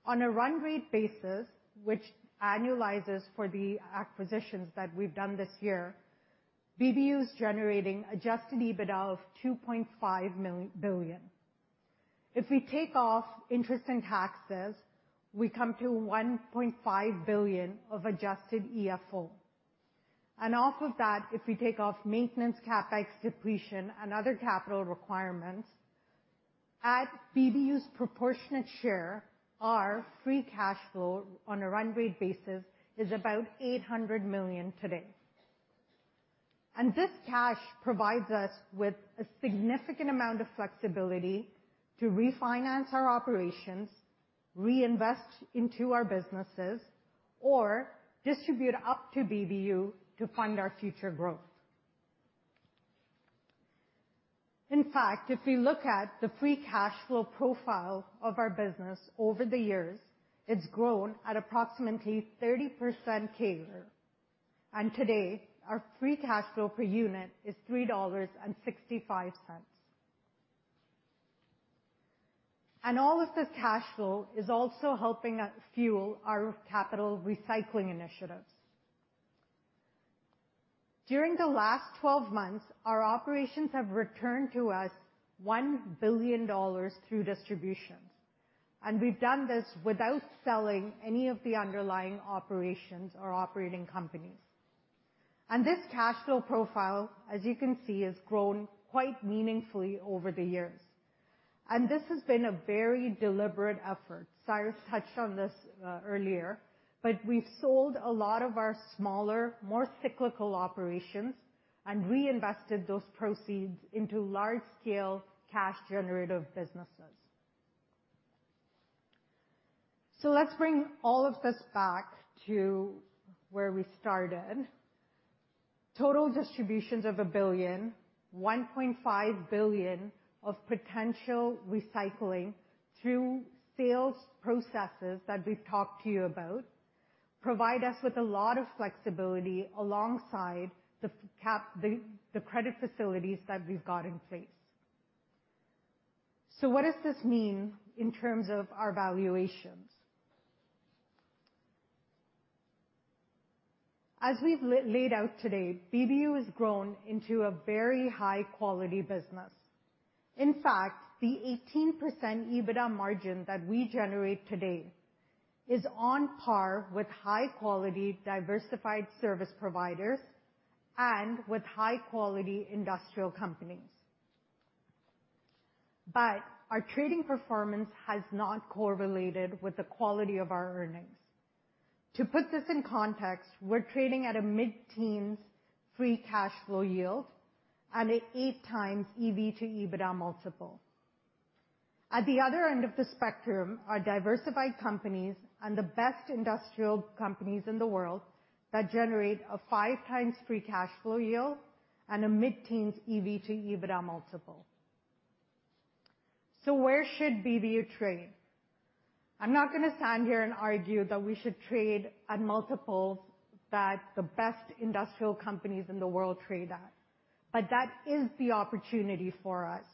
On a run rate basis, which annualizes for the acquisitions that we've done this year, BBU is generating adjusted EBITDA of $2.5 billion. If we take off interest and taxes, we come to $1.5 billion of adjusted EFO. Off of that, if we take off maintenance, CapEx, depletion, and other capital requirements, at BBU's proportionate share, our free cash flow on a run rate basis is about $800 million today. This cash provides us with a significant amount of flexibility to refinance our operations, reinvest into our businesses, or distribute up to BBU to fund our future growth. In fact, if we look at the free cash flow profile of our business over the years, it's grown at approximately 30% CAGR. Today, our free cash flow per unit is $3.65. All of this cash flow is also helping us fuel our capital recycling initiatives. During the last 12 months, our operations have returned to us $1 billion through distributions, and we've done this without selling any of the underlying operations or operating companies. This cash flow profile, as you can see, has grown quite meaningfully over the years. This has been a very deliberate effort. Cyrus touched on this earlier, but we sold a lot of our smaller, more cyclical operations and reinvested those proceeds into large-scale cash generative businesses. Let's bring all of this back to where we started. Total distributions of $1 billion, $1.5 billion of potential recycling through sales processes that we've talked to you about provide us with a lot of flexibility alongside the credit facilities that we've got in place. What does this mean in terms of our valuations? As we've laid out today, BBU has grown into a very high-quality business. In fact, the 18% EBITDA margin that we generate today is on par with high-quality diversified service providers and with high-quality industrial companies. Our trading performance has not correlated with the quality of our earnings. To put this in context, we're trading at a mid-teens free cash flow yield and at 8x EV/EBITDA multiple. At the other end of the spectrum are diversified companies and the best industrial companies in the world that generate a 5x free cash flow yield and a mid-teens EV/EBITDA multiple. Where should BBU trade? I'm not gonna stand here and argue that we should trade at multiples that the best industrial companies in the world trade at, but that is the opportunity for us.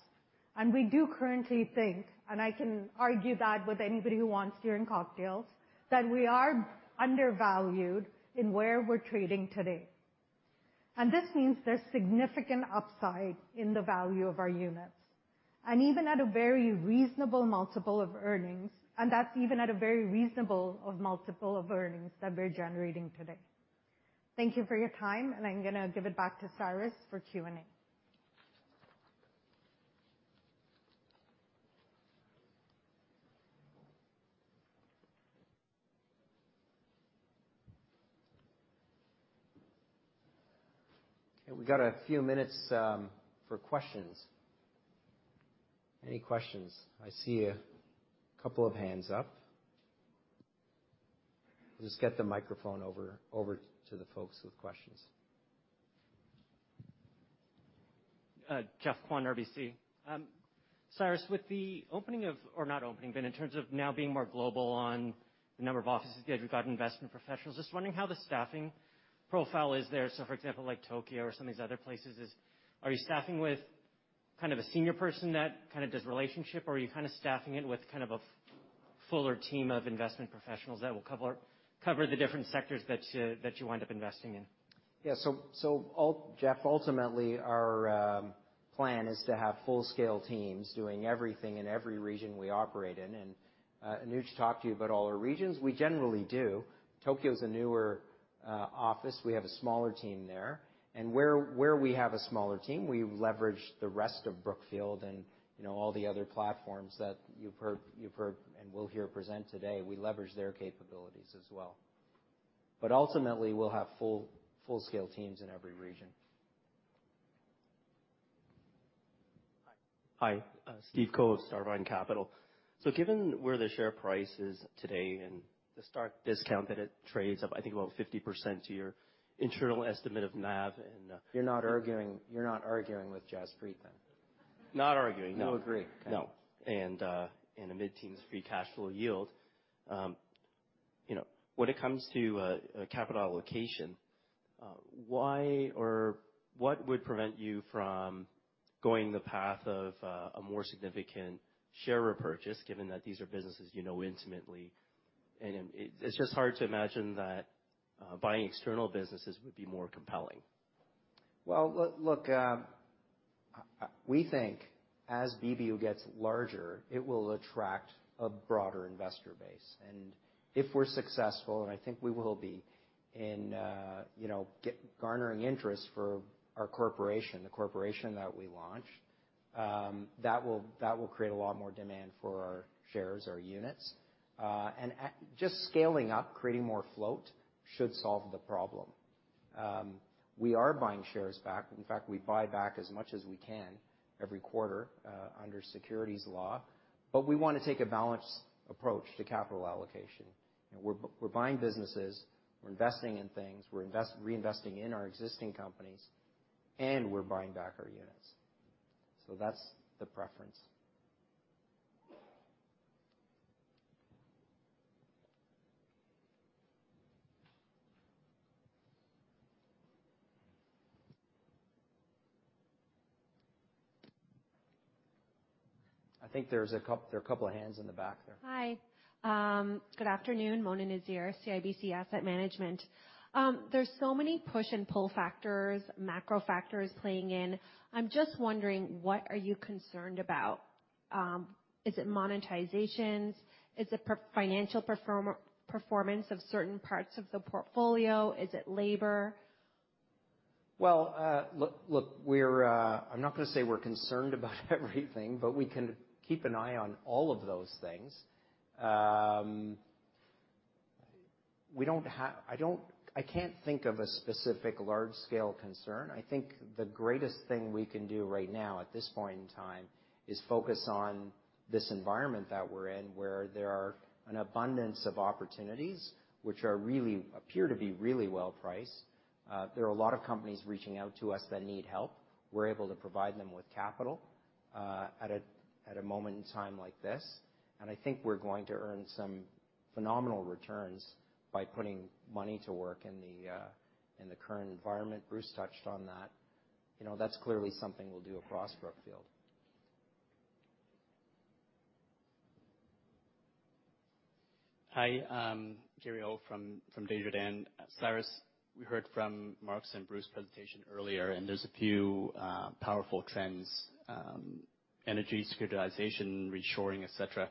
We do currently think, and I can argue that with anybody who wants during cocktails, that we are undervalued in where we're trading today. This means there's significant upside in the value of our units. Even at a very reasonable multiple of earnings that we're generating today. Thank you for your time, and I'm gonna give it back to Cyrus for Q&A. Okay. We got a few minutes for questions. Any questions? I see a couple of hands up. I'll just get the microphone over to the folks with questions. Robert Kwan, RBC. Cyrus, in terms of now being more global on the number of offices that you've got investment professionals, just wondering how the staffing profile is there. For example, like Tokyo or some of these other places, are you staffing with kind of a senior person that kind of does relationship, or are you kind of staffing it with kind of a fuller team of investment professionals that will cover the different sectors that you wind up investing in? Jeff, ultimately, our plan is to have full-scale teams doing everything in every region we operate in. Anuj talked to you about all our regions. We generally do. Tokyo is a newer office. We have a smaller team there. Where we have a smaller team, we leverage the rest of Brookfield and, you know, all the other platforms that you've heard and will hear presented today. We leverage their capabilities as well. Ultimately, we'll have full-scale teams in every region. Steven Ko of Starvine Capital. Given where the share price is today and the stark discount that it trades at, I think about 50% to your internal estimate of NAV and You're not arguing with Jaspreet then? Not arguing, no. You agree? Okay. No. A mid-teens free cash flow yield. You know, when it comes to capital allocation, why or what would prevent you from going the path of a more significant share repurchase, given that these are businesses you know intimately? It's just hard to imagine that buying external businesses would be more compelling. Well, look, we think as BBU gets larger, it will attract a broader investor base. If we're successful, and I think we will be, in, you know, garnering interest for our corporation, the corporation that we launch, that will create a lot more demand for our shares or units. Just scaling up, creating more float should solve the problem. We are buying shares back. In fact, we buy back as much as we can every quarter, under securities law, but we wanna take a balanced approach to capital allocation. We're buying businesses, we're investing in things, we're reinvesting in our existing companies, and we're buying back our units. That's the preference. I think there are a couple of hands in the back there. Hi. Good afternoon. Mona Nazir, CIBC Asset Management. There's so many push and pull factors, macro factors playing in. I'm just wondering, what are you concerned about? Is it monetizations? Is it financial performance of certain parts of the portfolio? Is it labor? Well, look, I'm not gonna say we're concerned about everything, but we can keep an eye on all of those things. I can't think of a specific large-scale concern. I think the greatest thing we can do right now at this point in time is focus on this environment that we're in, where there are an abundance of opportunities which really appear to be really well priced. There are a lot of companies reaching out to us that need help. We're able to provide them with capital at a moment in time like this. I think we're going to earn some phenomenal returns by putting money to work in the current environment. Bruce touched on that. You know, that's clearly something we'll do across Brookfield. Hi, Gary Ho from Desjardins. Cyrus, we heard from Mark's and Bruce's presentation earlier, and there's a few powerful trends, energy, securitization, reshoring, et cetera.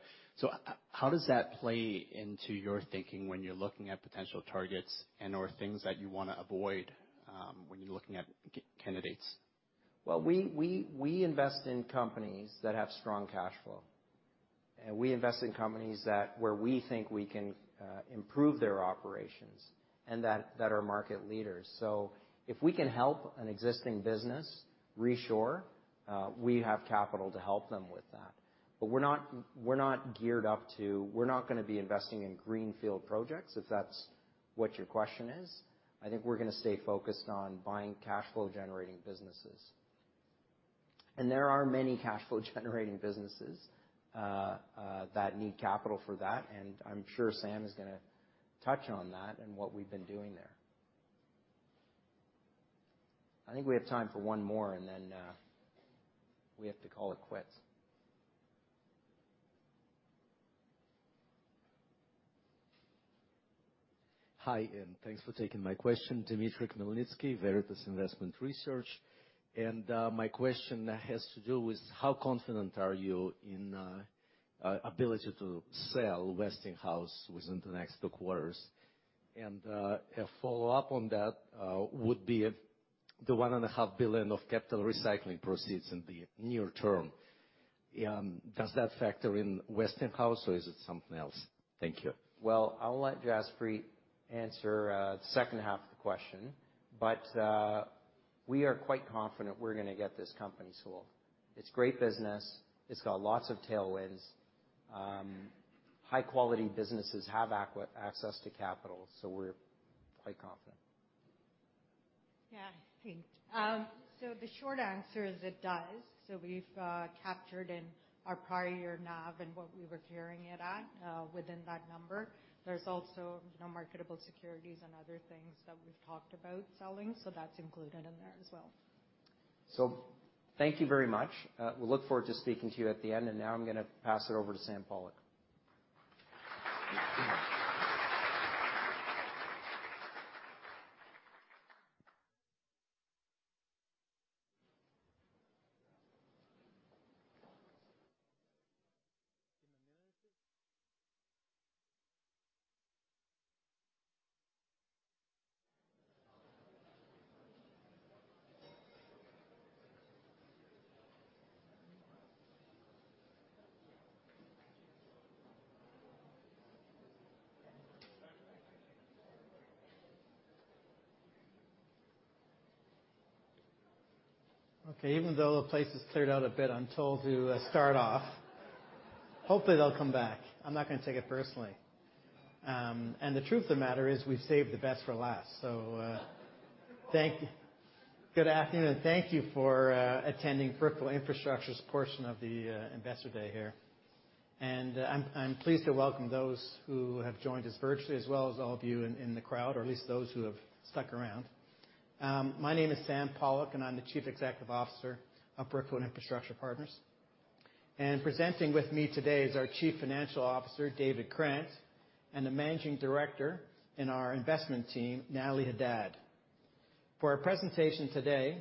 How does that play into your thinking when you're looking at potential targets and/or things that you wanna avoid, when you're looking at candidates? Well, we invest in companies that have strong cash flow. We invest in companies that where we think we can improve their operations and that are market leaders. If we can help an existing business reshore, we have capital to help them with that. We're not gonna be investing in greenfield projects, if that's what your question is. I think we're gonna stay focused on buying cash flow generating businesses. There are many cash flow generating businesses that need capital for that, and I'm sure Sam is gonna touch on that and what we've been doing there. I think we have time for one more, and then we have to call it quits. Hi, and thanks for taking my question. Dimitry Khmelnitsky, Veritas Investment Research. My question has to do with how confident are you in ability to sell Westinghouse within the next two quarters? A follow-up on that would be if the $1.5 billion of capital recycling proceeds in the near term does that factor in Westinghouse, or is it something else? Thank you. Well, I'll let Jaspreet answer the 2nd half of the question, but we are quite confident we're gonna get this company sold. It's great business. It's got lots of tailwinds. High quality businesses have access to capital, so we're quite confident. Yeah. Thanks. The short answer is it does. We've captured in our prior year NAV and what we were carrying it at, within that number. There's also non-marketable securities and other things that we've talked about selling, so that's included in there as well. Thank you very much. We look forward to speaking to you at the end. Now I'm gonna pass it over to Sam Pollock. Okay, even though the place has cleared out a bit, I'm told to start off. Hopefully, they'll come back. I'm not gonna take it personally. The truth of the matter is we've saved the best for last. Thank you. Good afternoon, and thank you for attending Brookfield Infrastructure's portion of the investor day here. I'm pleased to welcome those who have joined us virtually, as well as all of you in the crowd, or at least those who have stuck around. My name is Sam Pollock, and I'm the Chief Executive Officer of Brookfield Infrastructure Partners. Presenting with me today is our Chief Financial Officer, David Krant, and the Managing Director in our investment team, Natalie Hadad. For our presentation today,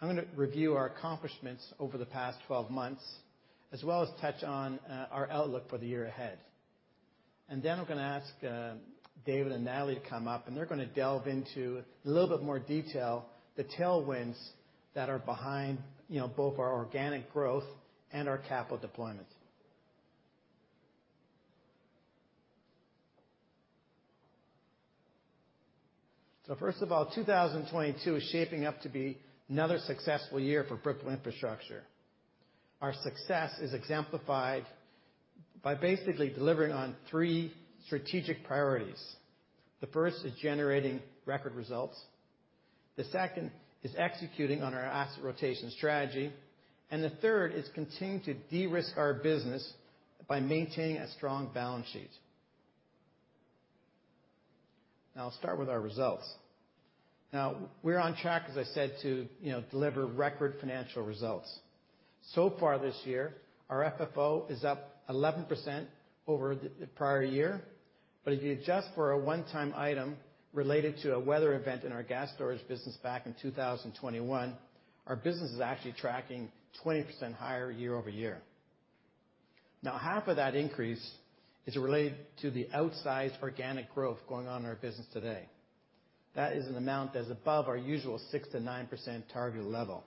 I'm gonna review our accomplishments over the past 12 months as well as touch on our outlook for the year ahead. Then I'm gonna ask David and Natalie to come up, and they're gonna delve into a little bit more detail, the tailwinds that are behind, you know, both our organic growth and our capital deployment. First of all, 2022 is shaping up to be another successful year for Brookfield Infrastructure. Our success is exemplified by basically delivering on three strategic priorities. The first is generating record results. The second is executing on our asset rotation strategy, and the third is continuing to de-risk our business by maintaining a strong balance sheet. Now, I'll start with our results. Now, we're on track, as I said, to, you know, deliver record financial results. So far this year, our FFO is up 11% over the prior year. If you adjust for a one-time item related to a weather event in our gas storage business back in 2021, our business is actually tracking 20% higher year-over-year. Now, half of that increase is related to the outsized organic growth going on in our business today. That is an amount that is above our usual 6%-9% target level.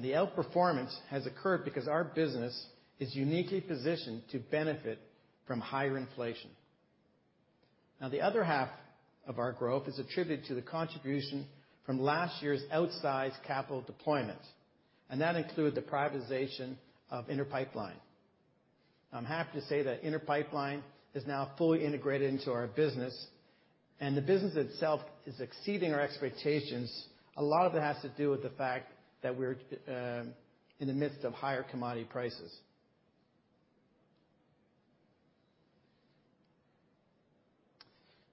The outperformance has occurred because our business is uniquely positioned to benefit from higher inflation. Now, the other half of our growth is attributed to the contribution from last year's outsized capital deployment, and that includes the privatization of Inter Pipeline. I'm happy to say that Inter Pipeline is now fully integrated into our business, and the business itself is exceeding our expectations. A lot of it has to do with the fact that we're in the midst of higher commodity prices.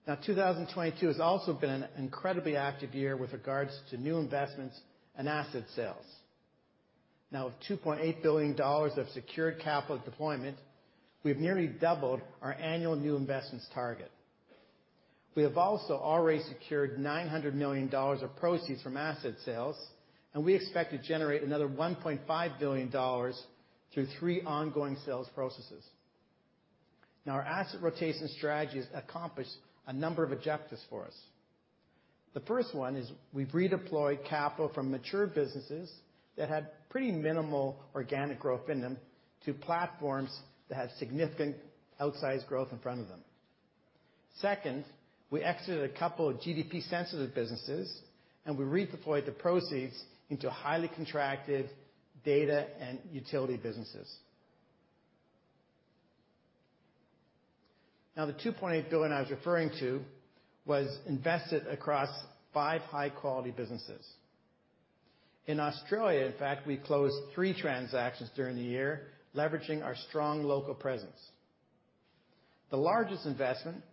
Now, 2022 has also been an incredibly active year with regards to new investments and asset sales. Now, with $2.8 billion of secured capital deployment, we've nearly doubled our annual new investments target. We have also already secured $900 million of proceeds from asset sales, and we expect to generate another $1.5 billion through three ongoing sales processes. Now, our asset rotation strategy has accomplished a number of objectives for us. The first one is we've redeployed capital from mature businesses that had pretty minimal organic growth in them to platforms that have significant outsized growth in front of them. Second, we exited a couple of GDP sensitive businesses, and we redeployed the proceeds into highly contracted data and utility businesses. Now, the $2.8 billion I was referring to was invested across five high-quality businesses. In Australia, in fact, we closed three transactions during the year, leveraging our strong local presence. The largest investment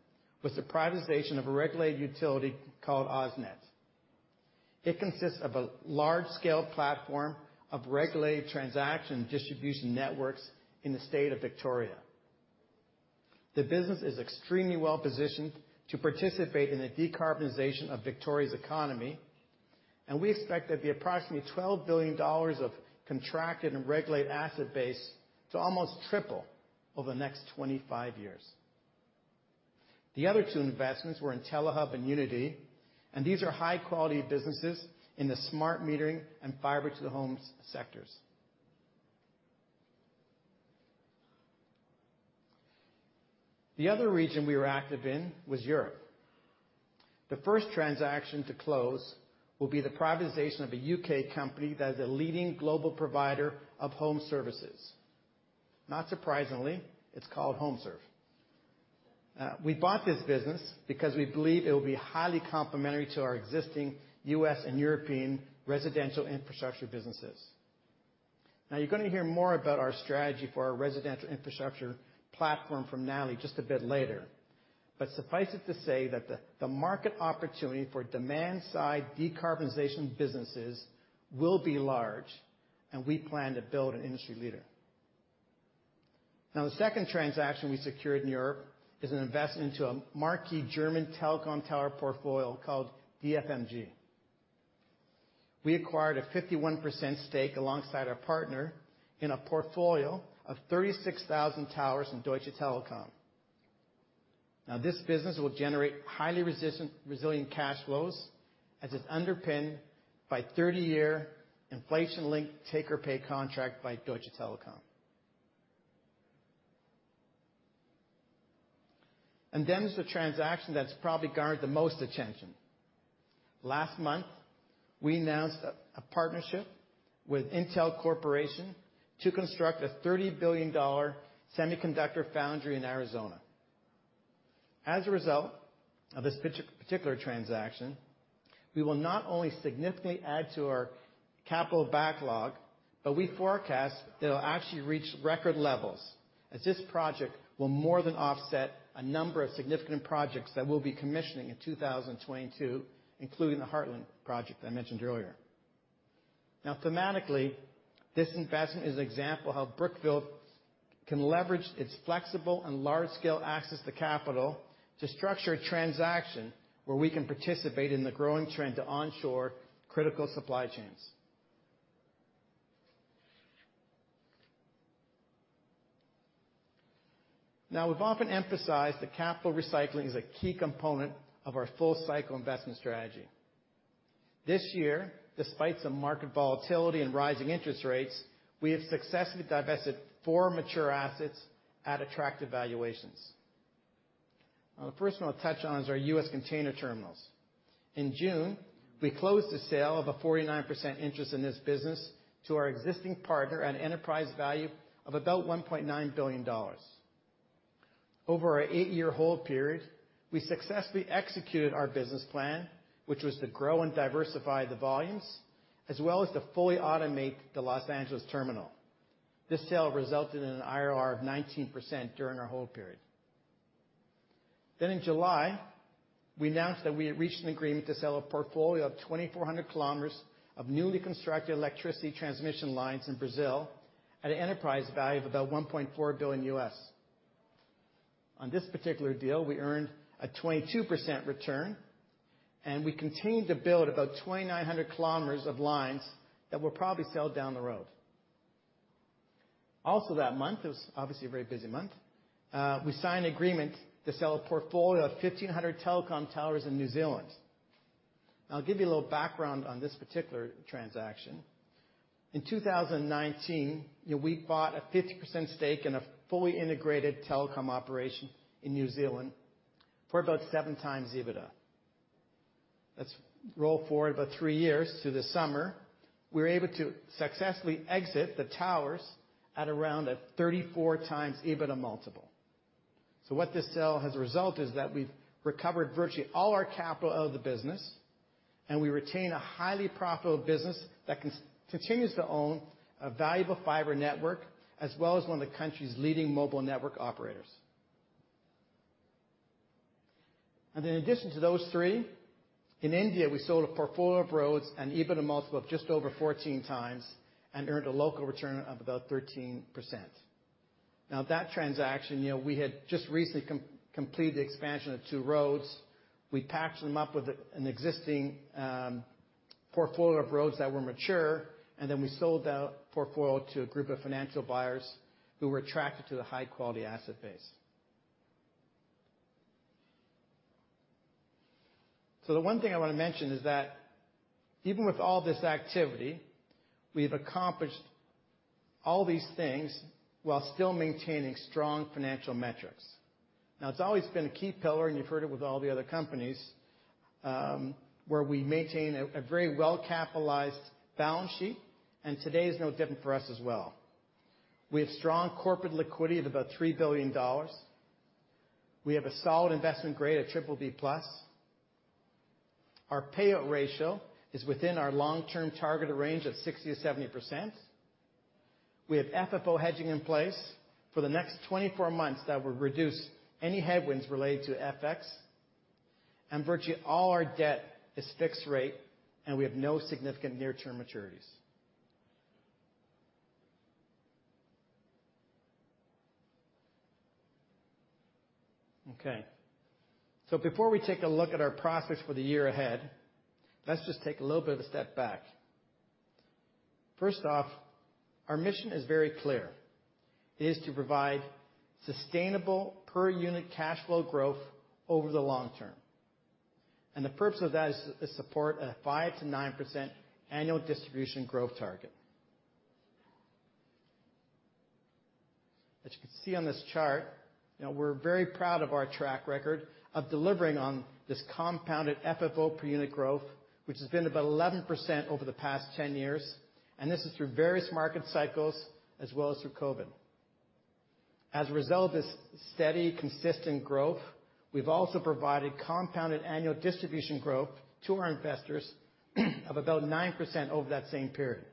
was the privatization of a regulated utility called AusNet. It consists of a large-scale platform of regulated transmission distribution networks in the state of Victoria. The business is extremely well-positioned to participate in the decarbonization of Victoria's economy, and we expect there'll be approximately $12 billion of contracted and regulated asset base to almost triple over the next 25 years. The other two investments were in IntelliHub and Uniti, and these are high-quality businesses in the smart metering and fiber to the homes sectors. The other region we were active in was Europe. The first transaction to close will be the privatization of a U.K. company that is a leading global provider of home services. Not surprisingly, it's called HomeServe. We bought this business because we believe it will be highly complementary to our existing U.S. and European residential infrastructure businesses. Now, you're gonna hear more about our strategy for our residential infrastructure platform from Natalie just a bit later. Suffice it to say that the market opportunity for demand-side decarbonization businesses will be large, and we plan to build an industry leader. Now, the second transaction we secured in Europe is an investment into a marquee German telecom tower portfolio called DFMG. We acquired a 51% stake alongside our partner in a portfolio of 36,000 towers in Deutsche Telekom. Now, this business will generate highly resilient cash flows, as it's underpinned by 30-year inflation-linked take-or-pay contract by Deutsche Telekom. Then to the transaction that's probably garnered the most attention. Last month, we announced a partnership with Intel Corporation to construct a $30 billion semiconductor foundry in Arizona. As a result of this particular transaction, we will not only significantly add to our capital backlog, but we forecast that it'll actually reach record levels, as this project will more than offset a number of significant projects that we'll be commissioning in 2022, including the Heartland project I mentioned earlier. Now thematically, this investment is an example how Brookfield can leverage its flexible and large-scale access to capital to structure a transaction where we can participate in the growing trend to onshore critical supply chains. Now we've often emphasized that capital recycling is a key component of our full-cycle investment strategy. This year, despite some market volatility and rising interest rates, we have successfully divested four mature assets at attractive valuations. Now, the first one I'll touch on is our U.S. container terminals. In June, we closed the sale of a 49% interest in this business to our existing partner at an enterprise value of about $1.9 billion. Over our eight-year hold period, we successfully executed our business plan, which was to grow and diversify the volumes, as well as to fully automate the Los Angeles terminal. This sale resulted in an IRR of 19% during our hold period. In July, we announced that we had reached an agreement to sell a portfolio of 2,400 km of newly constructed electricity transmission lines in Brazil at an enterprise value of about $1.4 billion. On this particular deal, we earned a 22% return, and we continue to build about 2,900 km of lines that will probably sell down the road. Also that month, it was obviously a very busy month, we signed an agreement to sell a portfolio of 1,500 telecom towers in New Zealand. I'll give you a little background on this particular transaction. In 2019, you know, we bought a 50% stake in a fully integrated telecom operation in New Zealand for about 7x EBITDA. Let's roll forward about three years to this summer. We were able to successfully exit the towers at around a 34x EBITDA multiple. What this sale has resulted is that we've recovered virtually all our capital out of the business, and we retain a highly profitable business that continues to own a valuable fiber network, as well as one of the country's leading mobile network operators. In addition to those three, in India, we sold a portfolio of roads at an EBITDA multiple of just over 14x and earned a local return of about 13%. Now that transaction, you know, we had just recently completed the expansion of two roads. We packed them up with an existing portfolio of roads that were mature, and then we sold that portfolio to a group of financial buyers who were attracted to the high-quality asset base. The one thing I wanna mention is that even with all this activity, we've accomplished all these things while still maintaining strong financial metrics. Now, it's always been a key pillar, and you've heard it with all the other companies, where we maintain a very well-capitalized balance sheet, and today is no different for us as well. We have strong corporate liquidity of about $3 billion. We have a solid investment grade, BBB+. Our payout ratio is within our long-term targeted range of 60%-70%. We have FFO hedging in place for the next 24 months that will reduce any headwinds related to FX. Virtually all our debt is fixed rate, and we have no significant near-term maturities. Okay. Before we take a look at our process for the year ahead, let's just take a little bit of a step back. First off, our mission is very clear to provide sustainable per unit cash flow growth over the long term. The purpose of that is to support a 5%-9% annual distribution growth target. As you can see on this chart, you know, we're very proud of our track record of delivering on this compounded FFO per unit growth, which has been about 11% over the past 10 years, and this is through various market cycles as well as through COVID. As a result of this steady, consistent growth, we've also provided compounded annual distribution growth to our investors of about 9% over that same period.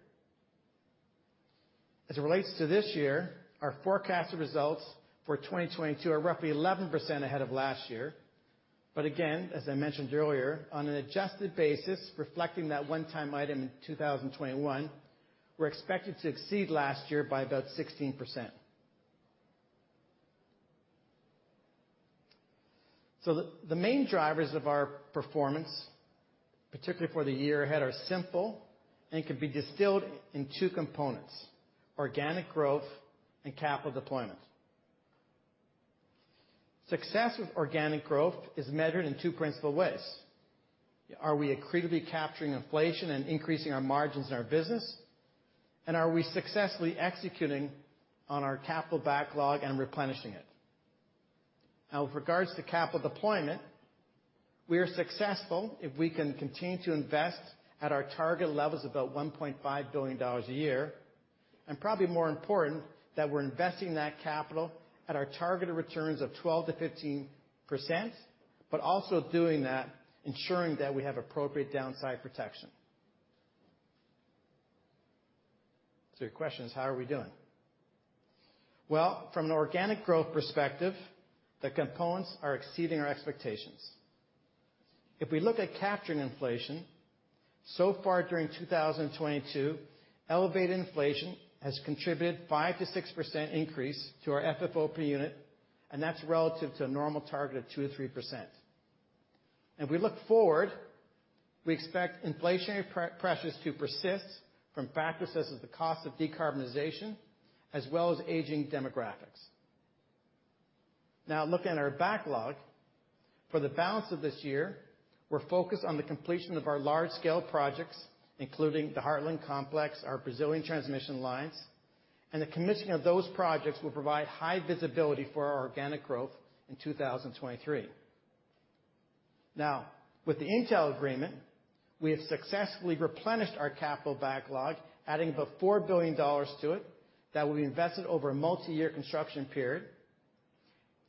As it relates to this year, our forecasted results for 2022 are roughly 11% ahead of last year. Again, as I mentioned earlier, on an adjusted basis, reflecting that one-time item in 2021, we're expected to exceed last year by about 16%. The main drivers of our performance, particularly for the year ahead, are simple and can be distilled in two components, organic growth and capital deployment. Success with organic growth is measured in two principal ways. Are we accretively capturing inflation and increasing our margins in our business? Are we successfully executing on our capital backlog and replenishing it? Now, with regards to capital deployment, we are successful if we can continue to invest at our target levels about $1.5 billion a year, and probably more important, that we're investing that capital at our targeted returns of 12%-15%, but also doing that, ensuring that we have appropriate downside protection. Your question is, how are we doing? Well, from an organic growth perspective, the components are exceeding our expectations. If we look at capturing inflation, so far during 2022, elevated inflation has contributed 5%-6% increase to our FFO per unit, and that's relative to a normal target of 2%-3%. If we look forward, we expect inflationary pressures to persist from factors such as the cost of decarbonization as well as aging demographics. Now looking at our backlog, for the balance of this year, we're focused on the completion of our large-scale projects, including the Heartland Complex, our Brazilian transmission lines, and the commissioning of those projects will provide high visibility for our organic growth in 2023. Now, with the Intel agreement, we have successfully replenished our capital backlog, adding about $4 billion to it that will be invested over a multi-year construction period.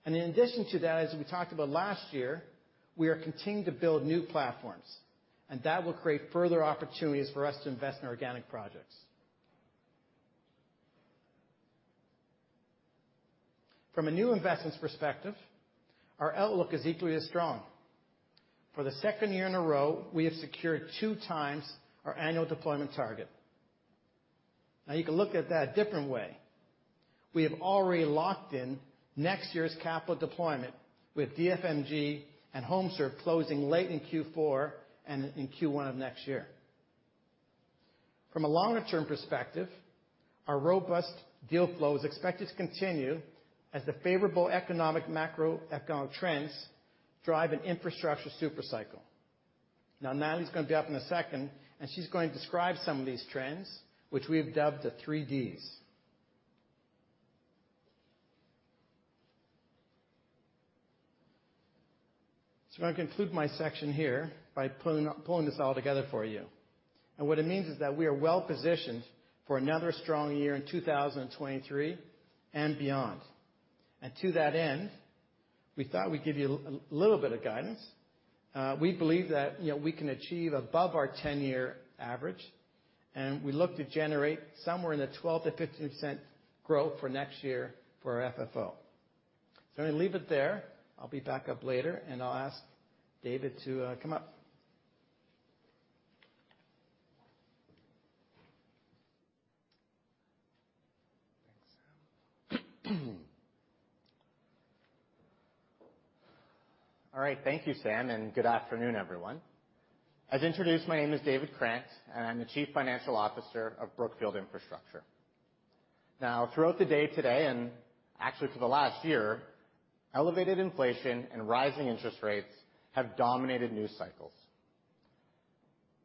In addition to that, as we talked about last year, we are continuing to build new platforms, and that will create further opportunities for us to invest in organic projects. From a new investments perspective, our outlook is equally as strong. For the second year in a row, we have secured 2x our annual deployment target. Now you can look at that a different way. We have already locked in next year's capital deployment with DFMG and HomeServe closing late in Q4 and in Q1 of next year. From a longer-term perspective, our robust deal flow is expected to continue as the favorable economic macroeconomic trends drive an infrastructure super cycle. Now, Natalie's gonna be up in a second, and she's going to describe some of these trends, which we've dubbed the three Ds. I'm gonna conclude my section here by pulling this all together for you. What it means is that we are well-positioned for another strong year in 2023 and beyond. To that end, we thought we'd give you a little bit of guidance. We believe that, you know, we can achieve above our 10-year average, and we look to generate somewhere in the 12%-15% growth for next year for our FFO. I'm gonna leave it there. I'll be back up later, and I'll ask David to come up. Thanks, Sam. All right. Thank you, Sam, and good afternoon, everyone. As introduced, my name is David Krant, and I'm the Chief Financial Officer of Brookfield Infrastructure. Now, throughout the day today, and actually for the last year, elevated inflation and rising interest rates have dominated news cycles.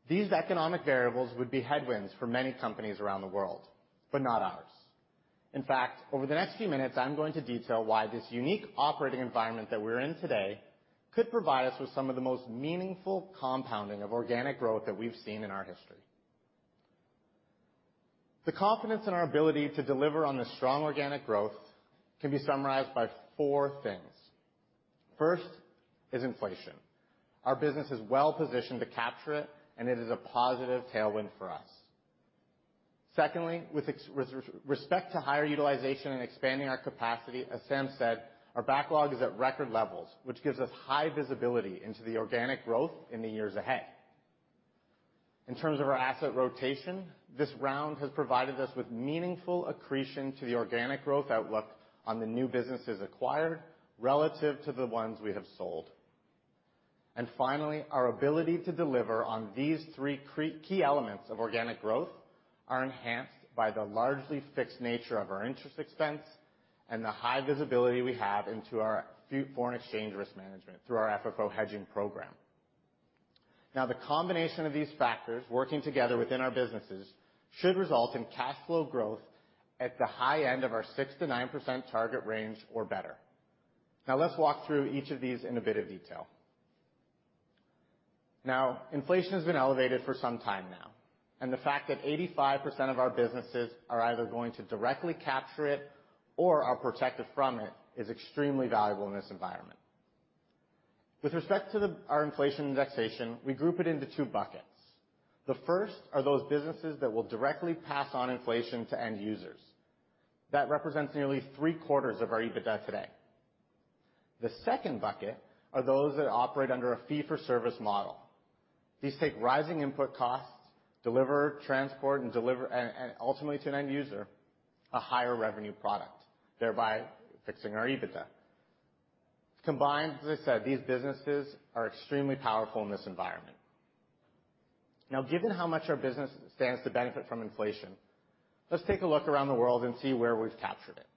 These economic variables would be headwinds for many companies around the world, but not ours. In fact, over the next few minutes, I'm going to detail why this unique operating environment that we're in today could provide us with some of the most meaningful compounding of organic growth that we've seen in our history. The confidence in our ability to deliver on this strong organic growth can be summarized by four things. First is inflation. Our business is well-positioned to capture it, and it is a positive tailwind for us. Secondly, with respect to higher utilization and expanding our capacity, as Sam said, our backlog is at record levels, which gives us high visibility into the organic growth in the years ahead. In terms of our asset rotation, this round has provided us with meaningful accretion to the organic growth outlook on the new businesses acquired relative to the ones we have sold. Finally, our ability to deliver on these three key elements of organic growth are enhanced by the largely fixed nature of our interest expense and the high visibility we have into our foreign exchange risk management through our FFO hedging program. Now, the combination of these factors working together within our businesses should result in cash flow growth at the high end of our 6%-9% target range or better. Now let's walk through each of these in a bit of detail. Now, inflation has been elevated for some time now, and the fact that 85% of our businesses are either going to directly capture it or are protected from it is extremely valuable in this environment. With respect to our inflation indexation, we group it into two buckets. The first are those businesses that will directly pass on inflation to end users. That represents nearly three-quarters of our EBITDA today. The second bucket are those that operate under a fee-for-service model. These take rising input costs, deliver, transport, and ultimately to an end user a higher revenue product, thereby fixing our EBITDA. Combined, as I said, these businesses are extremely powerful in this environment. Now, given how much our business stands to benefit from inflation, let's take a look around the world and see where we've captured it.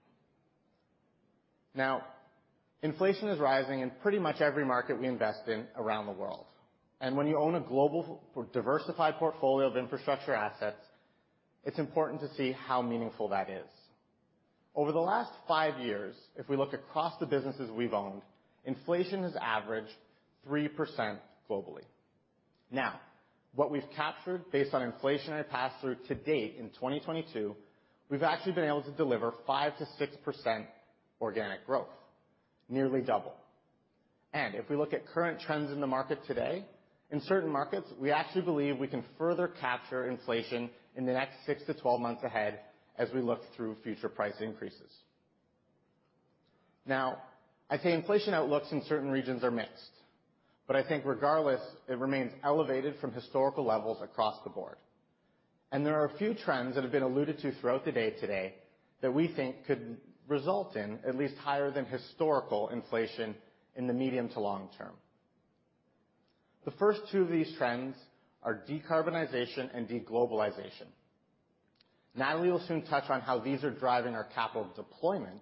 Now, inflation is rising in pretty much every market we invest in around the world. When you own a global diversified portfolio of infrastructure assets. It's important to see how meaningful that is. Over the last five years, if we look across the businesses we've owned, inflation has averaged 3% globally. Now, what we've captured based on inflationary passthrough to date in 2022, we've actually been able to deliver 5%-6% organic growth, nearly double. If we look at current trends in the market today, in certain markets, we actually believe we can further capture inflation in the next six to 12 months ahead as we look through future price increases. Now, I'd say inflation outlooks in certain regions are mixed, but I think regardless, it remains elevated from historical levels across the board. There are a few trends that have been alluded to throughout the day today that we think could result in at least higher than historical inflation in the medium to long term. The first two of these trends are decarbonization and deglobalization. Natalie will soon touch on how these are driving our capital deployment.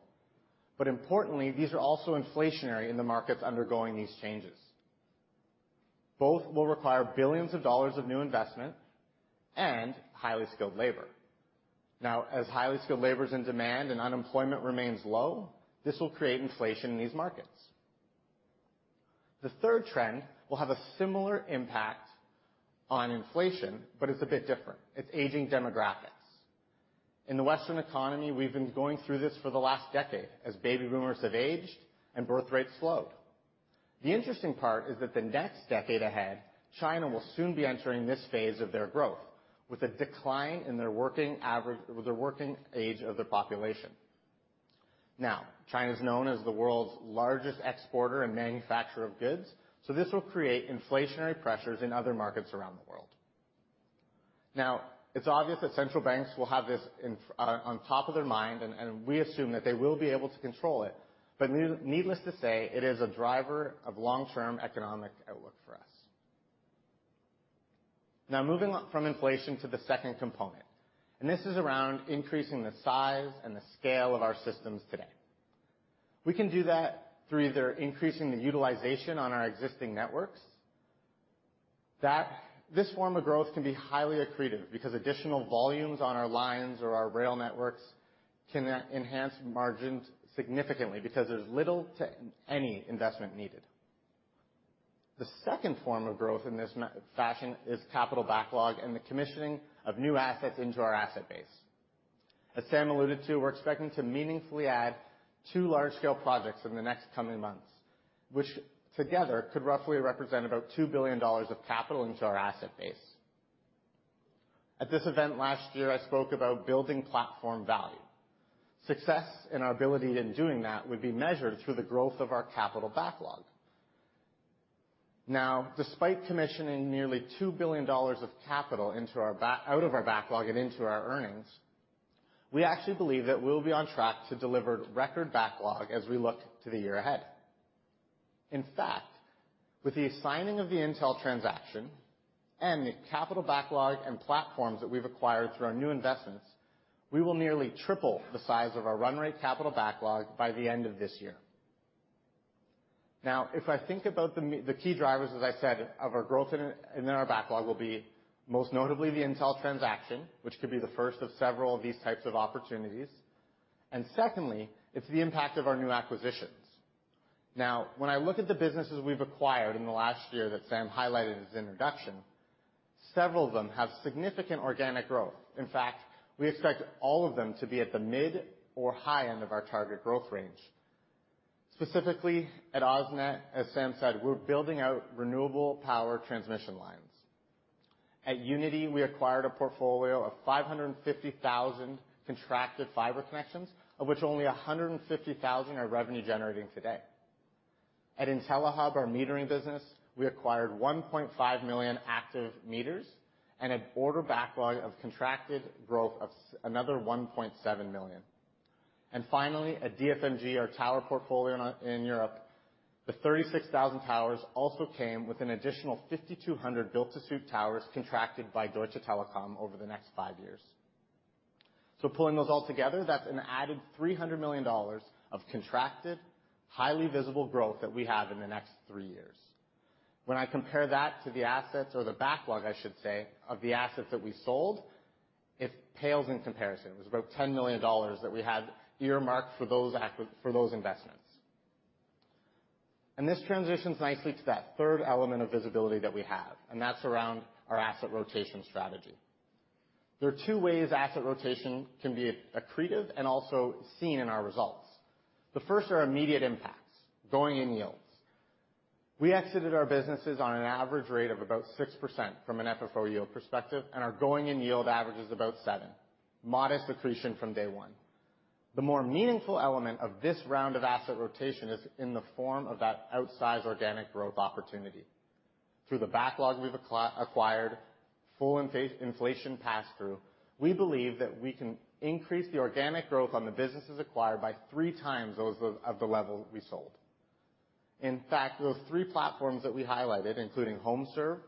Importantly, these are also inflationary in the markets undergoing these changes. Both will require billions of dollars of new investment and highly skilled labor. Now, as highly skilled labor is in demand and unemployment remains low, this will create inflation in these markets. The third trend will have a similar impact on inflation, but it's a bit different. It's aging demographics. In the Western economy, we've been going through this for the last decade as baby boomers have aged and birth rates slowed. The interesting part is that the next decade ahead, China will soon be entering this phase of their growth with a decline in their working age of their population. Now, China is known as the world's largest exporter and manufacturer of goods, so this will create inflationary pressures in other markets around the world. Now, it's obvious that central banks will have this in, on top of their mind, and we assume that they will be able to control it. Needless to say, it is a driver of long-term economic outlook for us. Now, moving on from inflation to the second component, and this is around increasing the size and the scale of our systems today. We can do that through either increasing the utilization on our existing networks. This form of growth can be highly accretive because additional volumes on our lines or our rail networks can enhance margins significantly because there's little to any investment needed. The second form of growth in this fashion is capital backlog and the commissioning of new assets into our asset base. As Sam alluded to, we're expecting to meaningfully add two large-scale projects in the next coming months, which together could roughly represent about $2 billion of capital into our asset base. At this event last year, I spoke about building platform value. Success in our ability in doing that would be measured through the growth of our capital backlog. Despite commissioning nearly $2 billion of capital out of our backlog and into our earnings, we actually believe that we'll be on track to deliver record backlog as we look to the year ahead. In fact, with the assigning of the Intel transaction and the capital backlog and platforms that we've acquired through our new investments, we will nearly triple the size of our run rate capital backlog by the end of this year. If I think about the key drivers, as I said, of our growth in our backlog will be most notably the Intel transaction, which could be the first of several of these types of opportunities. Secondly, it's the impact of our new acquisitions. Now, when I look at the businesses we've acquired in the last year that Sam highlighted in his introduction, several of them have significant organic growth. In fact, we expect all of them to be at the mid or high end of our target growth range. Specifically at AusNet, as Sam said, we're building out renewable power transmission lines. At Uniti, we acquired a portfolio of 550,000 contracted fiber connections, of which only 150,000 are revenue generating today. At IntelliHub, our metering business, we acquired 1.5 million active meters and an order backlog of contracted growth of another 1.7 million. Finally, at DFMG, our tower portfolio in Europe, the 36,000 towers also came with an additional 5,200 built-to-suit towers contracted by Deutsche Telekom over the next five years. Pulling those all together, that's an added $300 million of contracted, highly visible growth that we have in the next three years. When I compare that to the assets or the backlog, I should say, of the assets that we sold, it pales in comparison. It was about $10 million that we had earmarked for those investments. This transitions nicely to that third element of visibility that we have, and that's around our asset rotation strategy. There are two ways asset rotation can be accretive and also seen in our results. The first are immediate impacts, going in yields. We exited our businesses on an average rate of about 6% from an FFO yield perspective, and our going in yield average is about 7%, modest accretion from day one. The more meaningful element of this round of asset rotation is in the form of that outsized organic growth opportunity. Through the backlog we've acquired, full inflation pass-through, we believe that we can increase the organic growth on the businesses acquired by 3x those of the level we sold. In fact, those three platforms that we highlighted, including HomeServe,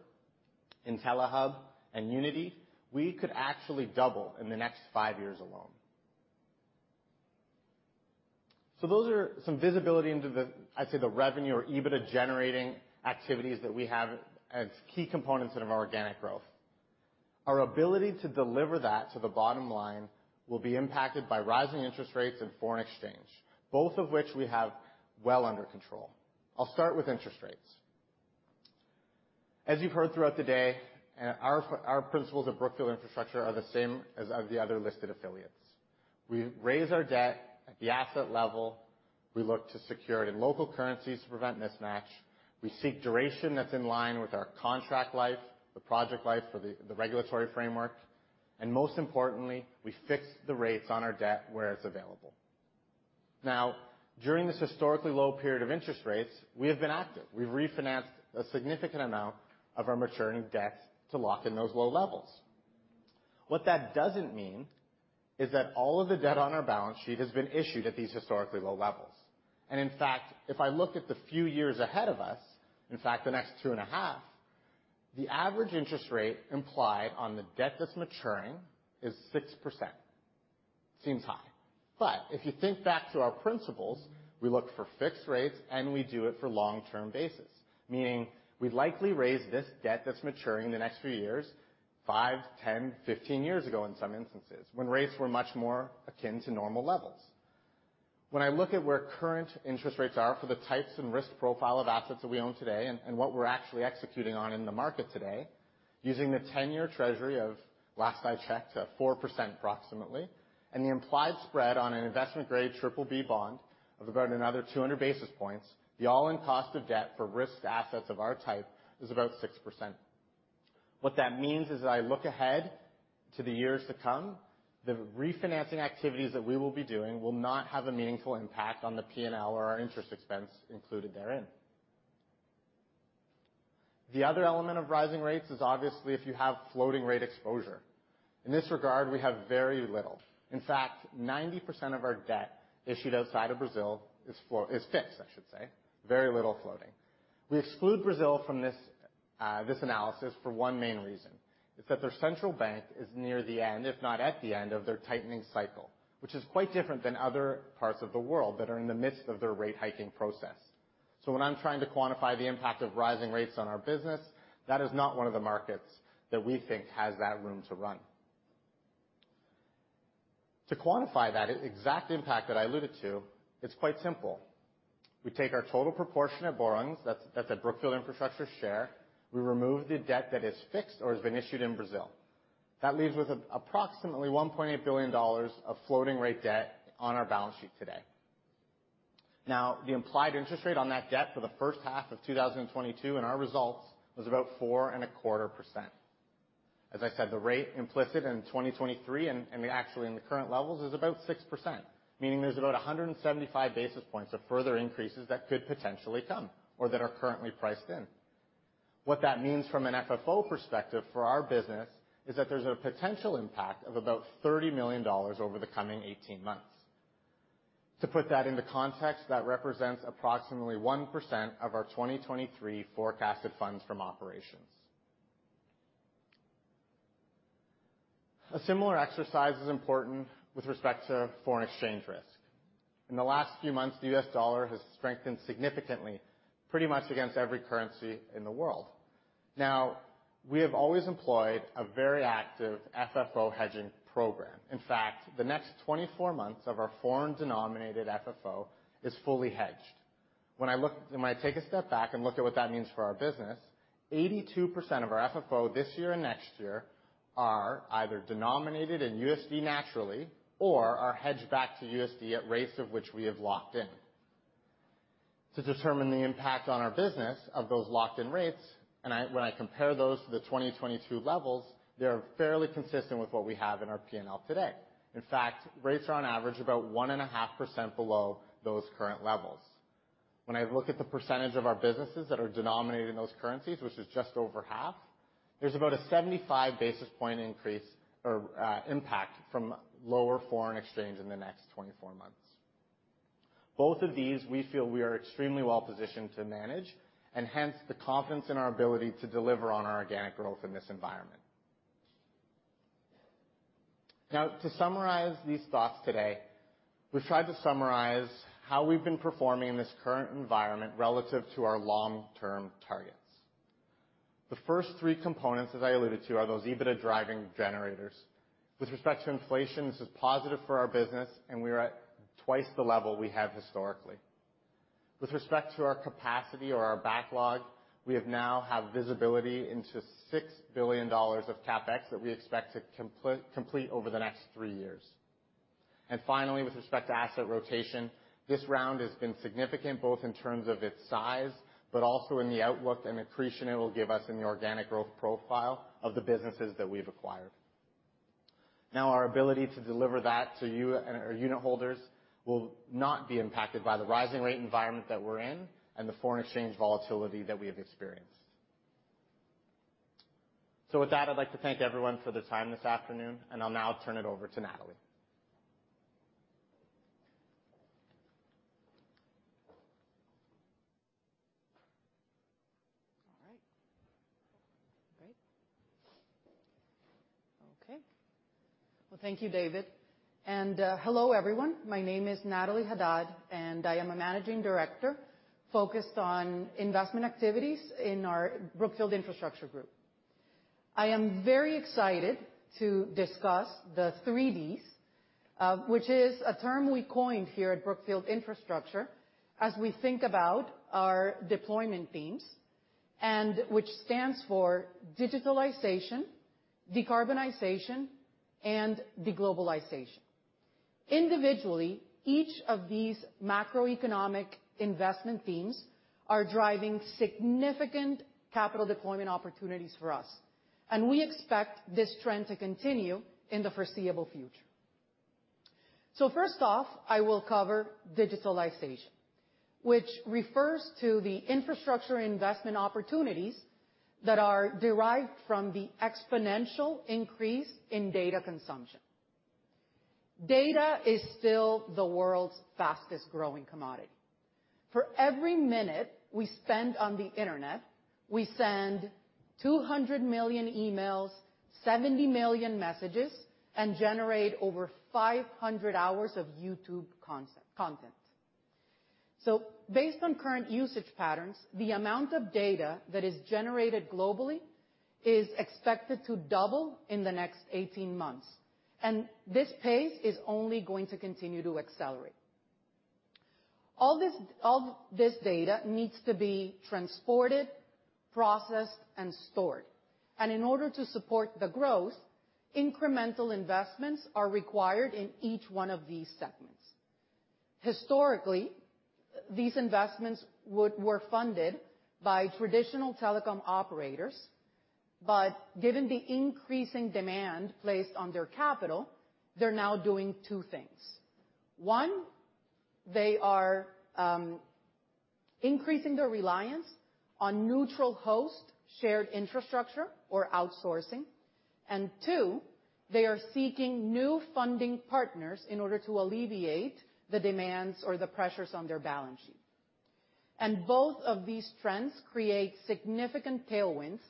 IntelliHub, and Uniti, we could actually double in the next five years alone. Those are some visibility into the, I'd say, the revenue or EBITDA generating activities that we have as key components of our organic growth. Our ability to deliver that to the bottom line will be impacted by rising interest rates and foreign exchange, both of which we have well under control. I'll start with interest rates. As you've heard throughout the day, our principles at Brookfield Infrastructure are the same as are the other listed affiliates. We raise our debt at the asset level. We look to security in local currencies to prevent mismatch. We seek duration that's in line with our contract life, the project life for the regulatory framework, and most importantly, we fix the rates on our debt where it's available. Now, during this historically low period of interest rates, we have been active. We've refinanced a significant amount of our maturing debt to lock in those low levels. What that doesn't mean is that all of the debt on our balance sheet has been issued at these historically low levels. If I look at the few years ahead of us, in fact, the next 2.5 years, the average interest rate implied on the debt that's maturing is 6%. Seems high. But if you think back to our principles, we look for fixed rates, and we do it for long-term basis. Meaning, we likely raise this debt that's maturing in the next few years, five, 10, 15 years ago in some instances, when rates were much more akin to normal levels. When I look at where current interest rates are for the types and risk profile of assets that we own today and what we're actually executing on in the market today, using the 10-year Treasury of, last I checked, 4% approximately, and the implied spread on an investment-grade triple B bond of about another 200 basis points, the all-in cost of debt for risked assets of our type is about 6%. What that means is that I look ahead to the years to come, the refinancing activities that we will be doing will not have a meaningful impact on the P&L or our interest expense included therein. The other element of rising rates is obviously if you have floating rate exposure. In this regard, we have very little. In fact, 90% of our debt issued outside of Brazil is fixed, I should say. Very little floating. We exclude Brazil from this analysis for one main reason. It's that their central bank is near the end, if not at the end of their tightening cycle, which is quite different than other parts of the world that are in the midst of their rate hiking process. When I'm trying to quantify the impact of rising rates on our business, that is not one of the markets that we think has that room to run. To quantify that exact impact that I alluded to, it's quite simple. We take our total proportion of borrowings, that's a Brookfield Infrastructure share. We remove the debt that is fixed or has been issued in Brazil. That leaves approximately $1.8 billion of floating rate debt on our balance sheet today. Now, the implied interest rate on that debt for the 1st half of 2022 in our results was about 4.25%. As I said, the rate implicit in 2023 and actually in the current levels is about 6%, meaning there's about 175 basis points of further increases that could potentially come or that are currently priced in. What that means from an FFO perspective for our business is that there's a potential impact of about $30 million over the coming 18 months. To put that into context, that represents approximately 1% of our 2023 forecasted funds from operations. A similar exercise is important with respect to foreign exchange risk. In the last few months, the U.S. dollar has strengthened significantly, pretty much against every currency in the world. Now, we have always employed a very active FFO hedging program. In fact, the next 24 months of our foreign denominated FFO is fully hedged. When I take a step back and look at what that means for our business, 82% of our FFO this year and next year are either denominated in USD naturally or are hedged back to USD at rates of which we have locked in. To determine the impact on our business of those locked in rates, when I compare those to the 2022 levels, they are fairly consistent with what we have in our P&L today. In fact, rates are on average about 1.5% below those current levels. When I look at the percentage of our businesses that are denominated in those currencies, which is just over half, there's about a 75 basis point increase or impact from lower foreign exchange in the next 24 months. Both of these, we feel we are extremely well-positioned to manage, and hence the confidence in our ability to deliver on our organic growth in this environment. Now, to summarize these thoughts today, we've tried to summarize how we've been performing in this current environment relative to our long-term targets. The first three components, as I alluded to, are those EBITDA driving generators. With respect to inflation, this is positive for our business, and we are at twice the level we have historically. With respect to our capacity or our backlog, we now have visibility into $6 billion of CapEx that we expect to complete over the next three years. Finally, with respect to asset rotation, this round has been significant, both in terms of its size, but also in the outlook and accretion it will give us in the organic growth profile of the businesses that we've acquired. Now, our ability to deliver that to you and our unit holders will not be impacted by the rising rate environment that we're in and the foreign exchange volatility that we have experienced. With that, I'd like to thank everyone for their time this afternoon, and I'll now turn it over to Natalie. Okay. Well, thank you, David. Hello, everyone. My name is Natalie Hadad, and I am a managing director focused on investment activities in our Brookfield Infrastructure Group. I am very excited to discuss the three Ds, which is a term we coined here at Brookfield Infrastructure as we think about our deployment themes, and which stands for digitalization, decarbonization, and deglobalization. Individually, each of these macroeconomic investment themes are driving significant capital deployment opportunities for us, and we expect this trend to continue in the foreseeable future. First off, I will cover digitalization, which refers to the infrastructure investment opportunities that are derived from the exponential increase in data consumption. Data is still the world's fastest-growing commodity. For every minute we spend on the Internet, we send 200 million emails, 70 million messages, and generate over 500 hours of YouTube content. Based on current usage patterns, the amount of data that is generated globally is expected to double in the next 18 months, and this pace is only going to continue to accelerate. All this data needs to be transported, processed, and stored, and in order to support the growth, incremental investments are required in each one of these segments. Historically, these investments were funded by traditional telecom operators, but given the increasing demand placed on their capital, they're now doing two things. One, they are increasing their reliance on neutral host shared infrastructure or outsourcing. Two, they are seeking new funding partners in order to alleviate the demands or the pressures on their balance sheet. Both of these trends create significant tailwinds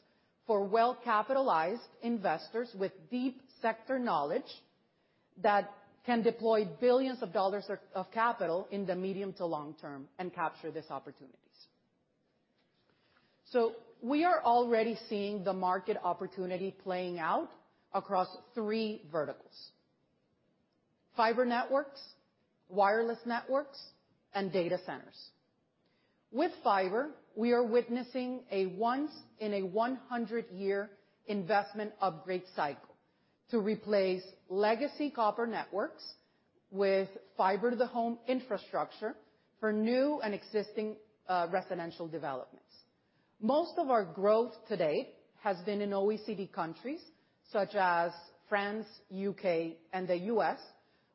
for well-capitalized investors with deep sector knowledge that can deploy billions of dollars of capital in the medium to long term and capture these opportunities. We are already seeing the market opportunity playing out across three verticals, fiber networks, wireless networks, and data centers. With fiber, we are witnessing a once-in-a-100-year investment upgrade cycle to replace legacy copper networks with fiber to the home infrastructure for new and existing residential developments. Most of our growth to date has been in OECD countries such as France, U.K., and the U.S.,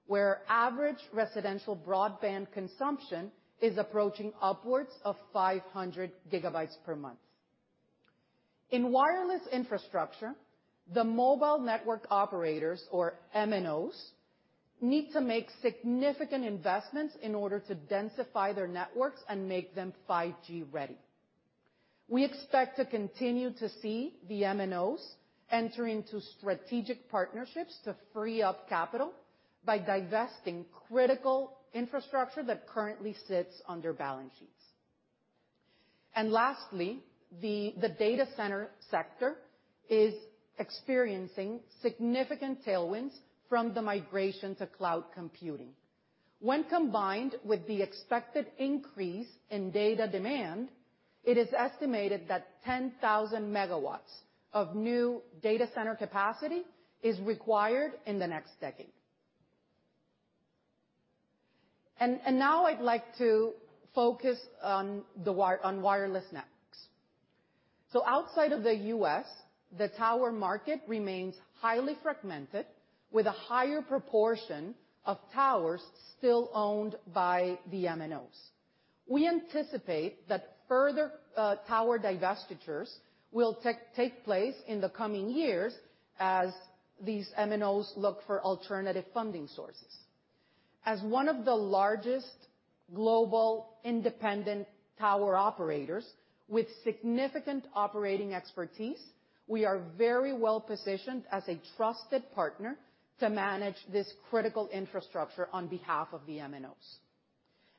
where average residential broadband consumption is approaching upwards of 500 gigabytes per month. In wireless infrastructure, the mobile network operators, or MNOs, need to make significant investments in order to densify their networks and make them 5G ready. We expect to continue to see the MNOs enter into strategic partnerships to free up capital by divesting critical infrastructure that currently sits on their balance sheets. Lastly, the data center sector is experiencing significant tailwinds from the migration to cloud computing. When combined with the expected increase in data demand, it is estimated that 10,000 MW of new data center capacity is required in the next decade. Now I'd like to focus on wireless networks. Outside of the U.S., the tower market remains highly fragmented with a higher proportion of towers still owned by the MNOs. We anticipate that further tower divestitures will take place in the coming years as these MNOs look for alternative funding sources. As one of the largest global independent tower operators with significant operating expertise, we are very well positioned as a trusted partner to manage this critical infrastructure on behalf of the MNOs.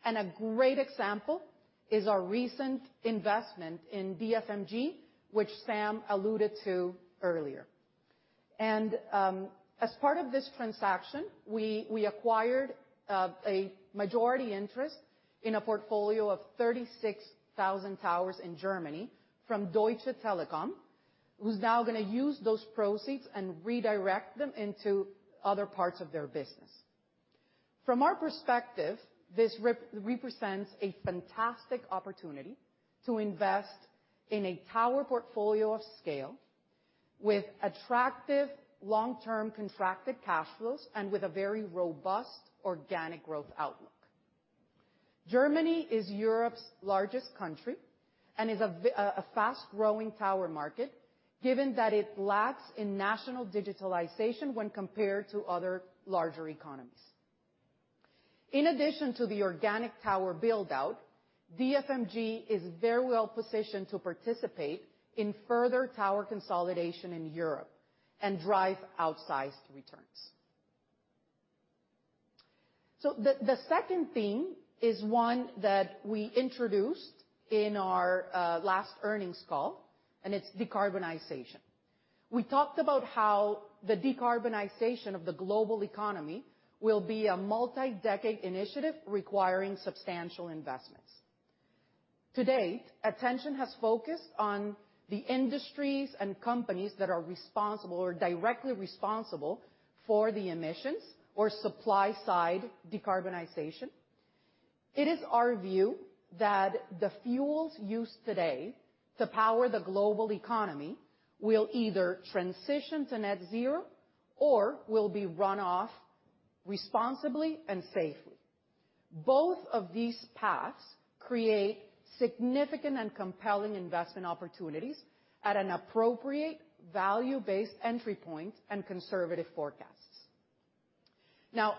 A great example is our recent investment in DFMG, which Sam alluded to earlier. As part of this transaction, we acquired a majority interest in a portfolio of 36,000 towers in Germany from Deutsche Telekom, who's now gonna use those proceeds and redirect them into other parts of their business. From our perspective, this represents a fantastic opportunity to invest in a tower portfolio of scale with attractive long-term contracted cash flows and with a very robust organic growth outlook. Germany is Europe's largest country and is a fast-growing tower market, given that it lags in national digitalization when compared to other larger economies. In addition to the organic tower build out, DFMG is very well positioned to participate in further tower consolidation in Europe and drive outsized returns. The second theme is one that we introduced in our last earnings call, and it's decarbonization. We talked about how the decarbonization of the global economy will be a multi-decade initiative requiring substantial investments. To date, attention has focused on the industries and companies that are responsible or directly responsible for the emissions or supply side decarbonization. It is our view that the fuels used today to power the global economy will either transition to net zero or will be run off responsibly and safely. Both of these paths create significant and compelling investment opportunities at an appropriate value-based entry point and conservative forecasts. Now,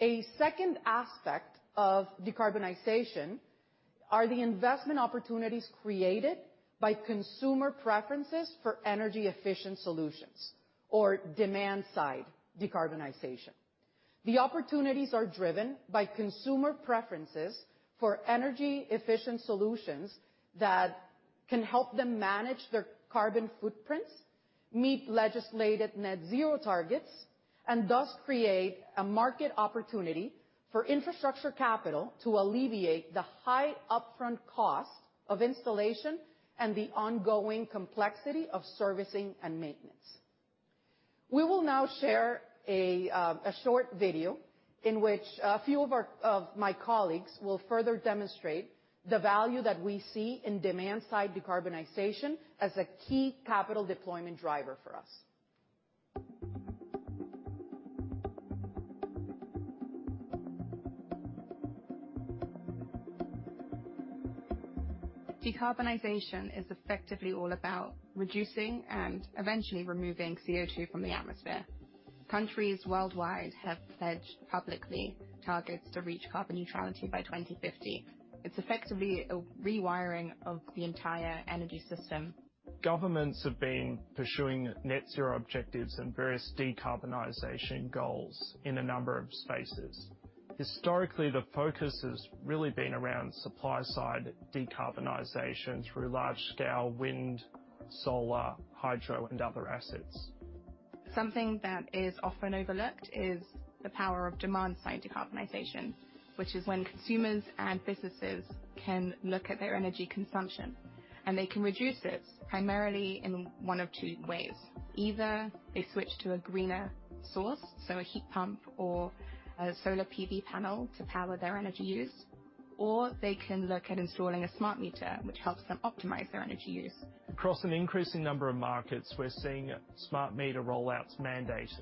a second aspect of decarbonization are the investment opportunities created by consumer preferences for energy efficient solutions or demand side decarbonization. The opportunities are driven by consumer preferences for energy efficient solutions that can help them manage their carbon footprints, meet legislated net zero targets, and thus create a market opportunity for infrastructure capital to alleviate the high upfront cost of installation and the ongoing complexity of servicing and maintenance. We will now share a short video in which a few of my colleagues will further demonstrate the value that we see in demand side decarbonization as a key capital deployment driver for us. Decarbonization is effectively all about reducing and eventually removing CO2 from the atmosphere. Countries worldwide have pledged public targets to reach carbon neutrality by 2050. It's effectively a rewiring of the entire energy system. Governments have been pursuing net zero objectives and various decarbonization goals in a number of spaces. Historically, the focus has really been around supply side decarbonization through large scale wind, solar, hydro, and other assets. Something that is often overlooked is the power of demand side decarbonization, which is when consumers and businesses can look at their energy consumption, and they can reduce this primarily in one of two ways. Either they switch to a greener source, so a heat pump or a solar PV panel to power their energy use, or they can look at installing a smart meter, which helps them optimize their energy use. Across an increasing number of markets, we're seeing smart meter rollouts mandated.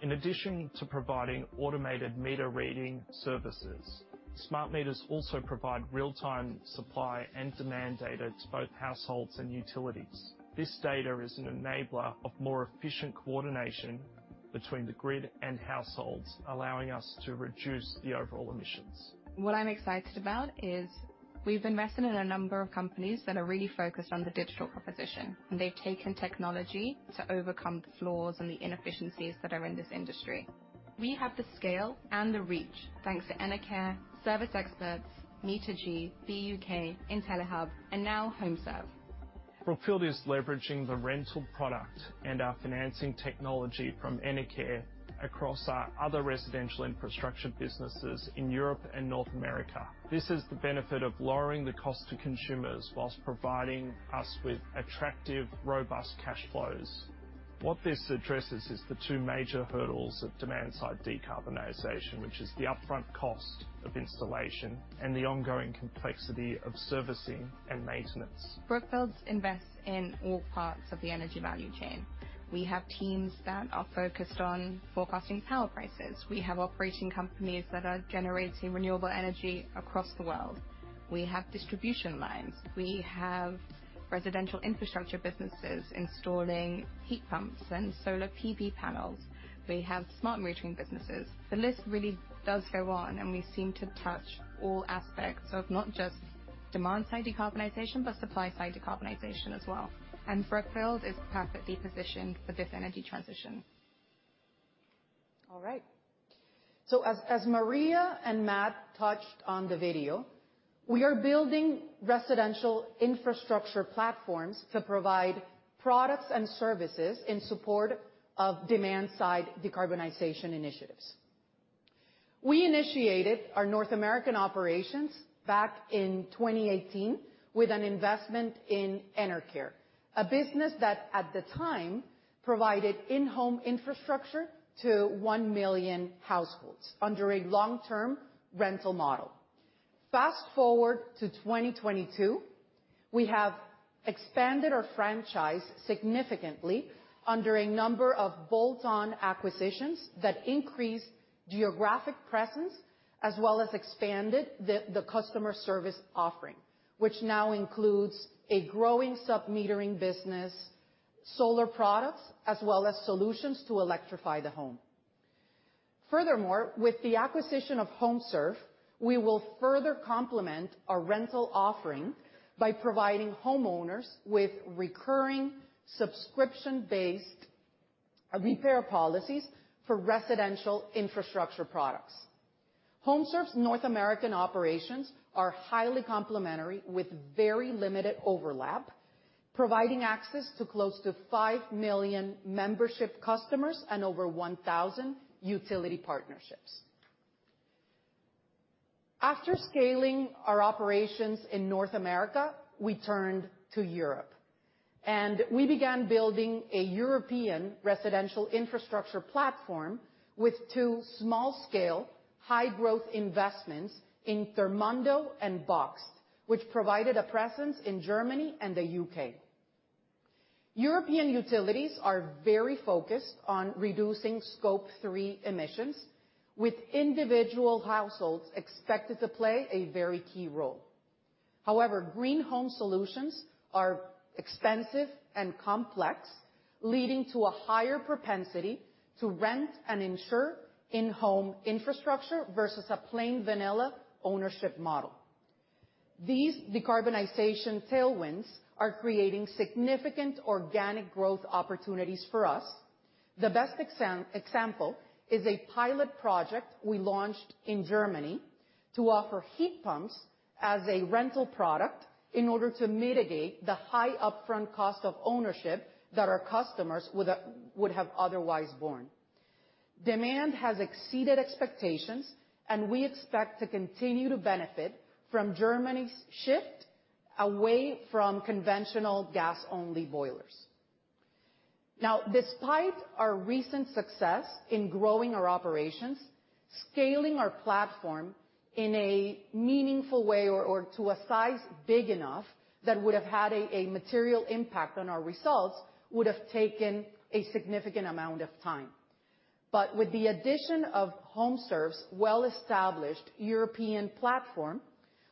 In addition to providing automated meter reading services, smart meters also provide real-time supply and demand data to both households and utilities. This data is an enabler of more efficient coordination between the grid and households, allowing us to reduce the overall emissions. What I'm excited about is we've invested in a number of companies that are really focused on the digital proposition, and they've taken technology to overcome the flaws and the inefficiencies that are in this industry. We have the scale and the reach thanks to Enercare, Service Experts, Metergy, BUK, IntelliHub, and now HomeServe. Brookfield is leveraging the rental product and our financing technology from Enercare across our other residential infrastructure businesses in Europe and North America. This is the benefit of lowering the cost to consumers while providing us with attractive, robust cash flows. What this addresses is the two major hurdles of demand side decarbonization, which is the upfront cost of installation and the ongoing complexity of servicing and maintenance. Brookfield invests in all parts of the energy value chain. We have teams that are focused on forecasting power prices. We have operating companies that are generating renewable energy across the world. We have distribution lines. We have residential infrastructure businesses installing heat pumps and solar PV panels. We have smart metering businesses. The list really does go on, and we seem to touch all aspects of not just demand side decarbonization, but supply side decarbonization as well. Brookfield is perfectly positioned for this energy transition. All right. As Maria and Matt touched on the video, we are building residential infrastructure platforms to provide products and services in support of demand side decarbonization initiatives. We initiated our North American operations back in 2018 with an investment in Enercare, a business that at the time provided in-home infrastructure to one million households under a long-term rental model. Fast-forward to 2022, we have expanded our franchise significantly under a number of bolt-on acquisitions that increase geographic presence as well as expanded the customer service offering, which now includes a growing sub-metering business, solar products, as well as solutions to electrify the home. Furthermore, with the acquisition of HomeServe, we will further complement our rental offering by providing homeowners with recurring subscription-based repair policies for residential infrastructure products. HomeServe's North American operations are highly complementary with very limited overlap, providing access to close to five million membership customers and over 1,000 utility partnerships. After scaling our operations in North America, we turned to Europe, and we began building a European residential infrastructure platform with two small-scale, high-growth investments in Thermondo and BOXT, which provided a presence in Germany and the U.K. European utilities are very focused on reducing Scope 3 emissions, with individual households expected to play a very key role. However, green home solutions are expensive and complex, leading to a higher propensity to rent and insure in-home infrastructure versus a plain vanilla ownership model. These decarbonization tailwinds are creating significant organic growth opportunities for us. The best exam-example is a pilot project we launched in Germany to offer heat pumps as a rental product in order to mitigate the high upfront cost of ownership that our customers would have otherwise borne. Demand has exceeded expectations, and we expect to continue to benefit from Germany's shift away from conventional gas-only boilers. Despite our recent success in growing our operations, scaling our platform in a meaningful way or to a size big enough that would have had a material impact on our results would have taken a significant amount of time. With the addition of HomeServe's well-established European platform,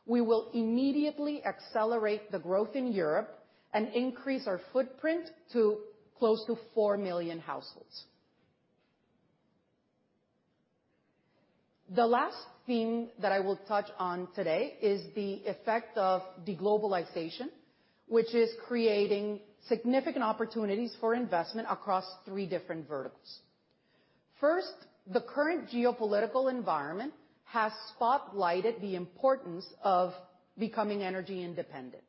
we will immediately accelerate the growth in Europe and increase our footprint to close to four million households. The last theme that I will touch on today is the effect of deglobalization, which is creating significant opportunities for investment across three different verticals. First, the current geopolitical environment has spotlighted the importance of becoming energy independent.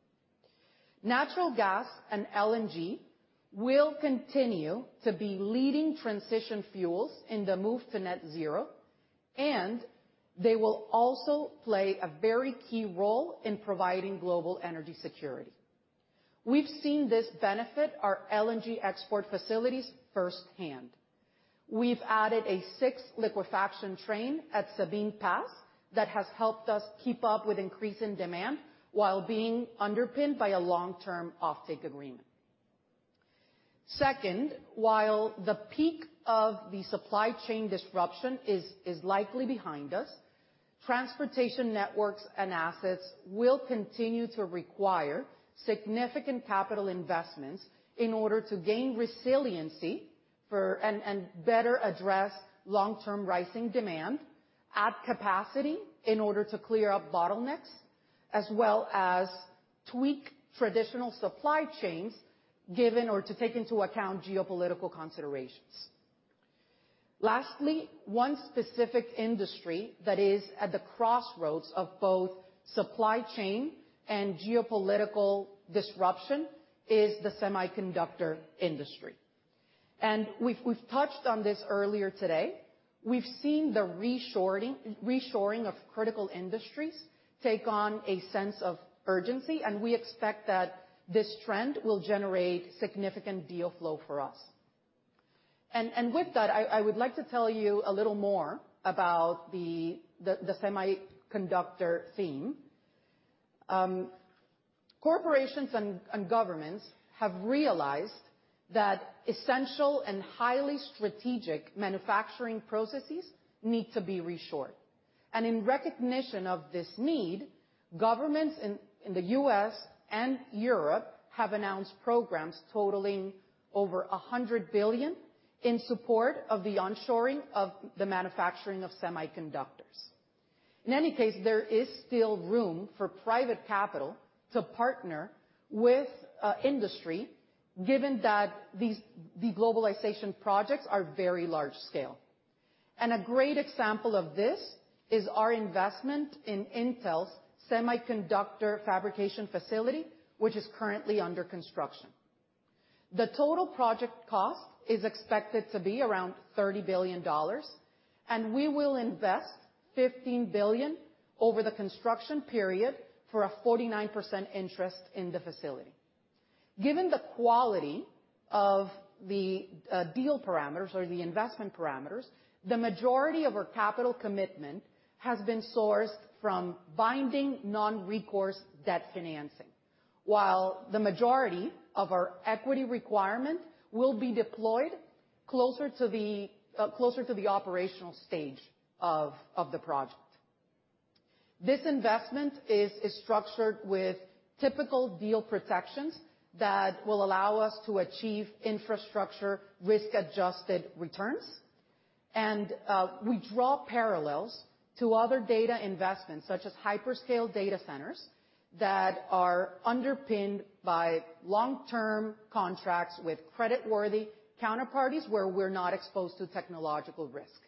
Natural gas and LNG will continue to be leading transition fuels in the move to net zero, and they will also play a very key role in providing global energy security. We've seen this benefit our LNG export facilities firsthand. We've added a sixth liquefaction train at Sabine Pass that has helped us keep up with increase in demand while being underpinned by a long-term offtake agreement. Second, while the peak of the supply chain disruption is likely behind us, transportation networks and assets will continue to require significant capital investments in order to gain resiliency for, and better address long-term rising demand, add capacity in order to clear up bottlenecks, as well as tweak traditional supply chains given or to take into account geopolitical considerations. Lastly, one specific industry that is at the crossroads of both supply chain and geopolitical disruption is the semiconductor industry. We've touched on this earlier today. We've seen the reshoring of critical industries take on a sense of urgency, and we expect that this trend will generate significant deal flow for us. With that, I would like to tell you a little more about the semiconductor theme. Corporations and governments have realized that essential and highly strategic manufacturing processes need to be reshored. In recognition of this need, governments in the U.S. and Europe have announced programs totaling over $100 billion in support of the onshoring of the manufacturing of semiconductors. In any case, there is still room for private capital to partner with industry given that these deglobalization projects are very large scale. A great example of this is our investment in Intel's semiconductor fabrication facility, which is currently under construction. The total project cost is expected to be around $30 billion, and we will invest $15 billion over the construction period for a 49% interest in the facility. Given the quality of the deal parameters or the investment parameters, the majority of our capital commitment has been sourced from binding non-recourse debt financing, while the majority of our equity requirement will be deployed closer to the operational stage of the project. This investment is structured with typical deal protections that will allow us to achieve infrastructure risk-adjusted returns. We draw parallels to other data investments, such as hyperscale data centers, that are underpinned by long-term contracts with creditworthy counterparties where we're not exposed to technological risk.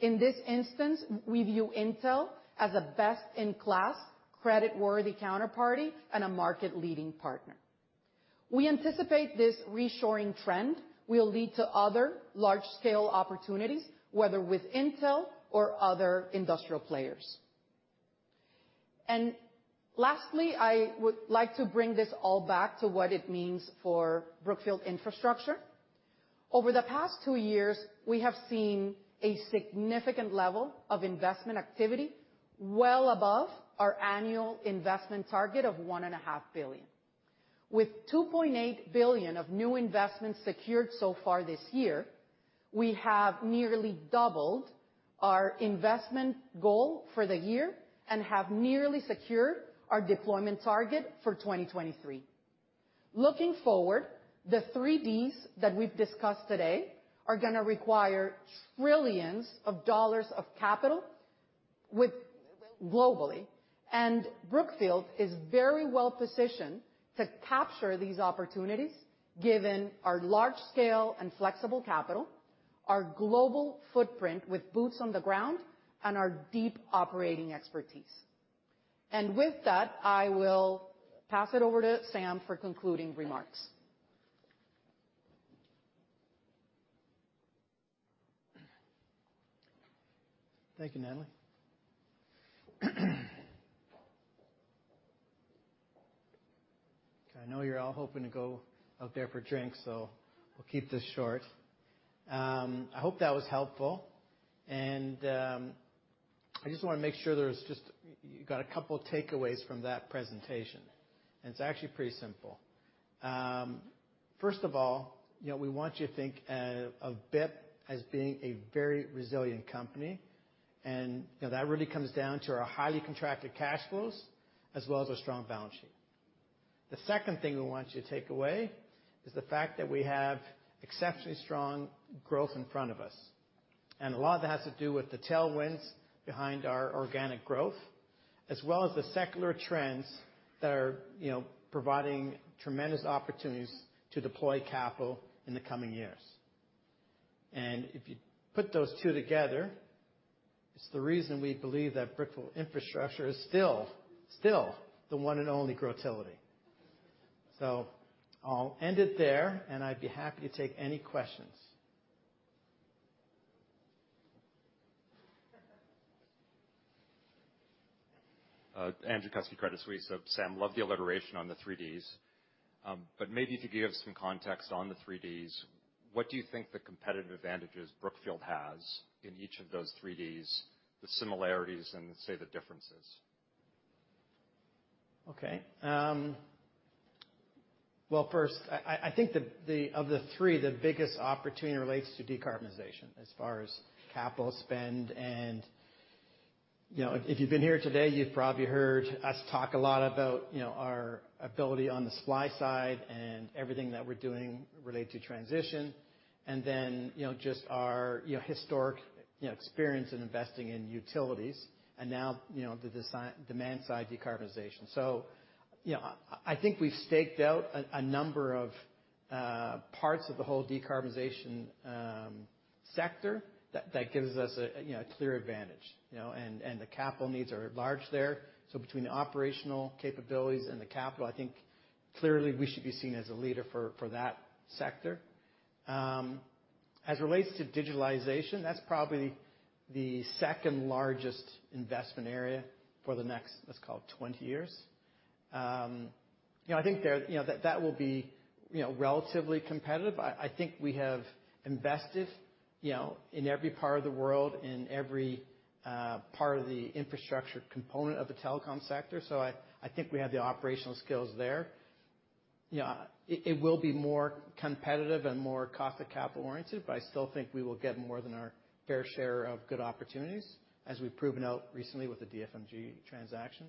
In this instance, we view Intel as a best-in-class, creditworthy counterparty and a market-leading partner. We anticipate this reshoring trend will lead to other large-scale opportunities, whether with Intel or other industrial players. Lastly, I would like to bring this all back to what it means for Brookfield Infrastructure. Over the past two years, we have seen a significant level of investment activity well above our annual investment target of $1.5 billion. With $2.8 billion of new investments secured so far this year, we have nearly doubled our investment goal for the year and have nearly secured our deployment target for 2023. Looking forward, the three Ds that we've discussed today are gonna require trillions of dollars of capital with globally, and Brookfield is very well positioned to capture these opportunities given our large scale and flexible capital, our global footprint with boots on the ground, and our deep operating expertise. With that, I will pass it over to Sam for concluding remarks. Thank you, Natalie. I know you're all hoping to go out there for drinks, so we'll keep this short. I hope that was helpful. I just wanna make sure you got a couple takeaways from that presentation, and it's actually pretty simple. First of all, you know, we want you to think of BIP as being a very resilient company, and, you know, that really comes down to our highly contracted cash flows as well as our strong balance sheet. The second thing we want you to take away is the fact that we have exceptionally strong growth in front of us, and a lot of that has to do with the tailwinds behind our organic growth, as well as the secular trends that are, you know, providing tremendous opportunities to deploy capital in the coming years. If you put those two together, it's the reason we believe that Brookfield Infrastructure is still the one and only Grow-tility. I'll end it there, and I'd be happy to take any questions. Andrew Kuske, Credit Suisse. Sam, love the alliteration on the three Ds, but maybe if you could give some context on the three Ds. What do you think the competitive advantages Brookfield has in each of those three Ds, the similarities, and say, the differences? Okay. Well, first, I think of the three, the biggest opportunity relates to decarbonization as far as capital spend. You know, if you've been here today, you've probably heard us talk a lot about, you know, our ability on the supply side and everything that we're doing related to transition, and then, you know, just our, you know, historic, you know, experience in investing in utilities and now, you know, the demand-side decarbonization. You know, I think we've staked out a number of parts of the whole decarbonization sector that gives us a clear advantage. You know, and the capital needs are large there. Between the operational capabilities and the capital, I think clearly we should be seen as a leader for that sector. As it relates to digitalization, that's probably the second largest investment area for the next, let's call it 20 years. You know, I think there, you know, that will be, you know, relatively competitive. I think we have invested, you know, in every part of the world, in every part of the infrastructure component of the telecom sector. I think we have the operational skills there. You know, it will be more competitive and more cost of capital oriented, but I still think we will get more than our fair share of good opportunities, as we've proven out recently with the DFMG transaction.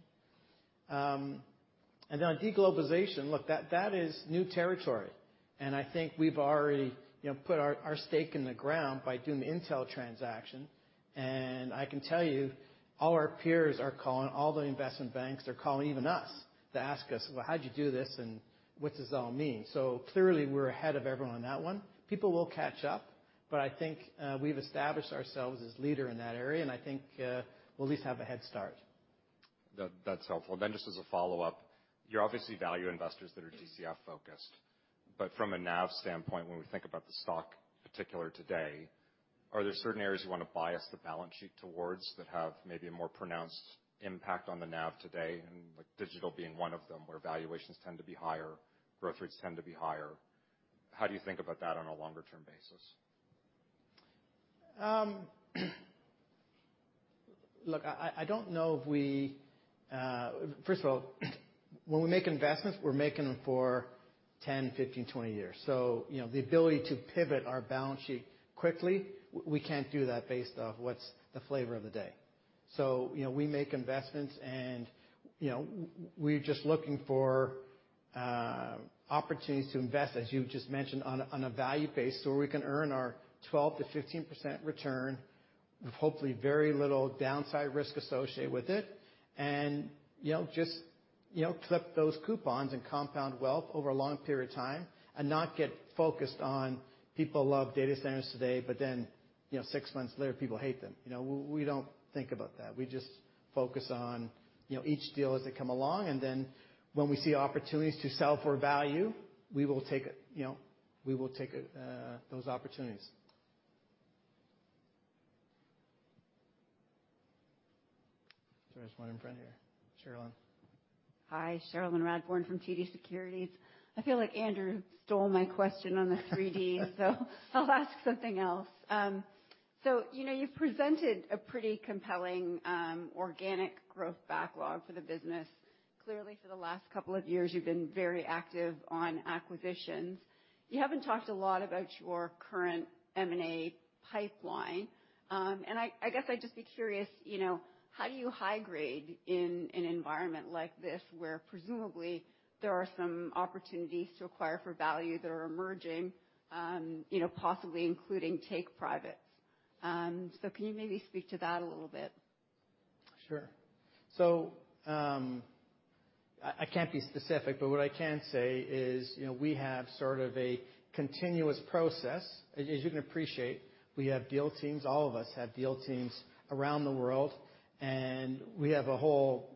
On deglobalization, look, that is new territory, and I think we've already, you know, put our stake in the ground by doing the Intel transaction. I can tell you, all our peers are calling, all the investment banks are calling even us to ask us, "Well, how'd you do this, and what does this all mean?" Clearly we're ahead of everyone on that one. People will catch up, but I think, we've established ourselves as leader in that area, and I think, we'll at least have a head start. That, that's helpful. Just as a follow-up, you're obviously value investors that are DCF focused, but from a NAV standpoint, when we think about the stock particular today, are there certain areas you want to bias the balance sheet towards that have maybe a more pronounced impact on the NAV today, and like digital being one of them, where valuations tend to be higher, growth rates tend to be higher? How do you think about that on a longer term basis? Look, I don't know if we first of all, when we make investments, we're making them for 10, 15, 20 years. You know, the ability to pivot our balance sheet quickly, we can't do that based off what's the flavor of the day. You know, we make investments and, you know, we're just looking for opportunities to invest, as you just mentioned, on a value basis, so we can earn our 12%-15% return with hopefully very little downside risk associated with it. You know, just, you know, clip those coupons and compound wealth over a long period of time and not get focused on, people love data centers today, but then, you know, six months later, people hate them. You know, we don't think about that. We just focus on, you know, each deal as they come along. When we see opportunities to sell for value, we will take, you know, those opportunities. There's one in front here. Cherilyn. Hi, Cherilyn Radbourne from TD Securities. I feel like Andrew stole my question on the three D. I'll ask something else. You know, you've presented a pretty compelling, organic growth backlog for the business. Clearly, for the last couple of years, you've been very active on acquisitions. You haven't talked a lot about your current M&A pipeline. I guess I'd just be curious, you know, how do you high grade in an environment like this, where presumably there are some opportunities to acquire for value that are emerging, you know, possibly including take privates. Can you maybe speak to that a little bit? Sure. I can't be specific, but what I can say is, you know, we have sort of a continuous process. As you can appreciate, we have deal teams. All of us have deal teams around the world, and we have a whole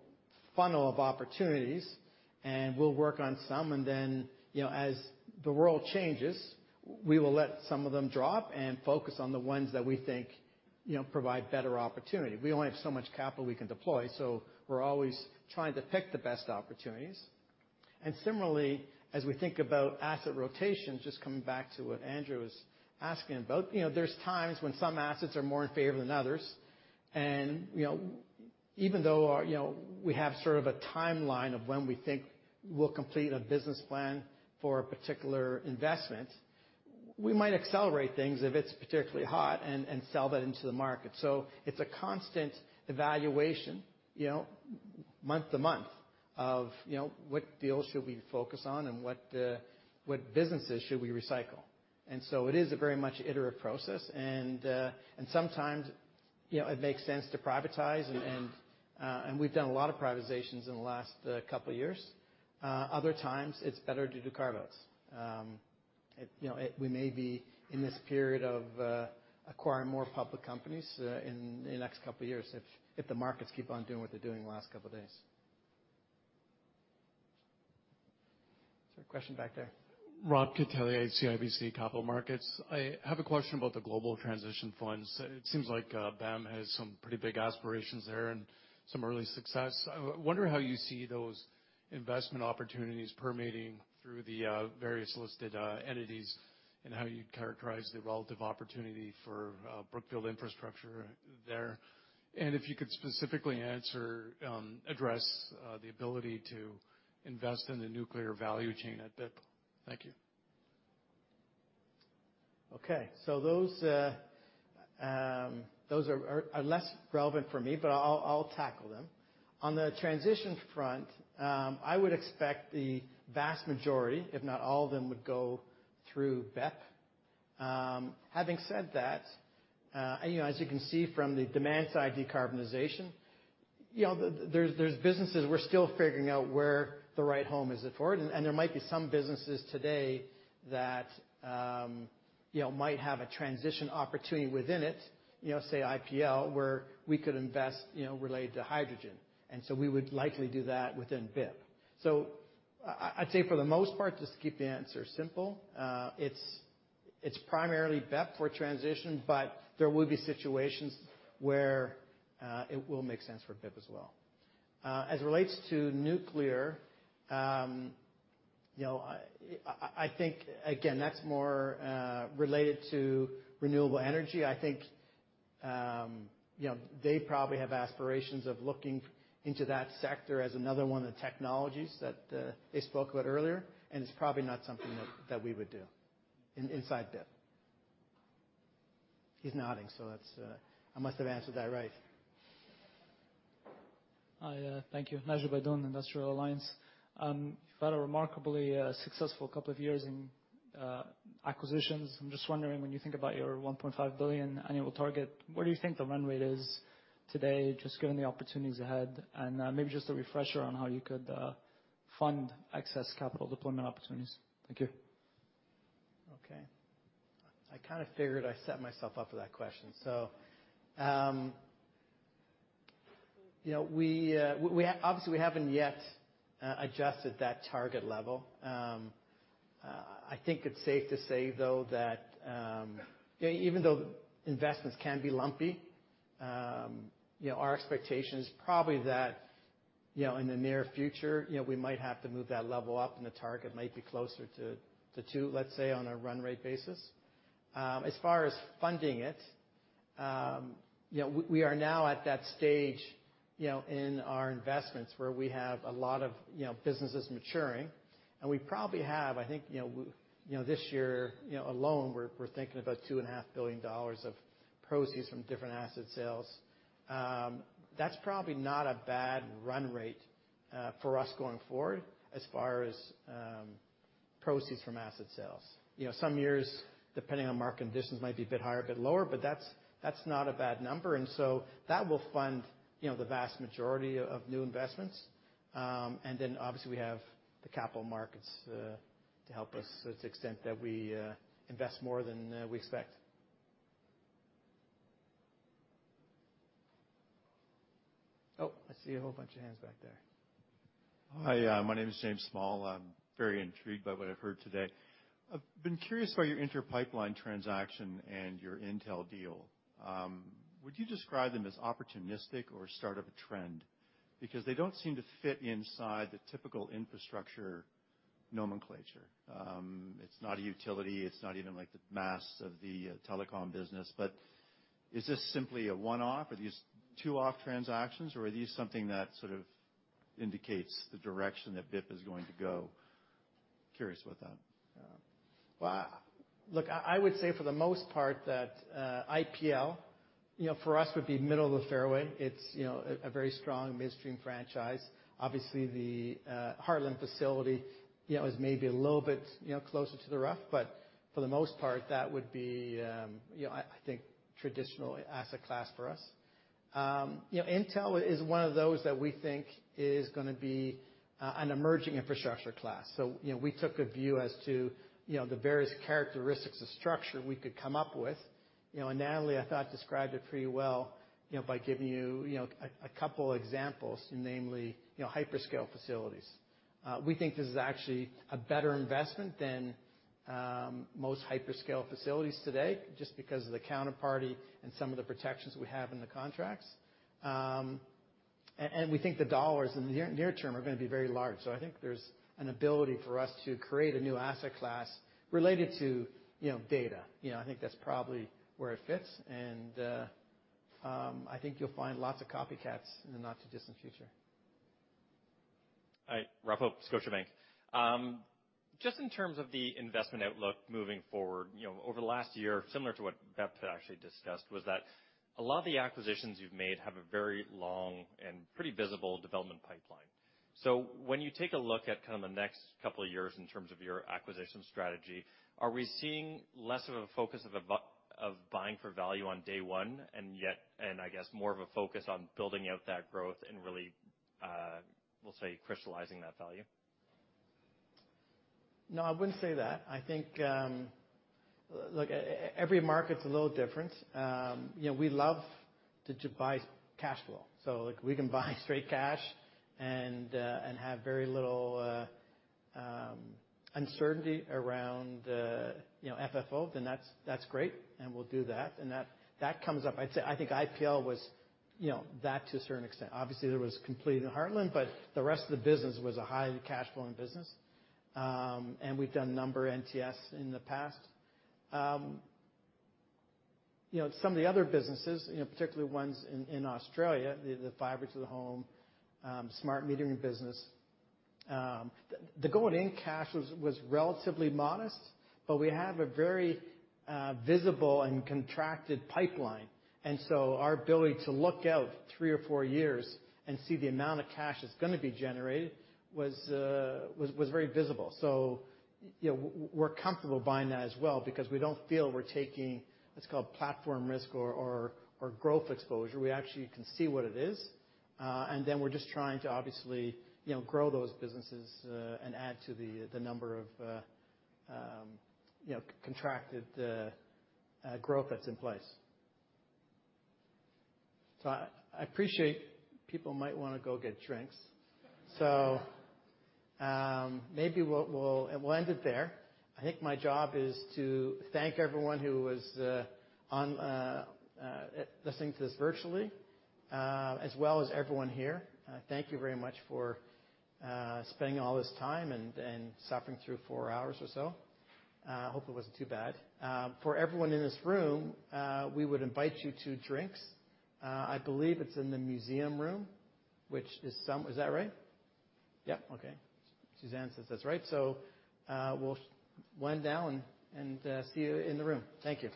funnel of opportunities, and we'll work on some, and then, you know, as the world changes, we will let some of them drop and focus on the ones that we think, you know, provide better opportunity. We only have so much capital we can deploy, so we're always trying to pick the best opportunities. Similarly, as we think about asset rotation, just coming back to what Andrew was asking about. You know, there's times when some assets are more in favor than others. You know, even though, you know, we have sort of a timeline of when we think we'll complete a business plan for a particular investment, we might accelerate things if it's particularly hot and sell that into the market. It's a constant evaluation, you know, month to month of, you know, what deals should we focus on and what businesses should we recycle. It is a very much iterative process, and sometimes, you know, it makes sense to privatize. We've done a lot of privatizations in the last couple of years. Other times, it's better to do carve-outs. You know, we may be in this period of acquiring more public companies in the next couple of years if the markets keep on doing what they're doing the last couple of days. Is there a question back there? Robert Catellier, CIBC Capital Markets. I have a question about the global transition funds. It seems like BAM has some pretty big aspirations there and some early success. I wonder how you see those investment opportunities permeating through the various listed entities and how you'd characterize the relative opportunity for Brookfield Infrastructure there. If you could specifically address the ability to invest in the nuclear value chain at BIP. Thank you. Okay. Those are less relevant for me, but I'll tackle them. On the transition front, I would expect the vast majority, if not all of them, would go through BIP. Having said that, you know, as you can see from the demand side decarbonization, you know, there's businesses we're still figuring out where the right home is for it. There might be some businesses today that, you know, might have a transition opportunity within it, you know, say IPL, where we could invest, you know, related to hydrogen. We would likely do that within BIP. I'd say for the most part, just to keep the answer simple, it's primarily BIP for transition, but there will be situations where it will make sense for BIP as well. As it relates to nuclear, you know, I think again, that's more related to renewable energy. I think, you know, they probably have aspirations of looking into that sector as another one of the technologies that they spoke about earlier, and it's probably not something that we would do inside BIP. He's nodding, so that's, I must have answered that right. Hi, thank you. Naji Baydoun, Industrial Alliance. You've had a remarkably successful couple of years in acquisitions. I'm just wondering, when you think about your $1.5 billion annual target, where do you think the run rate is today, just given the opportunities ahead? Maybe just a refresher on how you could fund excess capital deployment opportunities. Thank you. Okay. I kinda figured I set myself up for that question. You know, we obviously haven't yet adjusted that target level. I think it's safe to say, though, that even though investments can be lumpy, you know, our expectation is probably that, you know, in the near future, you know, we might have to move that level up and the target might be closer to two, let's say, on a run rate basis. As far as funding it. You know, we are now at that stage, you know, in our investments where we have a lot of, you know, businesses maturing, and we probably have, I think, you know, you know, this year, you know, alone, we're thinking about $2.5 billion of proceeds from different asset sales. That's probably not a bad run rate for us going forward as far as proceeds from asset sales. You know, some years, depending on market conditions, might be a bit higher, a bit lower, but that's not a bad number, and so that will fund, you know, the vast majority of new investments. And then obviously we have the capital markets to help us to the extent that we invest more than we expect. Oh, I see a whole bunch of hands back there. Hi, my name is James Small. I'm very intrigued by what I've heard today. I've been curious about your Inter Pipeline transaction and your Intel deal. Would you describe them as opportunistic or start of a trend? Because they don't seem to fit inside the typical infrastructure nomenclature. It's not a utility, it's not even like the mast of the telecom business, but is this simply a one-off? Are these two-off transactions, or are these something that sort of indicates the direction that BIP is going to go? Curious about that. Well, look, I would say for the most part that IPL, you know, for us would be middle of the fairway. It's, you know, a very strong midstream franchise. Obviously, the Heartland facility, you know, is maybe a little bit, you know, closer to the rough, but for the most part, that would be, you know, I think, traditional asset class for us. You know, Intel is one of those that we think is gonna be an emerging infrastructure class. You know, we took a view as to, you know, the various characteristics of structure we could come up with. You know, and Natalie, I thought, described it pretty well, you know, by giving you know, a couple examples, namely, you know, hyperscale facilities. We think this is actually a better investment than most hyperscale facilities today just because of the counterparty and some of the protections we have in the contracts. We think the dollars in the near term are gonna be very large. I think there's an ability for us to create a new asset class related to, you know, data. You know, I think that's probably where it fits and I think you'll find lots of copycats in the not too distant future. Hi. Robert Hope, Scotiabank. Just in terms of the investment outlook moving forward, you know, over the last year, similar to what BEP actually discussed. Was that a lot of the acquisitions you've made have a very long and pretty visible development pipeline. So when you take a look at kind of the next couple of years in terms of your acquisition strategy, are we seeing less of a focus of buying for value on day one, and yet and I guess more of a focus on building out that growth and really, we'll say, crystallizing that value? No, I wouldn't say that. I think, look, every market's a little different. You know, we love to just buy cash flow. Like, we can buy straight cash and have very little uncertainty around, you know, FFO, then that's great, and we'll do that, and that comes up. I'd say I think IPL was, you know, that to a certain extent. Obviously, there was completing Heartland, but the rest of the business was a highly cash flowing business. We've done a number of these in the past. You know, some of the other businesses, you know, particularly ones in Australia, the fiber to the home smart metering business, the going in cash was relatively modest, but we have a very visible and contracted pipeline. Our ability to look out three or four years and see the amount of cash that's gonna be generated was very visible. You know, we're comfortable buying that as well because we don't feel we're taking what's called platform risk or growth exposure. We actually can see what it is. Then we're just trying to obviously, you know, grow those businesses and add to the number of you know contracted growth that's in place. I appreciate people might wanna go get drinks. Maybe we'll end it there. I think my job is to thank everyone who was online listening to this virtually as well as everyone here. Thank you very much for spending all this time and suffering through four hours or so. I hope it wasn't too bad. For everyone in this room, we would invite you to drinks. I believe it's in the museum room. Is that right? Yeah. Okay. Suzanne says that's right. We'll wind down and see you in the room. Thank you.